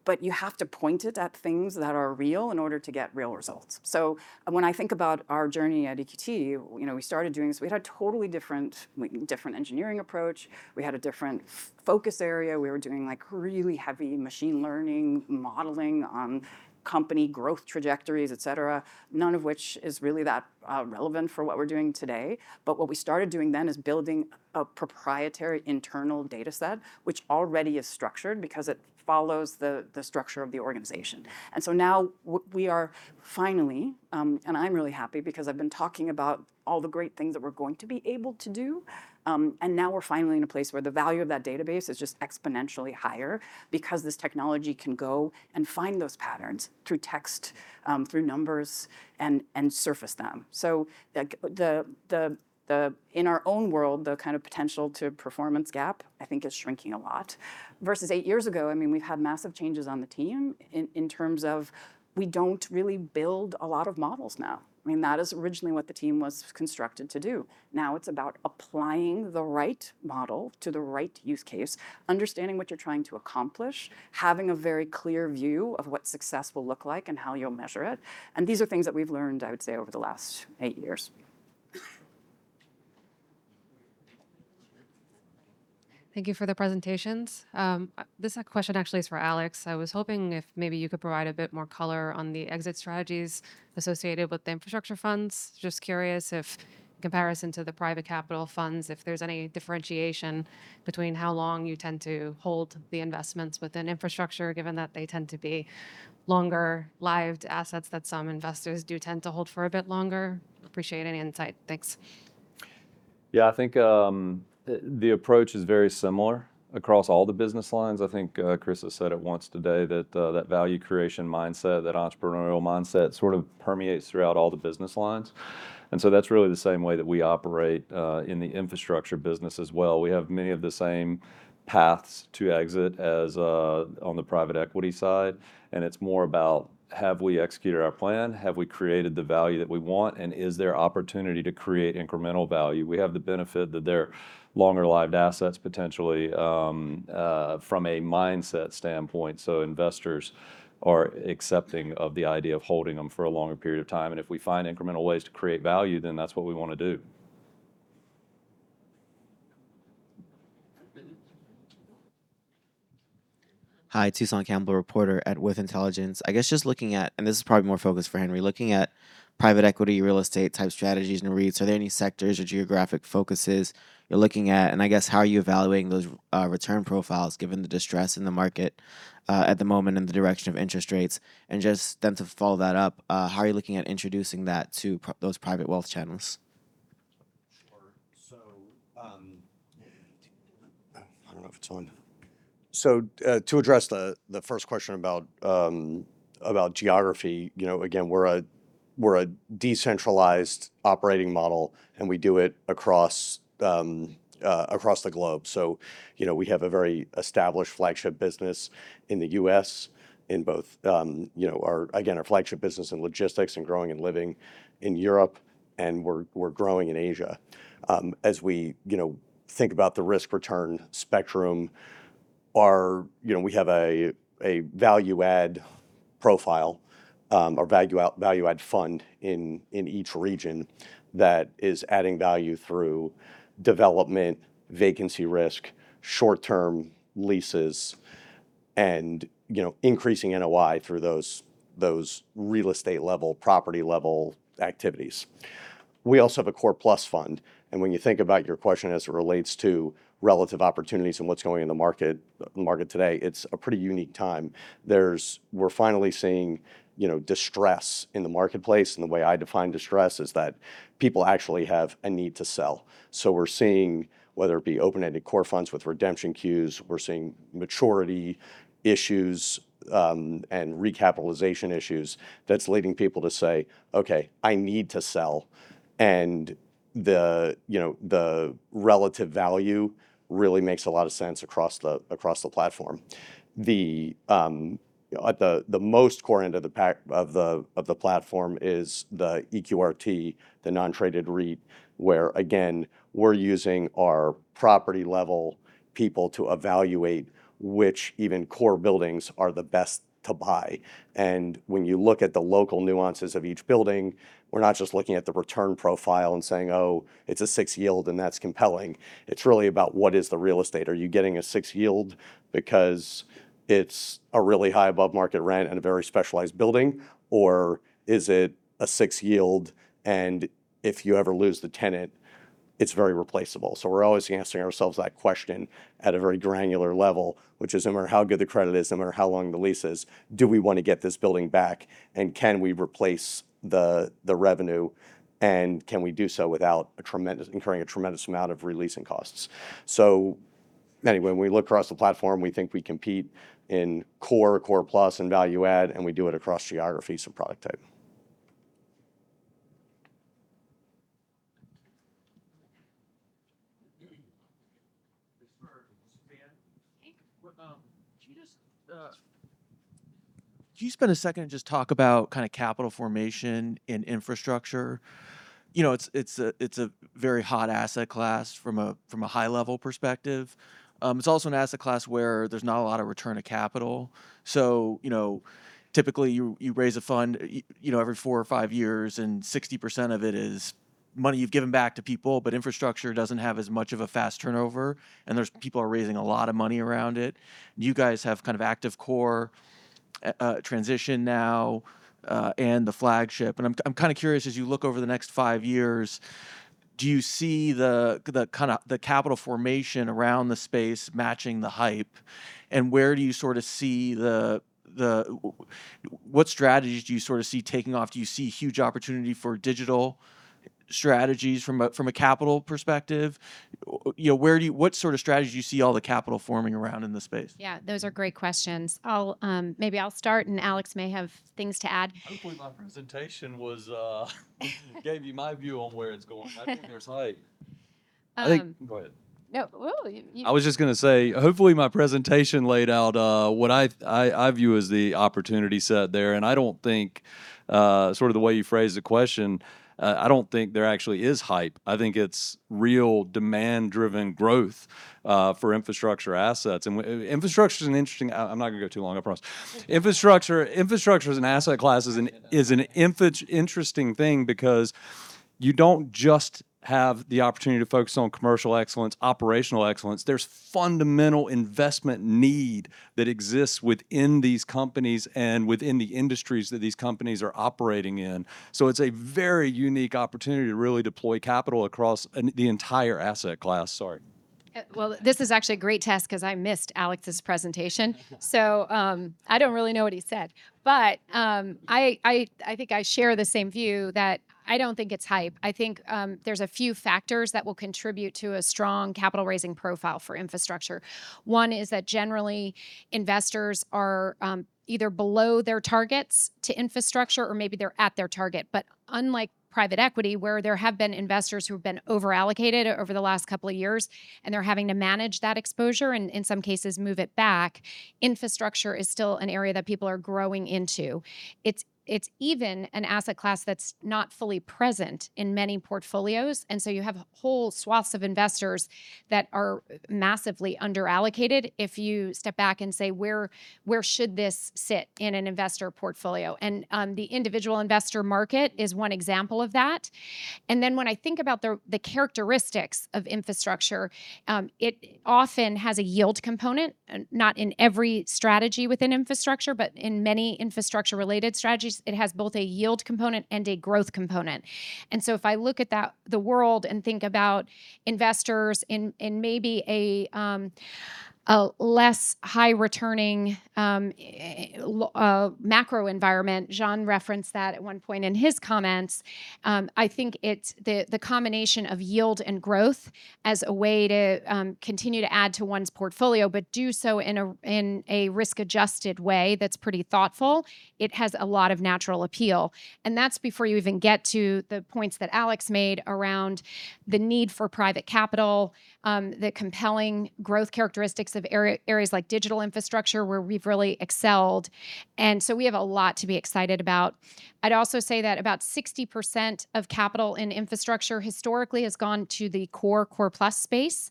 Speaker 11: but you have to point it at things that are real in order to get real results. So when I think about our journey at EQT, you know, we started doing this. We had a totally different, like, different engineering approach. We had a different focus area. We were doing, like, really heavy machine learning, modeling, company growth trajectories, et cetera, none of which is really that relevant for what we're doing today. But what we started doing then is building a proprietary internal data set, which already is structured because it follows the structure of the organization. And so now we are finally, and I'm really happy because I've been talking about all the great things that we're going to be able to do, and now we're finally in a place where the value of that database is just exponentially higher because this technology can go and find those patterns through text, through numbers, and surface them. So, like, the in our own world, the kind of potential to performance gap, I think, is shrinking a lot. Versus eight years ago, I mean, we've had massive changes on the team in terms of we don't really build a lot of models now. I mean, that is originally what the team was constructed to do. Now, it's about applying the right model to the right use case, understanding what you're trying to accomplish, having a very clear view of what success will look like and how you'll measure it, and these are things that we've learned, I would say, over the last eight years. Thank you for the presentations. This question actually is for Alex. I was hoping if maybe you could provide a bit more color on the exit strategies associated with the infrastructure funds. Just curious if comparison to the private capital funds, if there's any differentiation between how long you tend to hold the investments within infrastructure, given that they tend to be longer-lived assets that some investors do tend to hold for a bit longer. Appreciate any insight. Thanks.
Speaker 9: Yeah, I think the approach is very similar across all the business lines. I think Chris has said it once today, that value creation mindset, that entrepreneurial mindset, sort of permeates throughout all the business lines, and so that's really the same way that we operate in the infrastructure business as well. We have many of the same paths to exit as on the private equity side, and it's more about: Have we executed our plan? Have we created the value that we want, and is there opportunity to create incremental value? We have the benefit that they're longer-lived assets, potentially, from a mindset standpoint, so investors are accepting of the idea of holding them for a longer period of time. And if we find incremental ways to create value, then that's what we wanna do.
Speaker 15: Hi, Toussaint Campbell, reporter at With Intelligence. I guess just looking at... And this is probably more focused for Henry. Looking at private equity, real estate-type strategies and REITs, are there any sectors or geographic focuses you're looking at? And I guess, how are you evaluating those, return profiles, given the distress in the market, at the moment and the direction of interest rates? And just then to follow that up, how are you looking at introducing that to those private wealth channels?
Speaker 10: Sure. So, I don't know if it's on. To address the first question about geography, you know, again, we're a decentralized operating model, and we do it across the globe. So, you know, we have a very established flagship business in the U.S. in both our flagship business in logistics and growing and living in Europe, and we're growing in Asia. As we, you know, think about the risk-return spectrum, you know, we have a value-add profile or value-add fund in each region that is adding value through development, vacancy risk, short-term leases, and, you know, increasing NOI through those real estate-level, property-level activities. We also have a core plus fund, and when you think about your question as it relates to relative opportunities and what's going in the market, the market today, it's a pretty unique time. We're finally seeing, you know, distress in the marketplace, and the way I define distress is that people actually have a need to sell. So we're seeing, whether it be open-ended core funds with redemption queues, we're seeing maturity issues, and recapitalization issues. That's leading people to say, "Okay, I need to sell," and the, you know, the relative value really makes a lot of sense across the platform. At the most core end of the platform is the EQRT, the non-traded REIT, where, again, we're using our property-level people to evaluate which even core buildings are the best to buy. When you look at the local nuances of each building, we're not just looking at the return profile and saying, "Oh, it's a six yield, and that's compelling." It's really about what is the real estate? Are you getting a six yield because it's a really high above market rent and a very specialized building, or is it a six yield, and if you ever lose the tenant, it's very replaceable? So we're always asking ourselves that question at a very granular level, which is no matter how good the credit is, no matter how long the lease is, do we wanna get this building back, and can we replace the revenue, and can we do so without incurring a tremendous amount of re-leasing costs? Anyway, when we look across the platform, we think we compete in core, core plus, and value add, and we do it across geographies and product type. This is for Suzanne.
Speaker 3: Thank you. Could you spend a second and just talk about kinda capital formation in infrastructure? You know, it's a very hot asset class from a high-level perspective. It's also an asset class where there's not a lot of return of capital. So, you know, typically, you raise a fund, you know, every four or five years, and 60% of it is money you've given back to people, but infrastructure doesn't have as much of a fast turnover, and there's people are raising a lot of money around it. You guys have kind of Active Core, transition now, and the flagship, and I'm kinda curious, as you look over the next five years, do you see the kinda capital formation around the space matching the hype? Where do you sorta see what strategies do you sorta see taking off? Do you see huge opportunity for digital strategies from a capital perspective? You know, where do you what sort of strategies do you see all the capital forming around in the space? Yeah, those are great questions. I'll, maybe I'll start, and Alex may have things to add.
Speaker 9: Hopefully, my presentation gave you my view on where it's going. I think there's hype.
Speaker 10: I think-
Speaker 9: Go ahead.
Speaker 3: No. Well, you-
Speaker 9: I was just gonna say, hopefully, my presentation laid out what I view as the opportunity set there, and I don't think sort of the way you phrased the question, I don't think there actually is hype. I think it's real demand-driven growth for infrastructure assets, and infrastructure's an interesting... I'm not gonna go too long, I promise. Infrastructure as an asset class is an interesting thing because you don't just have the opportunity to focus on commercial excellence, operational excellence. There's fundamental investment need that exists within these companies and within the industries that these companies are operating in. So it's a very unique opportunity to really deploy capital across the entire asset class. Sorry.
Speaker 3: Well, this is actually a great test 'cause I missed Alex's presentation. So, I don't really know what he said, but I think I share the same view that I don't think it's hype. I think there's a few factors that will contribute to a strong capital-raising profile for infrastructure. One is that generally, investors are either below their targets to infrastructure, or maybe they're at their target. But unlike private equity, where there have been investors who've been over-allocated over the last couple of years, and they're having to manage that exposure, and in some cases, move it back, infrastructure is still an area that people are growing into. It's, it's even an asset class that's not fully present in many portfolios, and so you have whole swaths of investors that are massively under-allocated if you step back and say, "Where, where should this sit in an investor portfolio?" And, the individual investor market is one example of that, and then, when I think about the characteristics of infrastructure, it often has a yield component, not in every strategy within infrastructure, but in many infrastructure-related strategies, it has both a yield component and a growth component. And so if I look at that the world and think about investors in maybe a less high-returning macro environment, Jean referenced that at one point in his comments. I think it's the combination of yield and growth as a way to continue to add to one's portfolio but do so in a risk-adjusted way that's pretty thoughtful. It has a lot of natural appeal, and that's before you even get to the points that Alex made around the need for private capital, the compelling growth characteristics of areas like digital infrastructure, where we've really excelled, and so we have a lot to be excited about. I'd also say that about 60% of capital in infrastructure historically has gone to the core, core plus space.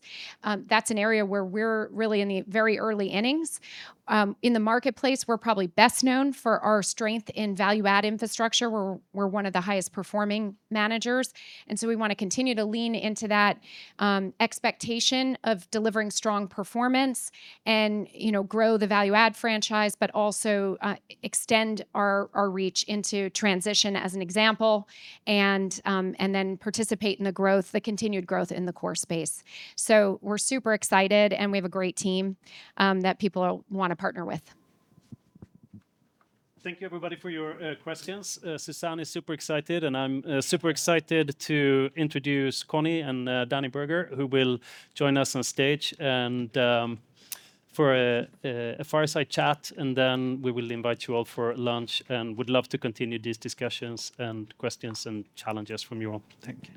Speaker 3: That's an area where we're really in the very early innings. In the marketplace, we're probably best known for our strength in value add infrastructure, where we're one of the highest-performing managers, and so we wanna continue to lean into that expectation of delivering strong performance and, you know, grow the value add franchise but also extend our reach into transition, as an example, and then participate in the growth, the continued growth in the core space. So we're super excited, and we have a great team that people will wanna partner with.
Speaker 1: Thank you, everybody, for your questions. Suzanne is super excited, and I'm super excited to introduce Conni and Dani Burger, who will join us on stage, and for a fireside chat, and then we will invite you all for lunch, and would love to continue these discussions and questions and challenges from you all. Thank you.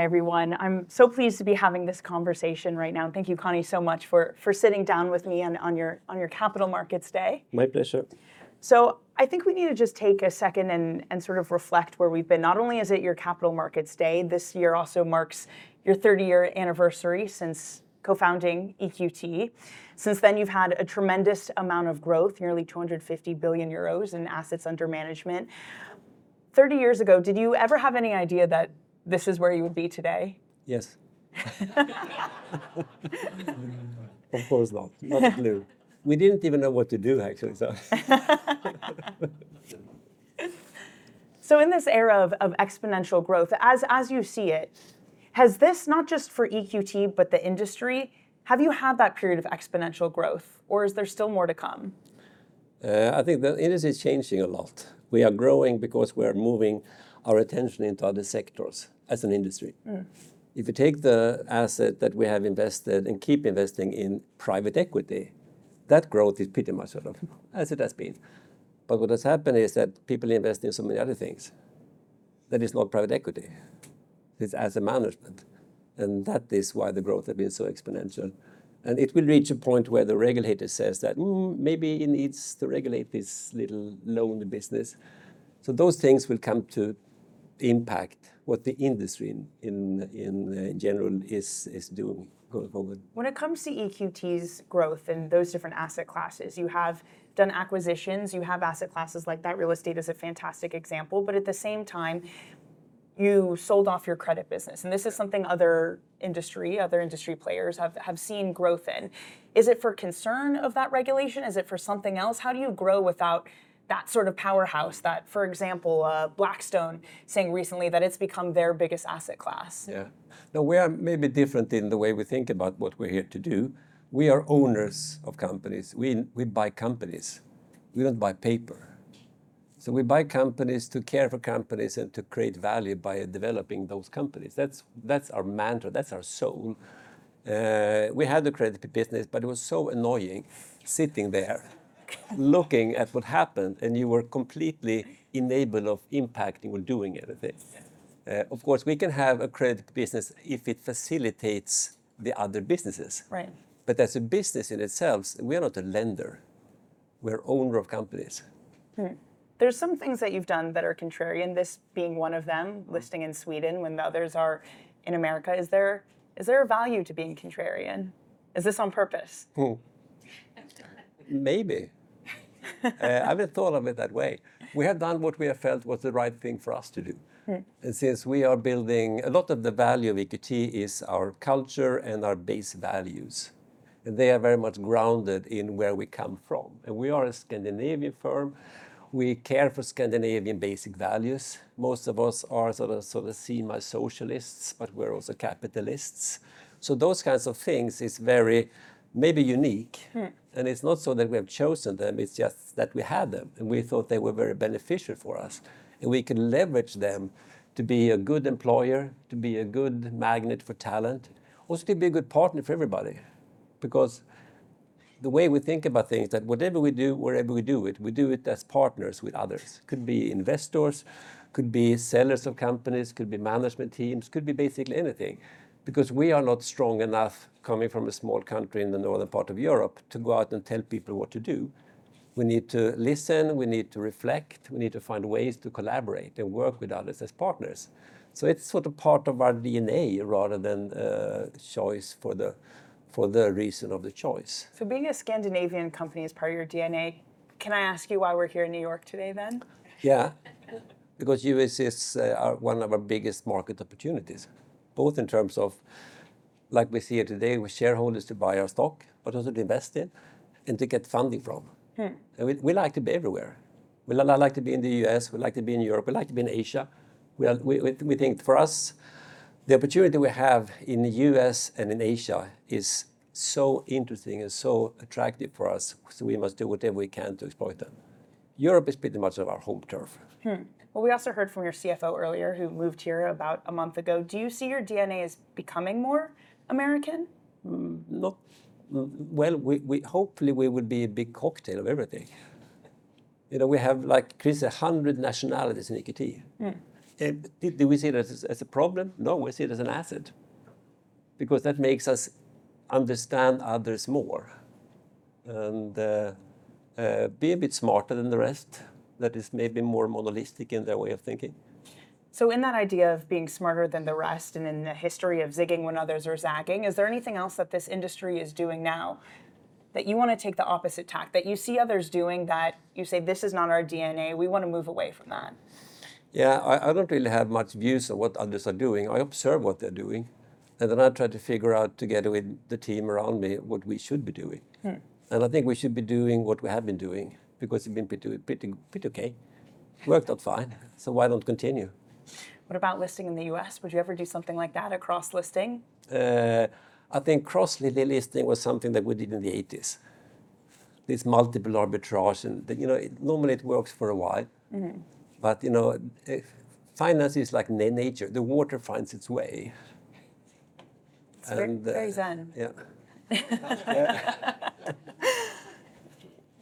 Speaker 16: Thank you.
Speaker 1: Thank you.
Speaker 17: Hi, everyone. I'm so pleased to be having this conversation right now. Thank you, Conni, so much for sitting down with me on your Capital Markets Day.
Speaker 16: My pleasure.
Speaker 17: So I think we need to just take a second and sort of reflect where we've been. Not only is it your Capital Markets Day, this year also marks your 30-year anniversary since co-founding EQT. Since then, you've had a tremendous amount of growth, nearly 250 billion euros in assets under management. 30 years ago, did you ever have any idea that this is where you would be today?
Speaker 16: Yes. Of course not. Not a clue. We didn't even know what to do, actually, so
Speaker 17: So in this era of exponential growth, as you see it, has this not just for EQT, but the industry, have you had that period of exponential growth, or is there still more to come?
Speaker 16: I think the industry is changing a lot. We are growing because we're moving our attention into other sectors as an industry.
Speaker 17: Mm.
Speaker 16: If you take the asset that we have invested and keep investing in private equity, that growth is pretty much sort of as it has been. But what has happened is that people invest in so many other things, that is not private equity, it's asset management, and that is why the growth has been so exponential. And it will reach a point where the regulator says that, "Mm, maybe it needs to regulate this little loan business." So those things will come to impact what the industry in general is doing going forward.
Speaker 17: When it comes to EQT's growth in those different asset classes, you have done acquisitions, you have asset classes like that. Real estate is a fantastic example, but at the same time, you sold off your credit business, and this is something other industry players have seen growth in. Is it for concern of that regulation? Is it for something else? How do you grow without that sort of powerhouse, that, for example, Blackstone saying recently that it's become their biggest asset class?
Speaker 16: Yeah. No, we are maybe different in the way we think about what we're here to do. We are owners of companies. We buy companies. We don't buy paper. So we buy companies to care for companies and to create value by developing those companies. That's our mantra, that's our soul. We had the credit business, but it was so annoying sitting there looking at what happened, and you were completely unable to impact or do anything.
Speaker 17: Yeah.
Speaker 16: Of course, we can have a credit business if it facilitates the other businesses.
Speaker 17: Right.
Speaker 16: But as a business in itself, we are not a lender, we're owners of companies.
Speaker 17: There's some things that you've done that are contrarian, this being one of them, listing in Sweden when the others are in America. Is there a value to being contrarian? Is this on purpose?
Speaker 16: Ooh. Maybe. I haven't thought of it that way. We have done what we have felt was the right thing for us to do.
Speaker 17: Mm.
Speaker 16: A lot of the value of EQT is our culture and our basic values, and they are very much grounded in where we come from. We are a Scandinavian firm. We care for Scandinavian basic values. Most of us are sort of seen as socialists, but we're also capitalists. Those kinds of things is very, maybe, unique.
Speaker 17: Mm. It's not so that we have chosen them. It's just that we had them, and we thought they were very beneficial for us, and we can leverage them to be a good employer, to be a good magnet for talent, also to be a good partner for everybody. Because the way we think about things, that whatever we do, wherever we do it, we do it as partners with others. Could be investors, could be sellers of companies, could be management teams, could be basically anything. Because we are not strong enough coming from a small country in the northern part of Europe to go out and tell people what to do. We need to listen, we need to reflect, we need to find ways to collaborate and work with others as partners. It's sort of part of our DNA rather than a choice for the reason of the choice. So being a Scandinavian company is part of your DNA. Can I ask you why we're here in New York today then?
Speaker 16: Yeah. Because U.S. is one of our biggest market opportunities, both in terms of, like we see it today, with shareholders to buy our stock, but also to invest in and to get funding from.
Speaker 17: Mm.
Speaker 16: We like to be everywhere. We like to be in the U.S., we like to be in Europe, we like to be in Asia. We think for us, the opportunity we have in the U.S. and in Asia is so interesting and so attractive for us, so we must do whatever we can to exploit them. Europe is pretty much of our home turf.
Speaker 17: Well, we also heard from your CFO earlier, who moved here about a month ago. Do you see your DNA as becoming more American?
Speaker 16: Well, we hopefully would be a big cocktail of everything. You know, we have like close to 100 nationalities in EQT.
Speaker 17: Mm.
Speaker 16: Do we see it as a problem? No, we see it as an asset, because that makes us understand others more, and be a bit smarter than the rest that is maybe more monolithic in their way of thinking.
Speaker 17: So in that idea of being smarter than the rest, and in the history of zigging when others are zagging, is there anything else that this industry is doing now that you wanna take the opposite tack, that you see others doing, that you say, "This is not our DNA, we wanna move away from that?
Speaker 16: Yeah, I don't really have much views on what others are doing. I observe what they're doing and then I try to figure out together with the team around me what we should be doing.
Speaker 17: Mm.
Speaker 16: And I think we should be doing what we have been doing, because it's been pretty, pretty, pretty okay. Worked out fine, so why not continue?
Speaker 17: What about listing in the U.S.? Would you ever do something like that, a cross-listing?
Speaker 16: I think cross-listing was something that we did in the 1980s. This multiple arbitrage and, you know, it normally works for a while-
Speaker 17: Mm-hmm.
Speaker 16: but, you know, if finance is like nature, the water finds its way. And
Speaker 17: It goes on.
Speaker 16: Yeah.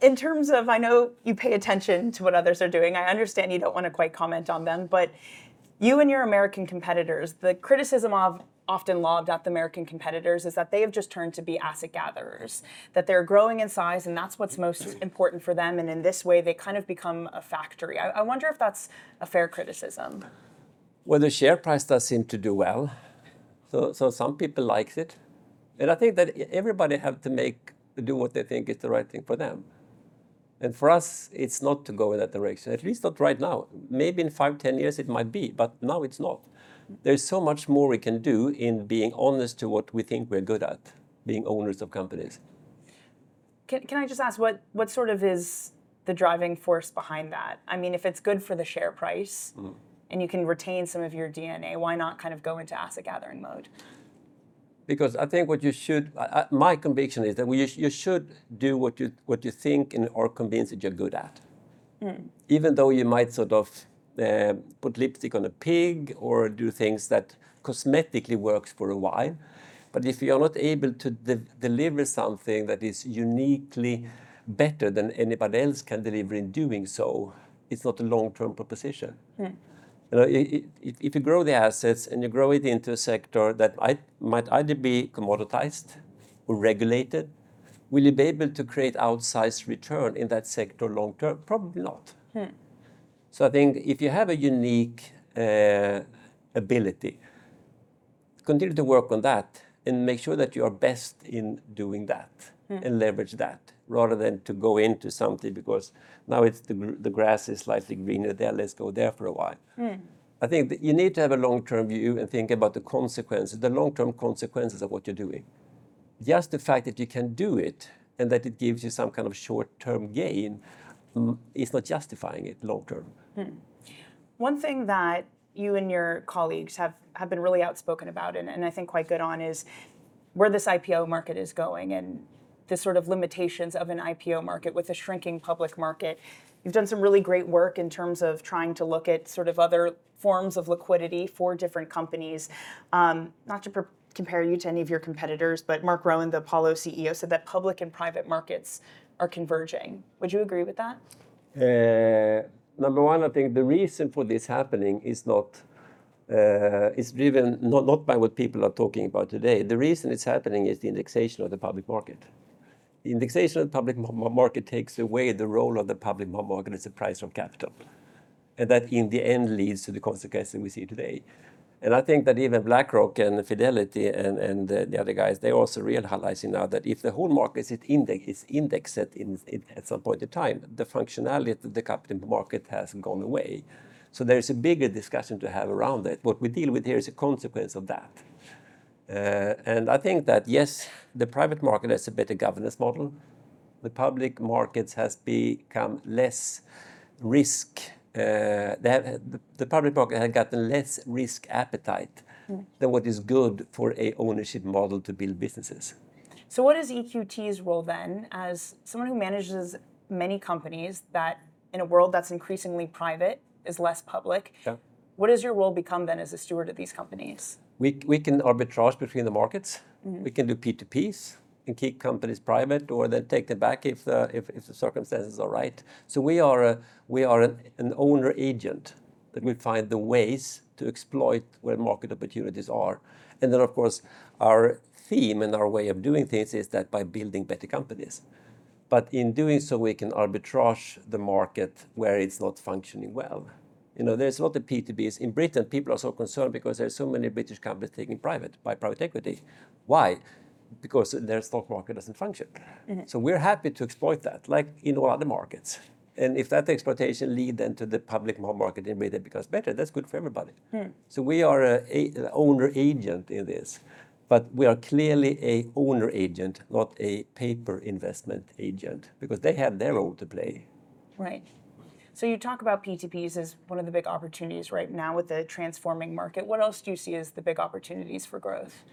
Speaker 17: In terms of... I know you pay attention to what others are doing. I understand you don't want to quite comment on them, but you and your American competitors, the criticism of often lobbed at the American competitors is that they have just turned to be asset gatherers, that they're growing in size, and that's what's most important for them, and in this way, they kind of become a factory. I wonder if that's a fair criticism.
Speaker 16: The share price does seem to do well, so some people likes it. I think that everybody have to do what they think is the right thing for them. For us, it's not to go in that direction, at least not right now. Maybe in five, 10 years it might be, but now it's not. There's so much more we can do in being honest to what we think we're good at, being owners of companies.
Speaker 17: Can I just ask, what sort of is the driving force behind that? I mean, if it's good for the share price-
Speaker 16: Mm...
Speaker 17: and you can retain some of your DNA, why not kind of go into asset gathering mode?
Speaker 16: Because I think what you should. My conviction is that you should do what you think and are convinced that you're good at.
Speaker 17: Mm.
Speaker 16: Even though you might sort of put lipstick on a pig or do things that cosmetically works for a while, but if you're not able to deliver something that is uniquely better than anybody else can deliver in doing so, it's not a long-term proposition.
Speaker 17: Right.
Speaker 16: You know, if you grow the assets and you grow it into a sector that might either be commoditized or regulated, will you be able to create outsized return in that sector long term? Probably not.
Speaker 17: Mm.
Speaker 16: I think if you have a unique ability, continue to work on that and make sure that you are best in doing that.
Speaker 17: Mm...
Speaker 16: and leverage that, rather than to go into something because now it's the grass is slightly greener there, let's go there for a while.
Speaker 17: Mm.
Speaker 16: I think that you need to have a long-term view and think about the consequences, the long-term consequences of what you're doing. Just the fact that you can do it, and that it gives you some kind of short-term gain, is not justifying it long term.
Speaker 17: One thing that you and your colleagues have been really outspoken about, and I think quite good on, is where this IPO market is going and the sort of limitations of an IPO market with a shrinking public market. You've done some really great work in terms of trying to look at sort of other forms of liquidity for different companies. Not to compare you to any of your competitors, but Mark Rowan, the Apollo CEO, said that public and private markets are converging. Would you agree with that?
Speaker 16: Number one, I think the reason for this happening is not is driven not by what people are talking about today. The reason it's happening is the indexation of the public market. The indexation of the public market takes away the role of the public market as a price of capital, and that, in the end, leads to the consequence that we see today. And I think that even BlackRock and Fidelity and the other guys, they're also realizing now that if the whole market is indexed at some point in time, the functionality of the capital market has gone away. So there is a bigger discussion to have around it. What we deal with here is a consequence of that. And I think that, yes, the private market has a better governance model. The public markets has become less risk. The public market has got less risk appetite-
Speaker 17: Mm...
Speaker 16: than what is good for an ownership model to build businesses.
Speaker 17: So what is EQT's role then, as someone who manages many companies, that in a world that's increasingly private, is less public?
Speaker 16: Yeah.
Speaker 17: What does your role become then as a steward of these companies?
Speaker 16: We can arbitrage between the markets.
Speaker 17: Mm-hmm.
Speaker 16: We can do P2Ps and keep companies private, or then take them back if the circumstances are right, so we are an owner agent that we find the ways to exploit where market opportunities are, and then, of course, our theme and our way of doing things is that by building better companies, but in doing so, we can arbitrage the market where it's not functioning well. You know, there's a lot of P2Ps. In Britain, people are so concerned because there are so many British companies taken private by private equity. Why? Because their stock market doesn't function.
Speaker 17: Mm-hmm.
Speaker 16: So we're happy to exploit that, like in all other markets, and if that exploitation leads then to the public market, and maybe it becomes better, that's good for everybody.
Speaker 17: Mm.
Speaker 16: So we are a owner agent in this, but we are clearly a owner agent, not a paper investment agent, because they have their role to play.
Speaker 17: Right. So you talk about P2Ps as one of the big opportunities right now with the transforming market. What else do you see as the big opportunities for growth?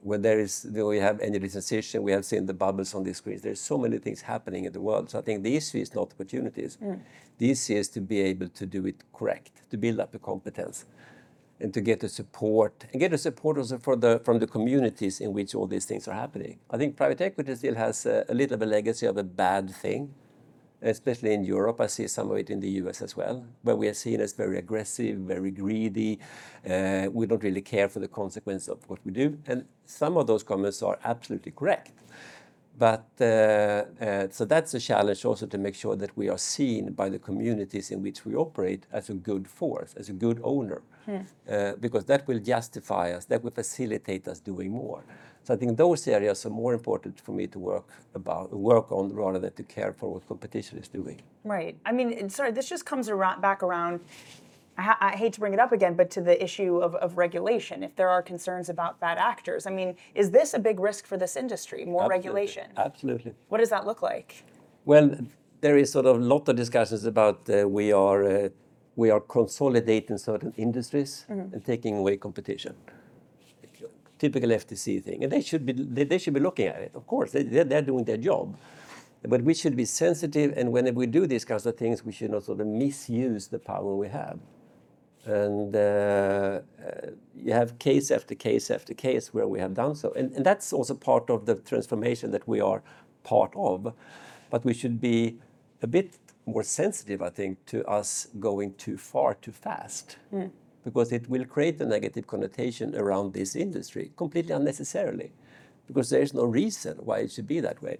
Speaker 16: When we have any recession, we have seen the bubbles on the screen. There are so many things happening in the world, so I think the issue is not opportunities.
Speaker 17: Mm.
Speaker 16: The issue is to be able to do it correct, to build up the competence, and to get the support, and get the support also from the communities in which all these things are happening. I think private equity still has a little of a legacy of a bad thing, especially in Europe. I see some of it in the U.S. as well, where we are seen as very aggressive, very greedy, we don't really care for the consequence of what we do, and some of those comments are absolutely correct, but so that's a challenge also to make sure that we are seen by the communities in which we operate as a good force, as a good owner-
Speaker 17: Yeah...
Speaker 16: because that will justify us, that will facilitate us doing more. So I think those areas are more important for me to work on, rather than to care for what competition is doing.
Speaker 17: Right. I mean, and so this just comes around, back around. I hate to bring it up again, but to the issue of regulation, if there are concerns about bad actors. I mean, is this a big risk for this industry?
Speaker 16: Absolutely.
Speaker 17: -more regulation?
Speaker 16: Absolutely.
Speaker 17: What does that look like?
Speaker 16: Well, there is sort of lot of discussions about, we are consolidating certain industries.
Speaker 17: Mm-hmm...
Speaker 16: and taking away competition. Typical FTC thing, and they should be, they should be looking at it, of course. They, they're doing their job. But we should be sensitive, and when we do these kinds of things, we should not sort of misuse the power we have. And you have case after case after case where we have done so, and that's also part of the transformation that we are part of. But we should be a bit more sensitive, I think, to us going too far too fast.
Speaker 17: Mm.
Speaker 16: because it will create a negative connotation around this industry, completely unnecessarily, because there's no reason why it should be that way.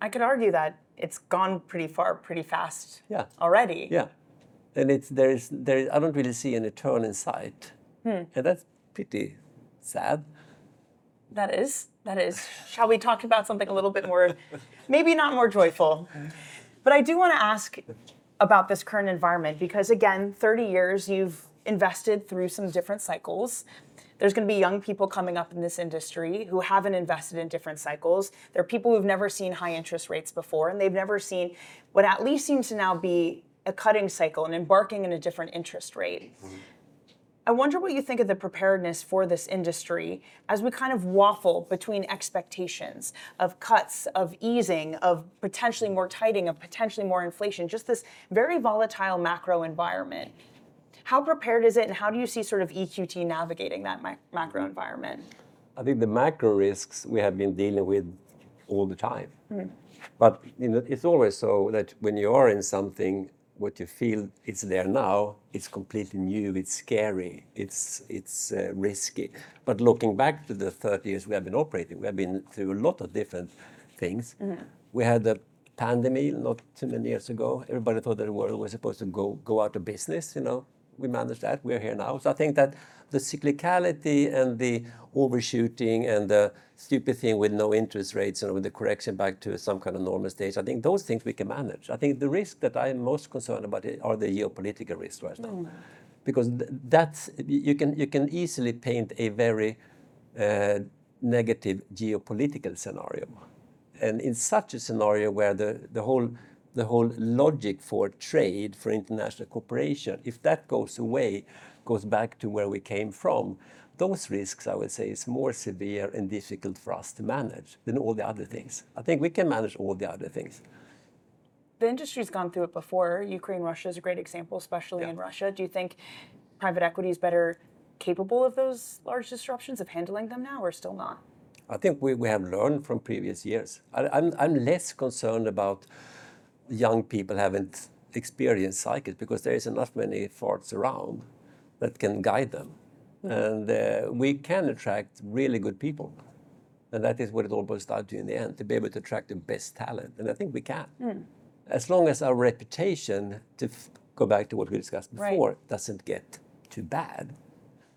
Speaker 17: I could argue that it's gone pretty far, pretty fast-
Speaker 16: Yeah...
Speaker 17: already.
Speaker 16: Yeah, and it's. There's... I don't really see any turn in sight.
Speaker 17: Mm.
Speaker 16: That's pretty sad.
Speaker 17: That is. Shall we talk about something a little bit more... maybe not more joyful?
Speaker 16: Mm.
Speaker 17: But I do wanna ask about this current environment, because again, 30 years you've invested through some different cycles. There's gonna be young people coming up in this industry who haven't invested in different cycles. There are people who've never seen high interest rates before, and they've never seen what at least seems to now be a cutting cycle and embarking in a different interest rate.
Speaker 16: Mm.
Speaker 17: I wonder what you think of the preparedness for this industry as we kind of waffle between expectations of cuts, of easing, of potentially more tightening, of potentially more inflation, just this very volatile macro environment. How prepared is it, and how do you see sort of EQT navigating that macro environment?
Speaker 16: I think the macro risks we have been dealing with all the time.
Speaker 17: Mm.
Speaker 16: But, you know, it's always so that when you are in something, what you feel, it's there now, it's completely new, it's scary, it's risky. But looking back to the 30 years we have been operating, we have been through a lot of different things.
Speaker 17: Mm.
Speaker 16: We had the pandemic not too many years ago. Everybody thought the world was supposed to go, go out of business, you know? We managed that. We're here now. So I think that the cyclicality and the overshooting and the stupid thing with no interest rates and with the correction back to some kind of normal state, I think those things we can manage. I think the risk that I'm most concerned about are the geopolitical risks right now-
Speaker 17: Mm...
Speaker 16: because that's, you can easily paint a very negative geopolitical scenario. And in such a scenario where the whole logic for trade, for international cooperation, if that goes away, goes back to where we came from, those risks, I would say, is more severe and difficult for us to manage than all the other things. I think we can manage all the other things.
Speaker 17: The industry's gone through it before. Ukraine, Russia, is a great example, especially in-
Speaker 16: Yeah...
Speaker 17: Russia. Do you think private equity is better capable of those large disruptions, of handling them now, or still not?
Speaker 16: I think we have learned from previous years. I'm less concerned about young people haven't experienced cycles because there is enough many old farts around that can guide them.
Speaker 17: Mm.
Speaker 16: We can attract really good people, and that is what it all boils down to in the end, to be able to attract the best talent, and I think we can.
Speaker 17: Mm.
Speaker 16: As long as our reputation, to go back to what we discussed before-
Speaker 17: Right...
Speaker 16: doesn't get too bad.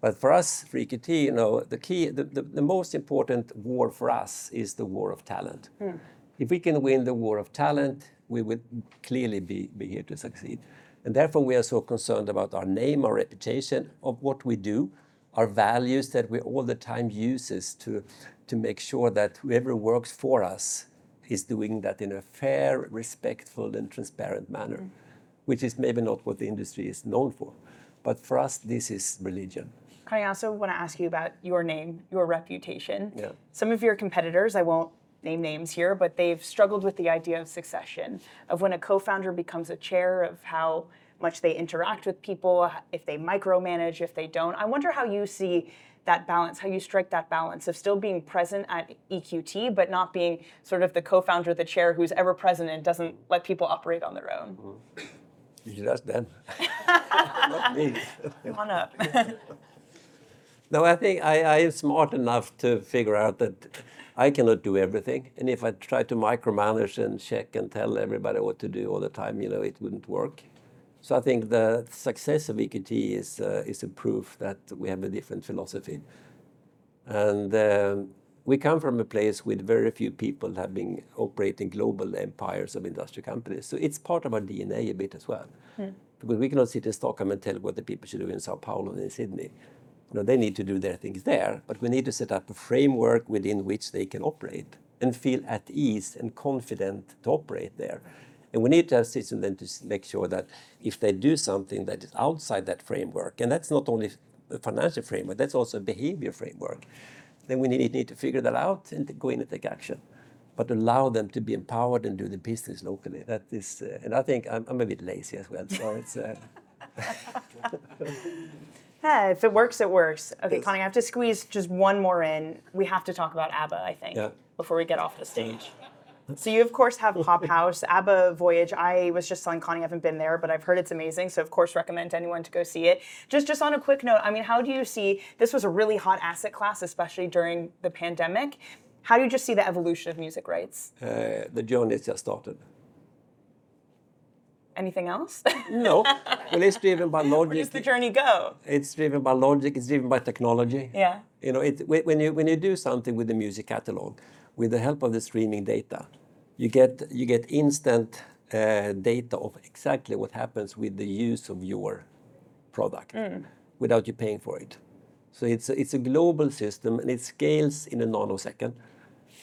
Speaker 16: But for us, for EQT, you know, the key, the most important war for us is the war of talent.
Speaker 17: Mm.
Speaker 16: If we can win the war of talent, we would clearly be here to succeed. And therefore, we are so concerned about our name, our reputation of what we do, our values that we all the time uses to make sure that whoever works for us is doing that in a fair, respectful, and transparent manner.
Speaker 17: Mm...
Speaker 16: which is maybe not what the industry is known for, but for us, this is religion.
Speaker 17: I also wanna ask you about your name, your reputation.
Speaker 16: Yeah.
Speaker 17: Some of your competitors, I won't name names here, but they've struggled with the idea of succession, of when a co-founder becomes a chair, of how much they interact with people, if they micromanage, if they don't. I wonder how you see that balance, how you strike that balance of still being present at EQT, but not being sort of the co-founder, the chair, who's ever present and doesn't let people operate on their own?
Speaker 16: Mm-hmm. You should ask them. Not me.
Speaker 17: Come on up.
Speaker 16: No, I think I am smart enough to figure out that I cannot do everything, and if I try to micromanage and check and tell everybody what to do all the time, you know, it wouldn't work. So I think the success of EQT is a proof that we have a different philosophy. And we come from a place with very few people having operating global empires of industrial companies, so it's part of our DNA a bit as well.
Speaker 17: Mm.
Speaker 16: Because we cannot sit in Stockholm and tell what the people should do in São Paulo and in Sydney. You know, they need to do their things there. But we need to set up a framework within which they can operate and feel at ease and confident to operate there.
Speaker 17: Mm.
Speaker 16: And we need to assist them to make sure that if they do something that is outside that framework, and that's not only a financial framework, that's also a behavior framework, then we need to figure that out and go in and take action, but allow them to be empowered and do the business locally. That is, and I think I'm a bit lazy as well, so it's.
Speaker 17: If it works, it works.
Speaker 16: It is.
Speaker 17: Okay, Conni, I have to squeeze just one more in. We have to talk about ABBA, I think-
Speaker 16: Yeah...
Speaker 17: before we get off the stage. So you, of course, have Pophouse, ABBA Voyage. I was just telling Conni I haven't been there, but I've heard it's amazing, so of course recommend anyone to go see it. Just on a quick note, I mean, how do you see... This was a really hot asset class, especially during the pandemic. How do you just see the evolution of music rights?
Speaker 16: The journey has just started.
Speaker 17: Anything else?
Speaker 16: No. Well, it's driven by logic-
Speaker 17: Where does the journey go?
Speaker 16: It's driven by logic. It's driven by technology.
Speaker 17: Yeah.
Speaker 16: You know, when you do something with the music catalog, with the help of the streaming data, you get instant data of exactly what happens with the use of your product.
Speaker 17: Mm...
Speaker 16: without you paying for it, so it's a global system, and it scales in a nanosecond,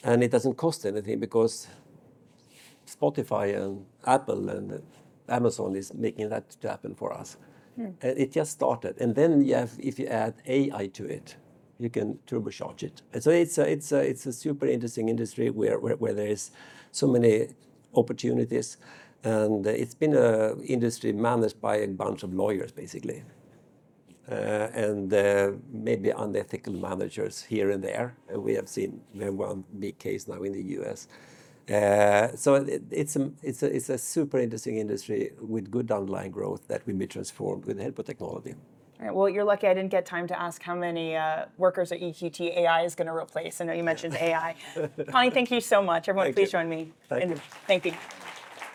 Speaker 16: and it doesn't cost anything because Spotify and Apple and Amazon is making that to happen for us.
Speaker 17: Mm.
Speaker 16: It just started. Then you have, if you add AI to it, you can turbocharge it. So it's a super interesting industry where there is so many opportunities, and it's been a industry managed by a bunch of lawyers, basically, and maybe unethical managers here and there. We have seen one big case now in the U.S. So it's a super interesting industry with good underlying growth that will be transformed with the help of technology.
Speaker 17: All right, well, you're lucky I didn't get time to ask how many workers at EQT AI is gonna replace. I know you mentioned AI. Conni, thank you so much.
Speaker 16: Thank you.
Speaker 17: Everyone, please join me.
Speaker 16: Thank you.
Speaker 17: Thank you.